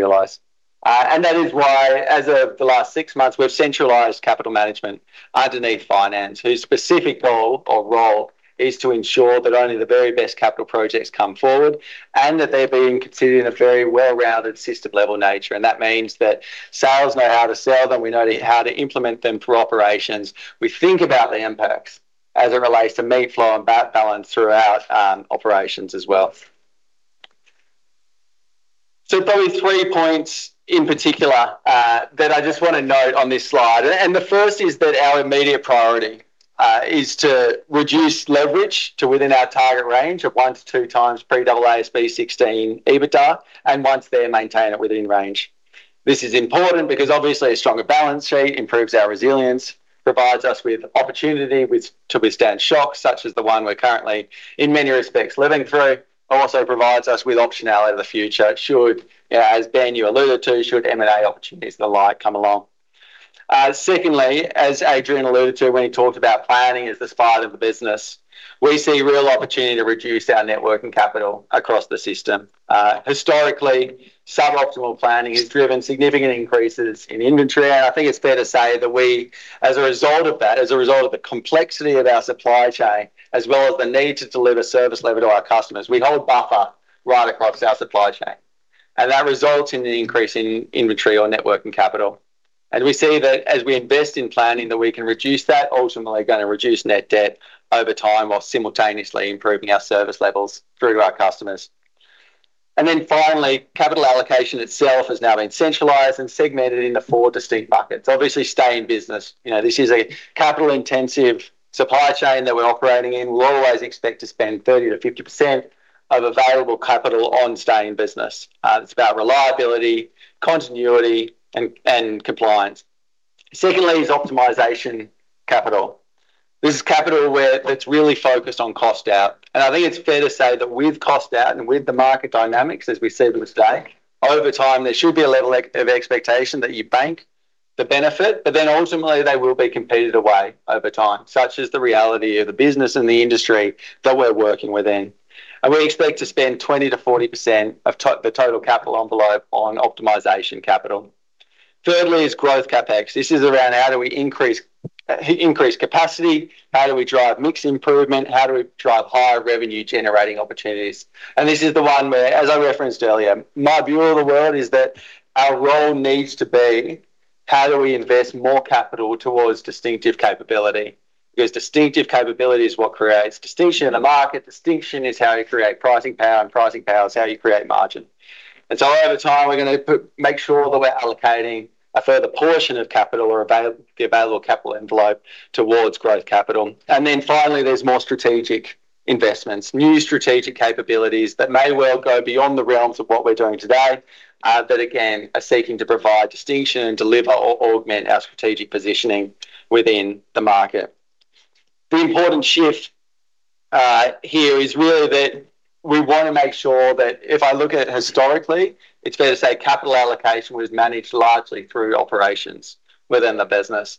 Speaker 1: realize. That is why, as of the last six months, we've centralized capital management underneath finance, whose specific goal or role is to ensure that only the very best capital projects come forward, and that they're being considered in a very well-rounded system-level nature. That means that sales know how to sell them. We know how to implement them through operations. We think about the impacts as it relates to meat flow and cut balance throughout operations as well. Probably three points in particular that I just wanna note on this slide. The first is that our immediate priority is to reduce leverage to within our target range of one to two times pre-AASB 16 EBITDA, and once there, maintain it within range. This is important because obviously, a stronger balance sheet improves our resilience, provides us with opportunity to withstand shocks such as the one we're currently, in many respects, living through. Also provides us with optionality in the future should, you know, as Ben, you alluded to, should M&A opportunities and the like come along. Secondly, as Adrian alluded to when he talked about planning as this part of the business, we see real opportunity to reduce our net working capital across the system. Historically, suboptimal planning has driven significant increases in inventory, and I think it's fair to say that we, as a result of that, as a result of the complexity of our supply chain, as well as the need to deliver service level to our customers, we hold buffer right across our supply chain. That results in the increase in inventory or net working capital. We see that as we invest in planning, that we can reduce that, ultimately gonna reduce net debt over time while simultaneously improving our service levels through to our customers. Finally, capital allocation itself has now been centralized and segmented into four distinct buckets. Obviously, Stay in Business. You know, this is a capital-intensive supply chain that we're operating in. We'll always expect to spend 30%-50% of available capital on Stay in Business. It's about reliability, continuity, and compliance. Secondly is Optimization Capital. This is capital that's really focused on cost out. I think it's fair to say that with cost out and with the market dynamics as we see them today, over time, there should be a level of expectation that you bank the benefit, ultimately, they will be competed away over time, such is the reality of the business and the industry that we're working within. We expect to spend 20%-40% of the total capital envelope on optimization capital. Thirdly is growth CapEx. This is around how do we increase capacity, how do we drive mix improvement, how do we drive higher revenue-generating opportunities? This is the one where, as I referenced earlier, my view of the world is that our role needs to be how do we invest more capital towards distinctive capability? Because distinctive capability is what creates distinction in the market. Distinction is how you create pricing power, and pricing power is how you create margin. Over time, we're gonna make sure that we're allocating a further portion of capital or the available capital envelope towards growth capital. Finally, there's more strategic investments, new strategic capabilities that may well go beyond the realms of what we're doing today, that again, are seeking to provide distinction and deliver or augment our strategic positioning within the market. The important shift here is really that we wanna make sure that if I look at it historically, it's fair to say capital allocation was managed largely through operations within the business.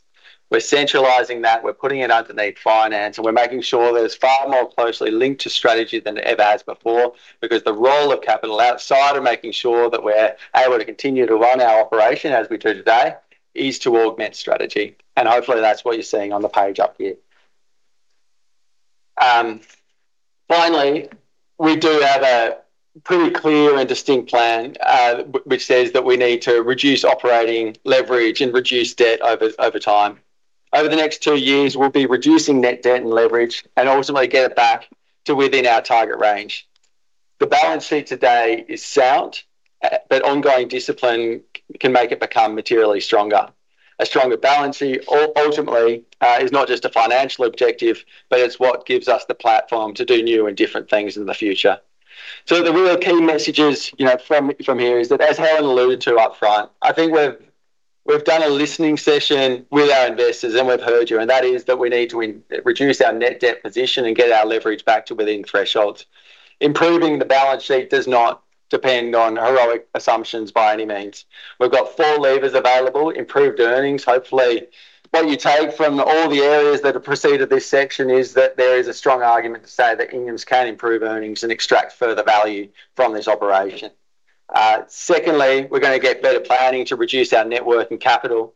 Speaker 1: We're centralizing that. We're putting it underneath finance, and we're making sure that it's far more closely linked to strategy than it ever has before because the role of capital outside of making sure that we're able to continue to run our operation as we do today is to augment strategy. Hopefully, that's what you're seeing on the page up here. Finally, we do have a pretty clear and distinct plan, which says that we need to reduce operating leverage and reduce debt over time. Over the next two years, we'll be reducing net debt and leverage, and ultimately get it back to within our target range. The balance sheet today is sound, ongoing discipline can make it become materially stronger. A stronger balance sheet ultimately is not just a financial objective, but it's what gives us the platform to do new and different things in the future. The real key messages, you know, from here is that, as Helen alluded to up front, I think we've done a listening session with our investors and we've heard you, and that is that we need to reduce our net debt position and get our leverage back to within thresholds. Improving the balance sheet does not depend on heroic assumptions by any means. We've got four levers available. Improved earnings. Hopefully, what you take from all the areas that have preceded this section is that there is a strong argument to say that Inghams can improve earnings and extract further value from this operation. Secondly, we're gonna get better planning to reduce our net working capital.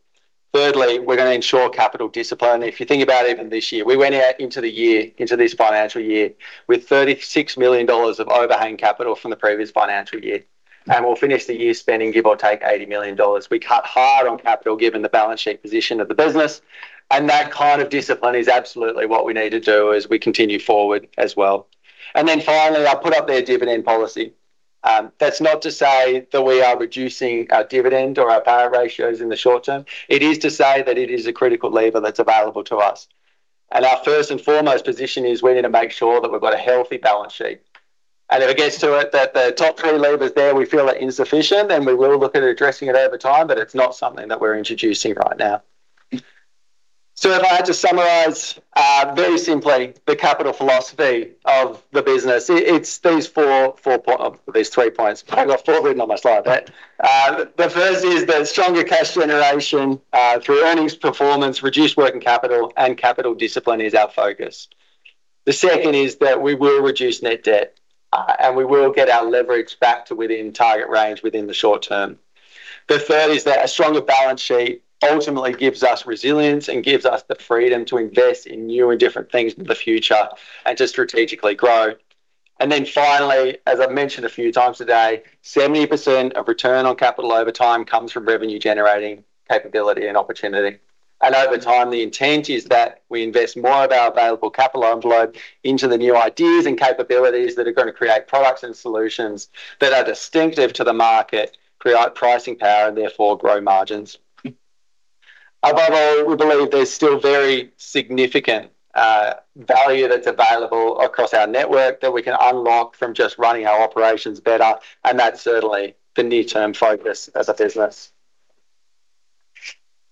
Speaker 1: Thirdly, we're gonna ensure capital discipline. If you think about even this year, we went out into the year, into this financial year, with 36 million dollars of overhang capital from the previous financial year, and we'll finish the year spending, give or take, 80 million dollars. We cut hard on capital given the balance sheet position of the business, and that kind of discipline is absolutely what we need to do as we continue forward as well. Finally, I put up there dividend policy. That's not to say that we are reducing our dividend or our payout ratios in the short term. It is to say that it is a critical lever that's available to us. Our first and foremost position is we need to make sure that we've got a healthy balance sheet. If it gets to it that the top three levers there we feel are insufficient, then we will look at addressing it over time, but it's not something that we're introducing right now. If I had to summarize very simply the capital philosophy of the business, it's these four, these three points. I've got four of them on my slide, but the first is the stronger cash generation through earnings performance, reduced working capital, and capital discipline is our focus. The second is that we will reduce net debt and we will get our leverage back to within target range within the short term. The third is that a stronger balance sheet ultimately gives us resilience and gives us the freedom to invest in new and different things for the future and to strategically grow. Finally, as I've mentioned a few times today, 70% of return on capital over time comes from revenue-generating capability and opportunity. Over time, the intent is that we invest more of our available capital envelope into the new ideas and capabilities that are gonna create products and solutions that are distinctive to the market, create pricing power, and therefore grow margins. Above all, we believe there's still very significant value that's available across our network that we can unlock from just running our operations better, and that's certainly the near-term focus as a business.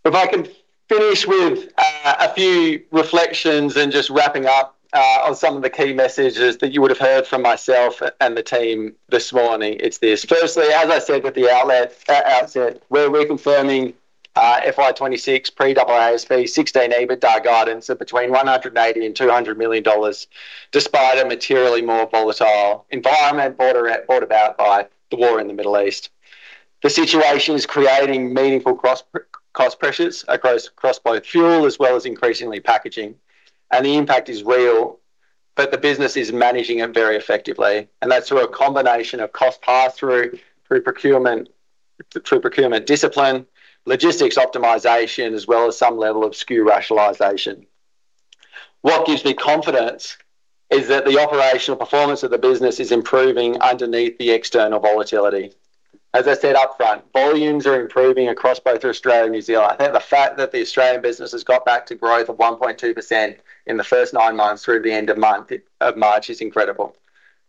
Speaker 1: If I can finish with a few reflections and just wrapping up on some of the key messages that you would've heard from myself and the team this morning, it's this. Firstly, as I said with the outset, we're reconfirming FY 2026 pre-AASB 16 EBITDA guidance of between 180 million and 200 million dollars, despite a materially more volatile environment brought about by the war in the Middle East. The situation is creating meaningful cost pressures across both fuel, as well as increasingly packaging. The impact is real, but the business is managing it very effectively, and that's through a combination of cost pass-through, through procurement discipline, logistics optimization, as well as some level of SKU rationalization. What gives me confidence is that the operational performance of the business is improving underneath the external volatility. As I said upfront, volumes are improving across both Australia and New Zealand. I think the fact that the Australian business has got back to growth of 1.2% in the first nine months through the end of March is incredible,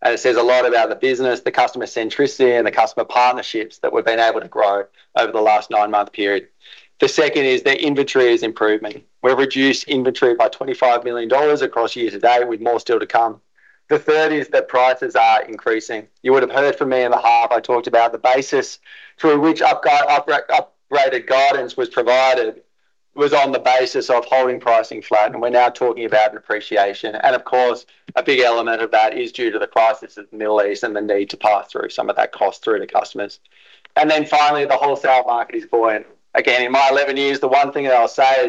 Speaker 1: and it says a lot about the business, the customer centricity, and the customer partnerships that we've been able to grow over the last nine-month period. The second is that inventory is improving. We've reduced inventory by 25 million dollars across year-to-date, with more still to come. The third is that prices are increasing. You would've heard from me in the half, I talked about the basis through which upgraded guidance was provided, was on the basis of holding pricing flat. We're now talking about appreciation. Of course, a big element of that is due to the crisis in the Middle East and the need to pass through some of that cost through to customers. Finally, the wholesale market is buoyant. Again, in my 11 years, the one thing that I'll say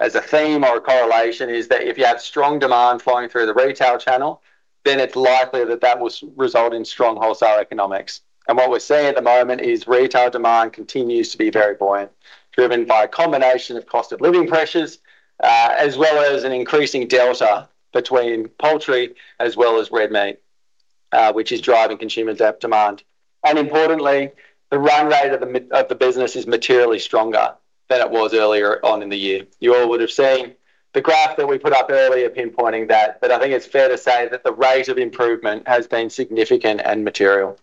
Speaker 1: as a theme or a correlation is that if you have strong demand flowing through the retail channel, it's likely that that will result in strong wholesale economics. What we're seeing at the moment is retail demand continues to be very buoyant, driven by a combination of cost of living pressures, as well as an increasing delta between poultry as well as red meat, which is driving consumers' up demand. Importantly, the run rate of the business is materially stronger than it was earlier on in the year. You all would've seen the graph that we put up earlier pinpointing that. I think it's fair to say that the rate of improvement has been significant and material.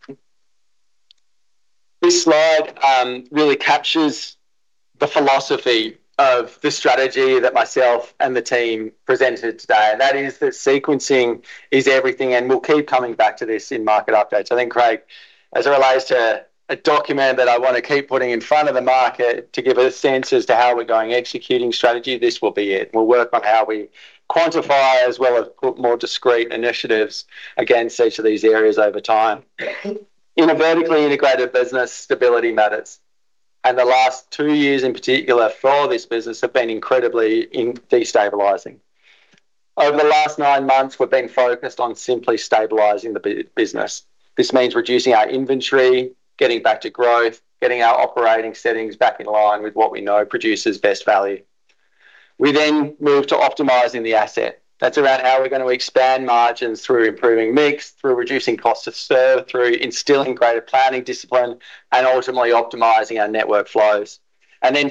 Speaker 1: This slide really captures the philosophy of the strategy that myself and the team presented today, that is that sequencing is everything. We'll keep coming back to this in market updates. I think, Craig, as it relates to a document that I wanna keep putting in front of the market to give a sense as to how we're going executing strategy, this will be it. We'll work on how we quantify as well as put more discrete initiatives against each of these areas over time. In a vertically integrated business, stability matters. The last two years in particular for this business have been incredibly destabilizing. Over the last nine months, we've been focused on simply stabilizing the business. This means reducing our inventory, getting back to growth, getting our operating settings back in line with what we know produces best value. We move to optimizing the asset. That's around how we're going to expand margins through improving mix, through reducing cost to serve, through instilling greater planning discipline, and ultimately optimizing our network flows.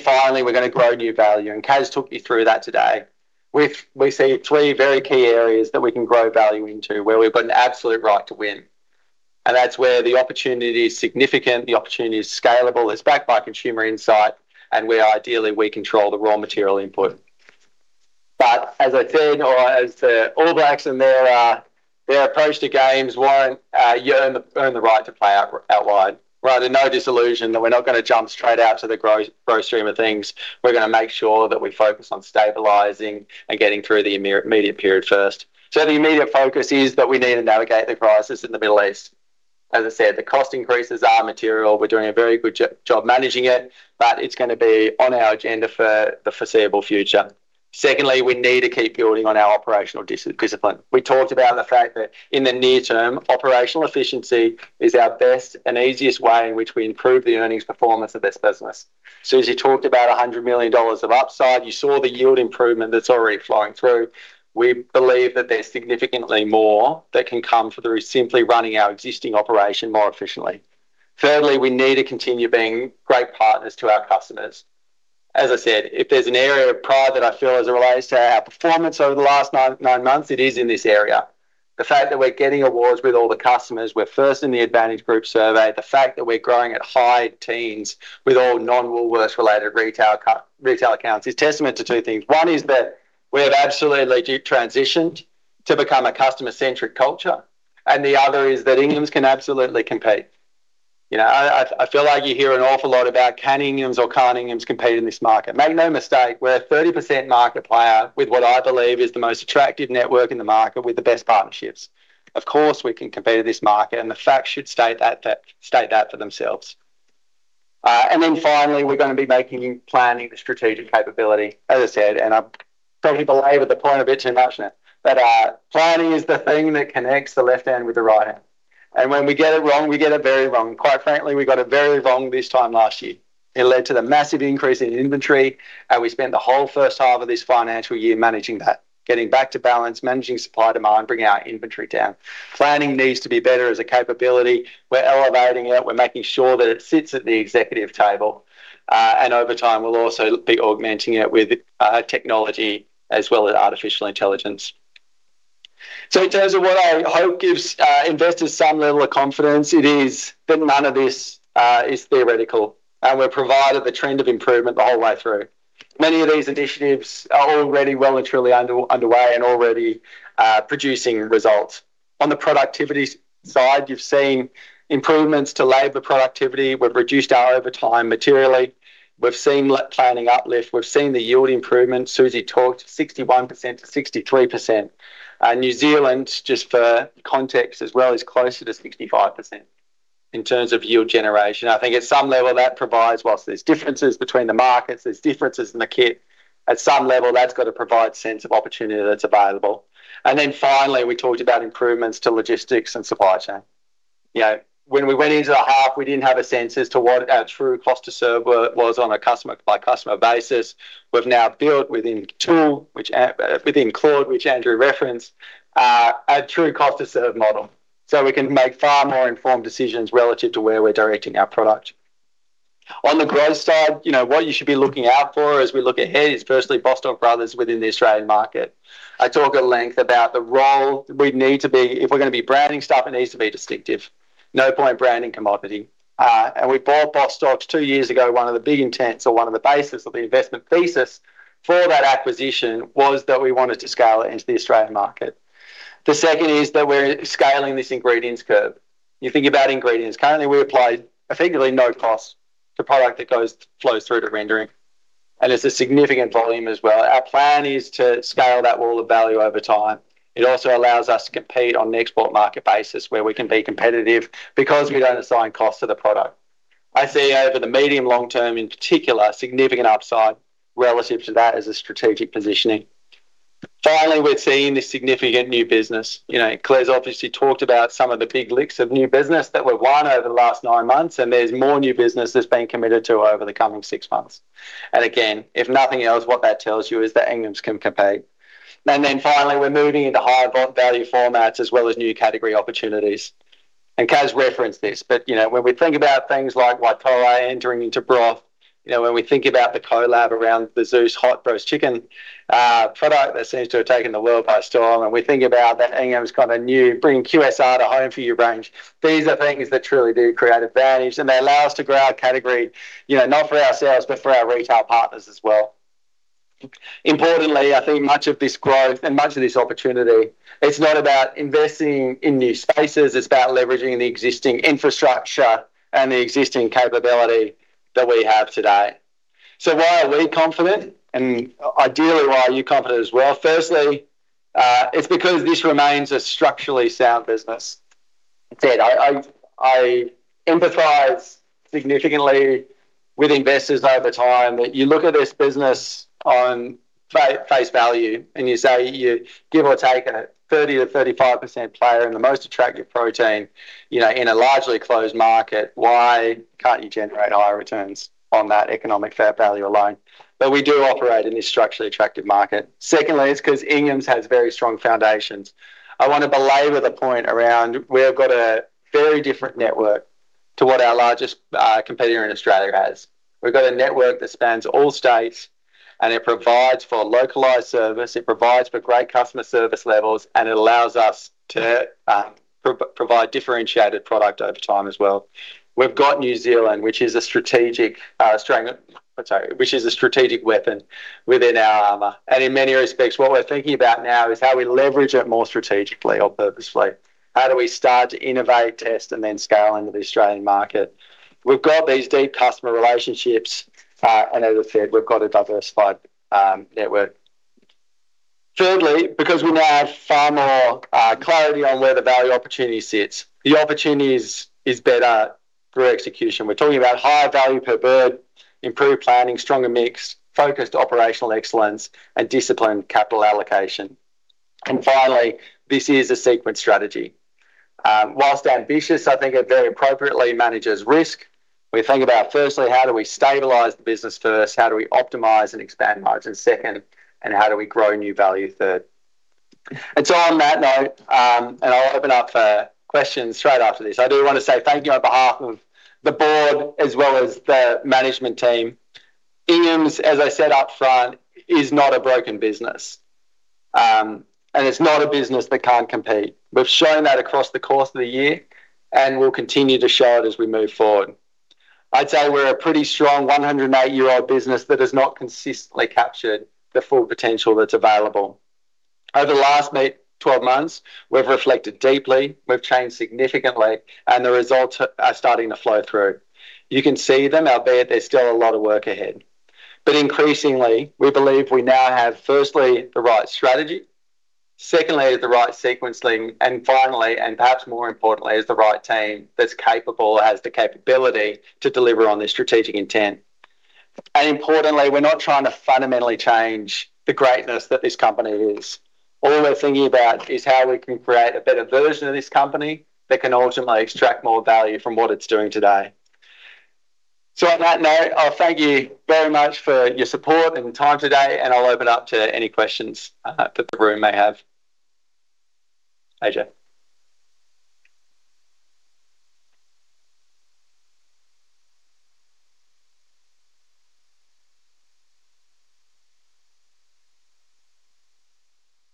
Speaker 1: Finally, we're gonna grow new value, and Kaz took you through that today. We see three very key areas that we can grow value into where we've got an absolute right to win, and that's where the opportunity is significant, the opportunity is scalable, it's backed by consumer insight, and where ideally we control the raw material input. As I said, or as the All Blacks in their approach to games warned, you earn the right to play outside. We're under no delusion that we're not gonna jump straight out to the growth stream of things. We're gonna make sure that we focus on stabilizing and getting through the immediate period first. The immediate focus is that we need to navigate the crisis in the Middle East. As I said, the cost increases are material. We're doing a very good job managing it, but it's gonna be on our agenda for the foreseeable future. Secondly, we need to keep building on our operational discipline. We talked about the fact that in the near term, operational efficiency is our best and easiest way in which we improve the earnings performance of this business. Susy talked about 100 million dollars of upside. You saw the yield improvement that's already flowing through. We believe that there's significantly more that can come through simply running our existing operation more efficiently. Thirdly, we need to continue being great partners to our customers. As I said, if there's an area of pride that I feel as it relates to our performance over the last nine months, it is in this area. The fact that we're getting awards with all the customers, we're first in the Advantage Group survey. The fact that we're growing at high teens with all non-Woolworths related retail accounts is testament to two things. One is that we have absolutely transitioned to become a customer-centric culture. The other is that Inghams can absolutely compete. You know, I feel like you hear an awful lot about can Inghams or can't Inghams compete in this market. Make no mistake, we're a 30% market player with what I believe is the most attractive network in the market with the best partnerships. Of course, we can compete in this market. The facts should state that for themselves. Finally, we're gonna be making planning a strategic capability. As I said, I probably belabor the point a bit too much now, but planning is the thing that connects the left hand with the right hand. When we get it wrong, we get it very wrong. Quite frankly, we got it very wrong this time last year. It led to the massive increase in inventory. We spent the whole first half of this financial year managing that, getting back to balance, managing supply demand, bringing our inventory down. Planning needs to be better as a capability. We're elevating it. We're making sure that it sits at the executive table. Over time we'll also be augmenting it with technology as well as artificial intelligence. In terms of what I hope gives investors some level of confidence, it is that none of this is theoretical, and we're provided the trend of improvement the whole way through. Many of these initiatives are already well and truly underway and already producing results. On the productivity side, you've seen improvements to labor productivity. We've reduced our overtime materially. We've seen planning uplift. We've seen the yield improvement. Susy talked 61%-63%. New Zealand, just for context as well, is closer to 65% in terms of yield generation. I think at some level that provides, whilst there's differences between the markets, there's differences in the kit, at some level, that's got to provide sense of opportunity that's available. Finally, we talked about improvements to logistics and supply chain. You know, when we went into the half, we didn't have a sense as to what our true cost to serve was on a customer by customer basis. We've now built within tool, which within Claude, which Andrew referenced, a true cost to serve model. We can make far more informed decisions relative to where we're directing our product. On the growth side, you know, what you should be looking out for as we look ahead is firstly, Bostock Brothers within the Australian market. I talk at length about the role we need to be If we're gonna be branding stuff, it needs to be distinctive. No point branding commodity. We bought Bostock two years ago. One of the big intents or one of the basis of the investment thesis for that acquisition was that we wanted to scale it into the Australian market. The second is that we're scaling this ingredients curve. You think about ingredients. Currently, we apply effectively no cost to product that flows through to rendering, and it's a significant volume as well. Our plan is to scale that wall of value over time. It also allows us to compete on the export market basis, where we can be competitive because we don't assign cost to the product. I see over the medium long term, in particular, significant upside relative to that as a strategic positioning. Finally, we're seeing the significant new business. You know, Clair's obviously talked about some of the big lifts of new business that we've won over the last nine months. There's more new business that's been committed to over the coming six months. Again, if nothing else, what that tells you is that Inghams can compete. Finally, we're moving into higher value formats as well as new category opportunities. Kaz referenced this, but, you know, when we think about things like Waitoa entering into broth, you know, when we think about the collab around the Zeus hot roast chicken product that seems to have taken the world by storm, and we think about that Inghams kind of new bringing QSR to home for you range, these are things that truly do create advantage, and they allow us to grow our category, you know, not for ourselves, but for our retail partners as well. Importantly, I think much of this growth and much of this opportunity, it's not about investing in new spaces. It's about leveraging the existing infrastructure and the existing capability that we have today. Why are we confident and ideally why are you confident as well? Firstly, it's because this remains a structurally sound business. I said I, I empathize significantly with investors over time that you look at this business on face value and you say you give or take a 30%-35% player in the most attractive protein, you know, in a largely closed market, why can't you generate higher returns on that economic fair value alone? We do operate in this structurally attractive market. Secondly, it's 'cause Inghams has very strong foundations. I want to belabor the point around we have got a very different network to what our largest competitor in Australia has. We've got a network that spans all states, and it provides for localized service, it provides for great customer service levels, and it allows us to provide differentiated product over time as well. We've got New Zealand, which is a strategic Australian, sorry, which is a strategic weapon within our armor. In many respects, what we're thinking about now is how we leverage it more strategically or purposefully. How do we start to innovate, test, and then scale into the Australian market? We've got these deep customer relationships, and as I said, we've got a diversified network. Thirdly, because we now have far more clarity on where the value opportunity sits, the opportunity is better through execution. We're talking about higher value per bird, improved planning, stronger mix, focused operational excellence, and disciplined capital allocation. Finally, this is a sequence strategy. Whilst ambitious, I think it very appropriately manages risk. We think about firstly, how do we stabilize the business first? How do we optimize and expand margins second? How do we grow new value third? On that note, I'll open up for questions straight after this. I do want to say thank you on behalf of the board as well as the management team. Inghams, as I said up front, is not a broken business. It's not a business that can't compete. We've shown that across the course of the year, and we'll continue to show it as we move forward. I'd say we're a pretty strong 108-year-old business that has not consistently captured the full potential that's available. Over the last 12 months, we've reflected deeply, we've changed significantly, and the results are starting to flow through. You can see them, albeit there's still a lot of work ahead. Increasingly, we believe we now have, firstly, the right strategy, secondly, the right sequencing, and finally, and perhaps more importantly, is the right team that's capable, has the capability to deliver on this strategic intent. Importantly, we're not trying to fundamentally change the greatness that this company is. All we're thinking about is how we can create a better version of this company that can ultimately extract more value from what it's doing today. On that note, I'll thank you very much for your support and time today, and I'll open up to any questions that the room may have. Ajay?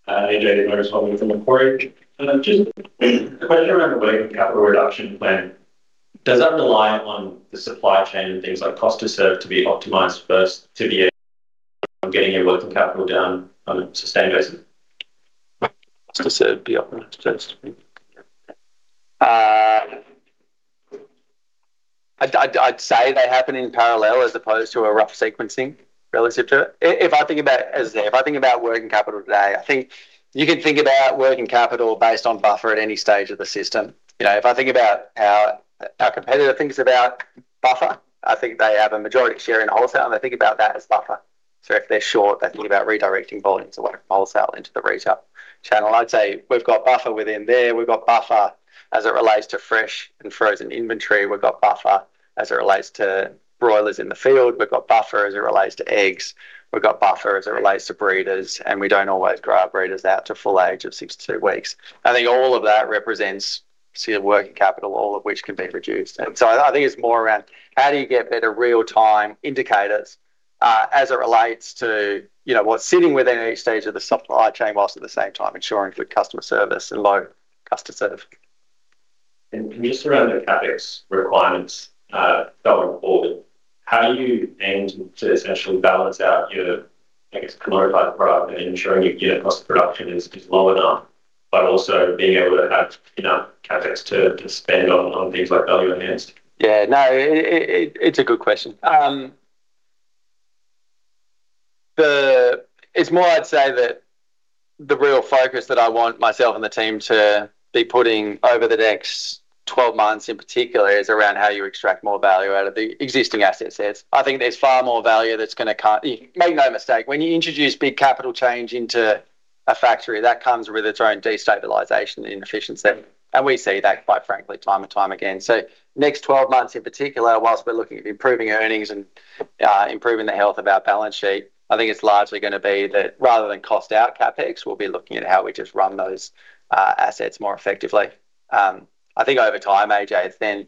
Speaker 10: Ajay Mariswamy from Macquarie. Just a question around the working capital reduction plan. Does that rely on the supply chain and things like cost to serve to be optimized first to be getting your working capital down on a sustained basis? Cost to serve be optimized first.
Speaker 1: I'd say they happen in parallel as opposed to a rough sequencing relative to it. If I think about working capital today, I think you can think about working capital based on buffer at any stage of the system. You know, if I think about how our competitor thinks about buffer, I think they have a majority share in wholesale, and they think about that as buffer. If they're short, they think about redirecting volumes of wholesale into the retail channel. I'd say we've got buffer within there. We've got buffer as it relates to fresh and frozen inventory. We've got buffer as it relates to broilers in the field. We've got buffer as it relates to eggs. We've got buffer as it relates to breeders, and we don't always grow our breeders out to full age of 62 weeks. I think all of that represents sort of working capital, all of which can be reduced. I think it's more around how do you get better real-time indicators as it relates to, you know, what's sitting within each stage of the supply chain whilst at the same time ensuring good customer service and low cost to serve.
Speaker 10: Just around the CapEx requirements, going forward, how do you aim to essentially balance out your, I guess, commoditized product and ensuring your unit cost of production is low enough, but also being able to have enough CapEx to spend on things like value-add ends?
Speaker 1: Yeah. No. It's a good question. It's more I'd say that the real focus that I want myself and the team to be putting over the next 12 months in particular is around how you extract more value out of the existing asset sets. I think there's far more value that's gonna come. Make no mistake, when you introduce big capital change into a factory, that comes with its own destabilization inefficiency. We see that quite frankly time and time again. Next 12 months in particular, whilst we're looking at improving earnings and improving the health of our balance sheet, I think it's largely gonna be that rather than cost out CapEx, we'll be looking at how we just run those assets more effectively. I think over time, Ajay,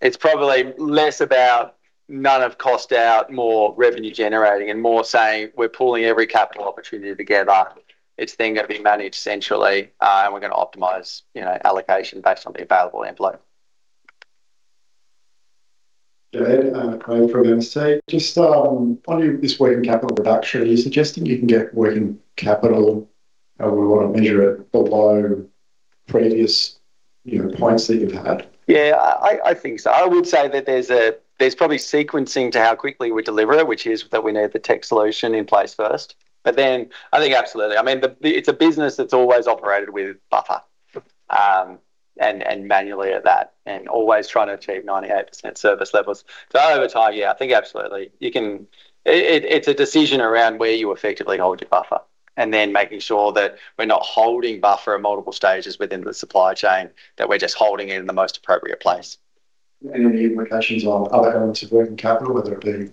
Speaker 1: it's probably less about none of cost out, more revenue generating and more saying we're pooling every capital opportunity together. It's gonna be managed centrally, and we're gonna optimize, you know, allocation based on the available envelope.
Speaker 8: Craig Woolford from MST. Just on your, this working capital reduction, are you suggesting you can get working capital, however we want to measure it, below previous, you know, points that you've had?
Speaker 1: Yeah. I think so. I would say that there's probably sequencing to how quickly we deliver it, which is that we need the tech solution in place first. I think absolutely. I mean, it's a business that's always operated with buffer. And manually at that, and always trying to achieve 98% service levels. Over time, yeah, I think absolutely. You can It's a decision around where you effectively hold your buffer, making sure that we're not holding buffer at multiple stages within the supply chain, that we're just holding it in the most appropriate place.
Speaker 8: Any implications on other elements of working capital, whether it be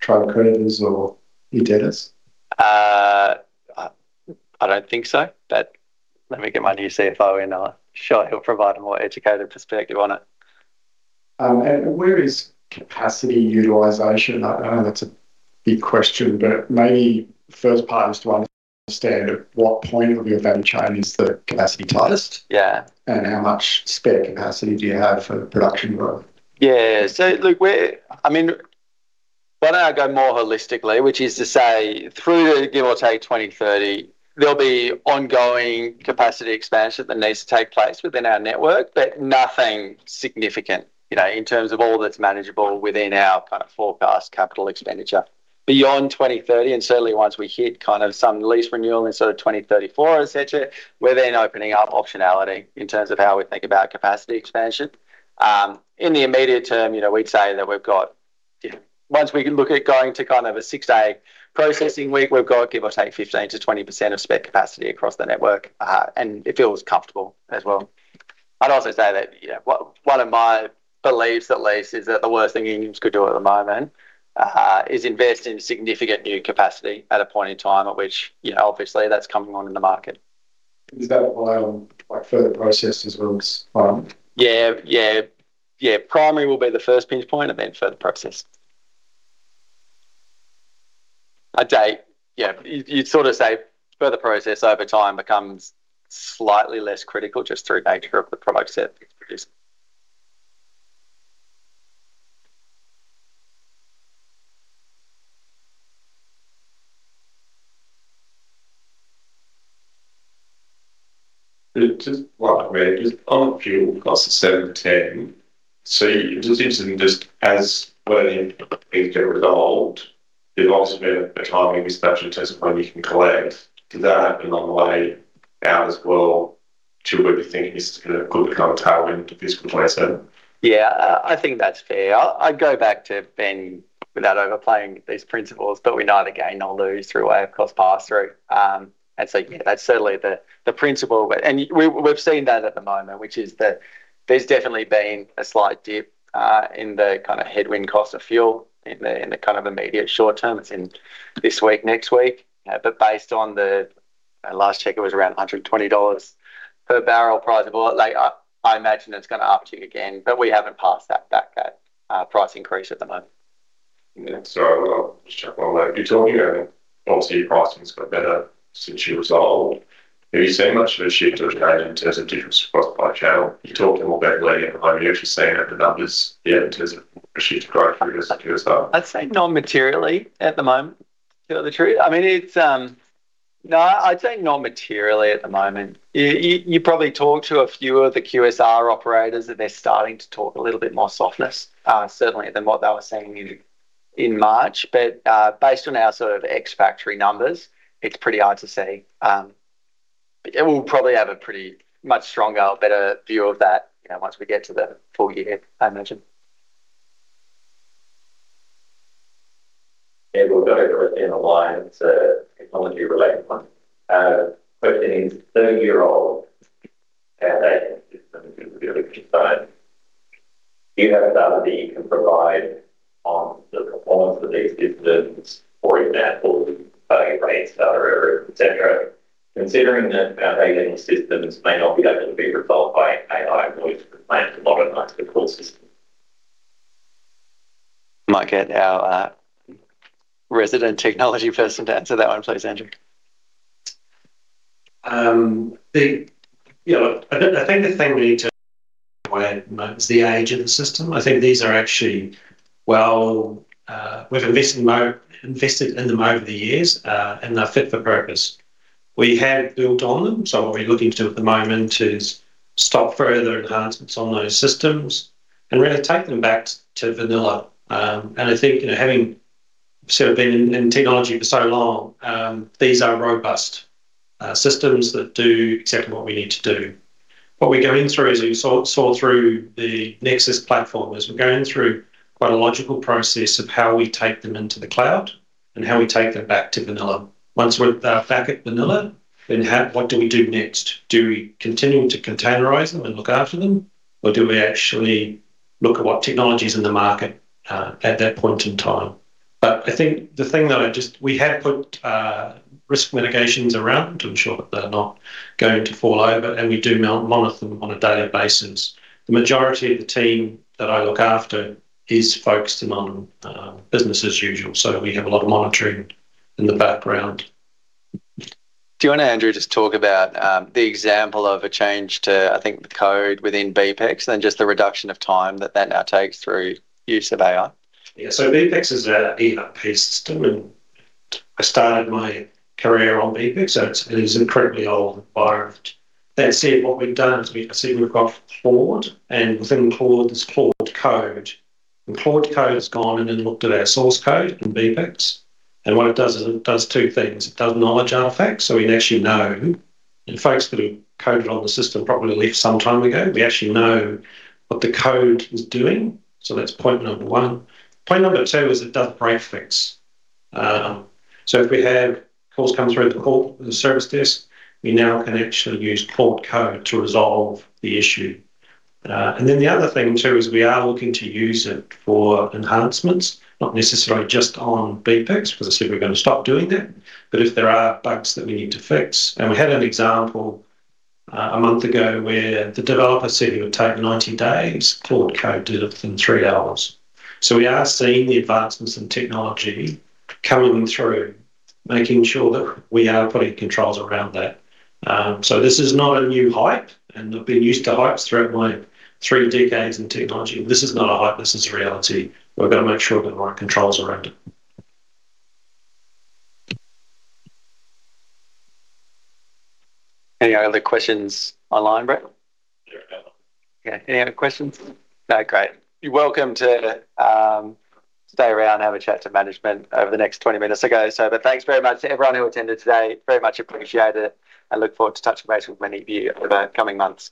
Speaker 8: trade creditors or your debtors?
Speaker 1: I don't think so. Let me get my new CFO in, sure he'll provide a more educated perspective on it.
Speaker 8: Where is capacity utilization? I know that's a big question, but maybe first part is to understand at what point of your value chain is the capacity tightest?
Speaker 1: Yeah
Speaker 8: How much spare capacity do you have for production growth?
Speaker 1: Yeah. Look, I mean, why don't I go more holistically, which is to say through to give or take 2030, there'll be ongoing capacity expansion that needs to take place within our network, but nothing significant, you know, in terms of all that's manageable within our kind of forecast capital expenditure. Beyond 2030, certainly once we hit kind of some lease renewal in sort of 2034, et cetera, we're then opening up optionality in terms of how we think about capacity expansion. In the immediate term, you know, we'd say that we've got, you know, once we can look at going to kind of a six-day processing week, we've got give or take 15%-20% of spare capacity across the network, and it feels comfortable as well. I'd also say that, you know, one of my beliefs at least is that the worst thing unions could do at the moment is invest in significant new capacity at a point in time at which, you know, obviously that's coming on in the market.
Speaker 8: Is that apply on like further process as well as farm?
Speaker 1: Yeah. Yeah. Yeah. Primary will be the first pinch point and then further process. I'd say, yeah, you'd sort of say further process over time becomes slightly less critical just through nature of the product set that's produced.
Speaker 8: Just on fuel costs of 710. It was interesting just as when things get resolved, there's obviously been a timing dispatch and testimony you can collect. Does that happen on the way out as well to where you think it's going to become tailwind to fiscal 2027?
Speaker 1: Yeah. I'd go back to Ben without overplaying these principles, we neither gain nor lose through way of cost pass-through. You know, that's certainly the principle. We've seen that at the moment, which is that there's definitely been a slight dip in the kind of headwind cost of fuel in the kind of immediate short term. It's in this week, next week. Based on the last check, it was around 120 dollars per barrel price of oil. Like I imagine it's gonna uptick again, but we haven't passed that back, that price increase at the moment.
Speaker 8: Yeah. Just check on that. You're talking, I mean, obviously your pricing's got better since you resolved. Have you seen much of a shift or change in terms of difference across supply channel? You talked more about leading at the moment. Have you seen it, the numbers yet in terms of shift growth through the QSR?
Speaker 1: I'd say non-materially at the moment, to tell the truth. I mean, it's. No, I'd say non-materially at the moment. You probably talk to a few of the QSR operators that they're starting to talk a little bit more softness, certainly than what they were seeing in March. Based on our sort of ex-factory numbers, it's pretty hard to say. We'll probably have a pretty much stronger, better view of that, you know, once we get to the full year, I imagine.
Speaker 8: Yeah. We'll go over it in a while. It's a technology-related one. Questioning 30-year-old foundation systems. Do you have data that you can provide on the performance of these systems, for example, failure rates, error rates, et cetera? Considering that foundational systems may not be able to be resolved by AI, we've planned to modernize the core system.
Speaker 1: Might get our, resident technology person to answer that one, please, Andrew.
Speaker 12: Yeah, look, I think the thing we need to weigh at the moment is the age of the system. I think these are actually well, we've invested in them over the years, and they're fit for purpose. We have built on them. What we're looking to do at the moment is stop further enhancements on those systems and really take them back to vanilla. I think, you know, having sort of been in technology for so long, these are robust systems that do exactly what we need to do. What we're going through, as you saw through the Nexus platform, is we're going through quite a logical process of how we take them into the cloud and how we take them back to vanilla. Once we're back at vanilla, then what do we do next? Do we continue to containerize them and look after them, or do we actually look at what technology is in the market at that point in time? I think the thing that we have put risk mitigations around to ensure that they're not going to fall over, and we do monitor them on a daily basis. The majority of the team that I look after is focused in on business as usual, we have a lot of monitoring in the background.
Speaker 1: Do you want to, Andrew, just talk about the example of a change to, I think, the code within BPCS, and just the reduction of time that that now takes through use of AI?
Speaker 12: Yeah. BPCS is our ERP system, and I started my career on BPCS, so it is incredibly old environment. That said, what we've done is we've got Claude, and within Claude is Claude Code. Claude Code has gone in and looked at our source code in BPCS, and what it does is it does two things. It does knowledge artifacts, so we actually know the folks that have coded on the system probably left some time ago. We actually know what the code is doing, so that is point number one. Point number two is it does break fix. If we have calls come through the service desk, we now can actually use Claude Code to resolve the issue. The other thing too is we are looking to use it for enhancements, not necessarily just on BPCS, because as I said, we're gonna stop doing that. If there are bugs that we need to fix, and we had an example, a month ago, where the developer said it would take 90 days. Claude Code did it within three hours. We are seeing the advancements in technology coming through, making sure that we are putting controls around that. This is not a new hype, and I've been used to hypes throughout my three decades in technology. This is not a hype. This is a reality. We've got to make sure that we put controls around it.
Speaker 1: Any other questions online, Brett?
Speaker 7: There are no.
Speaker 1: Okay. Any other questions? No. Great. You're welcome to stay around and have a chat to management over the next 20 minutes or so, but thanks very much to everyone who attended today. Very much appreciate it, and look forward to touching base with many of you over the coming months.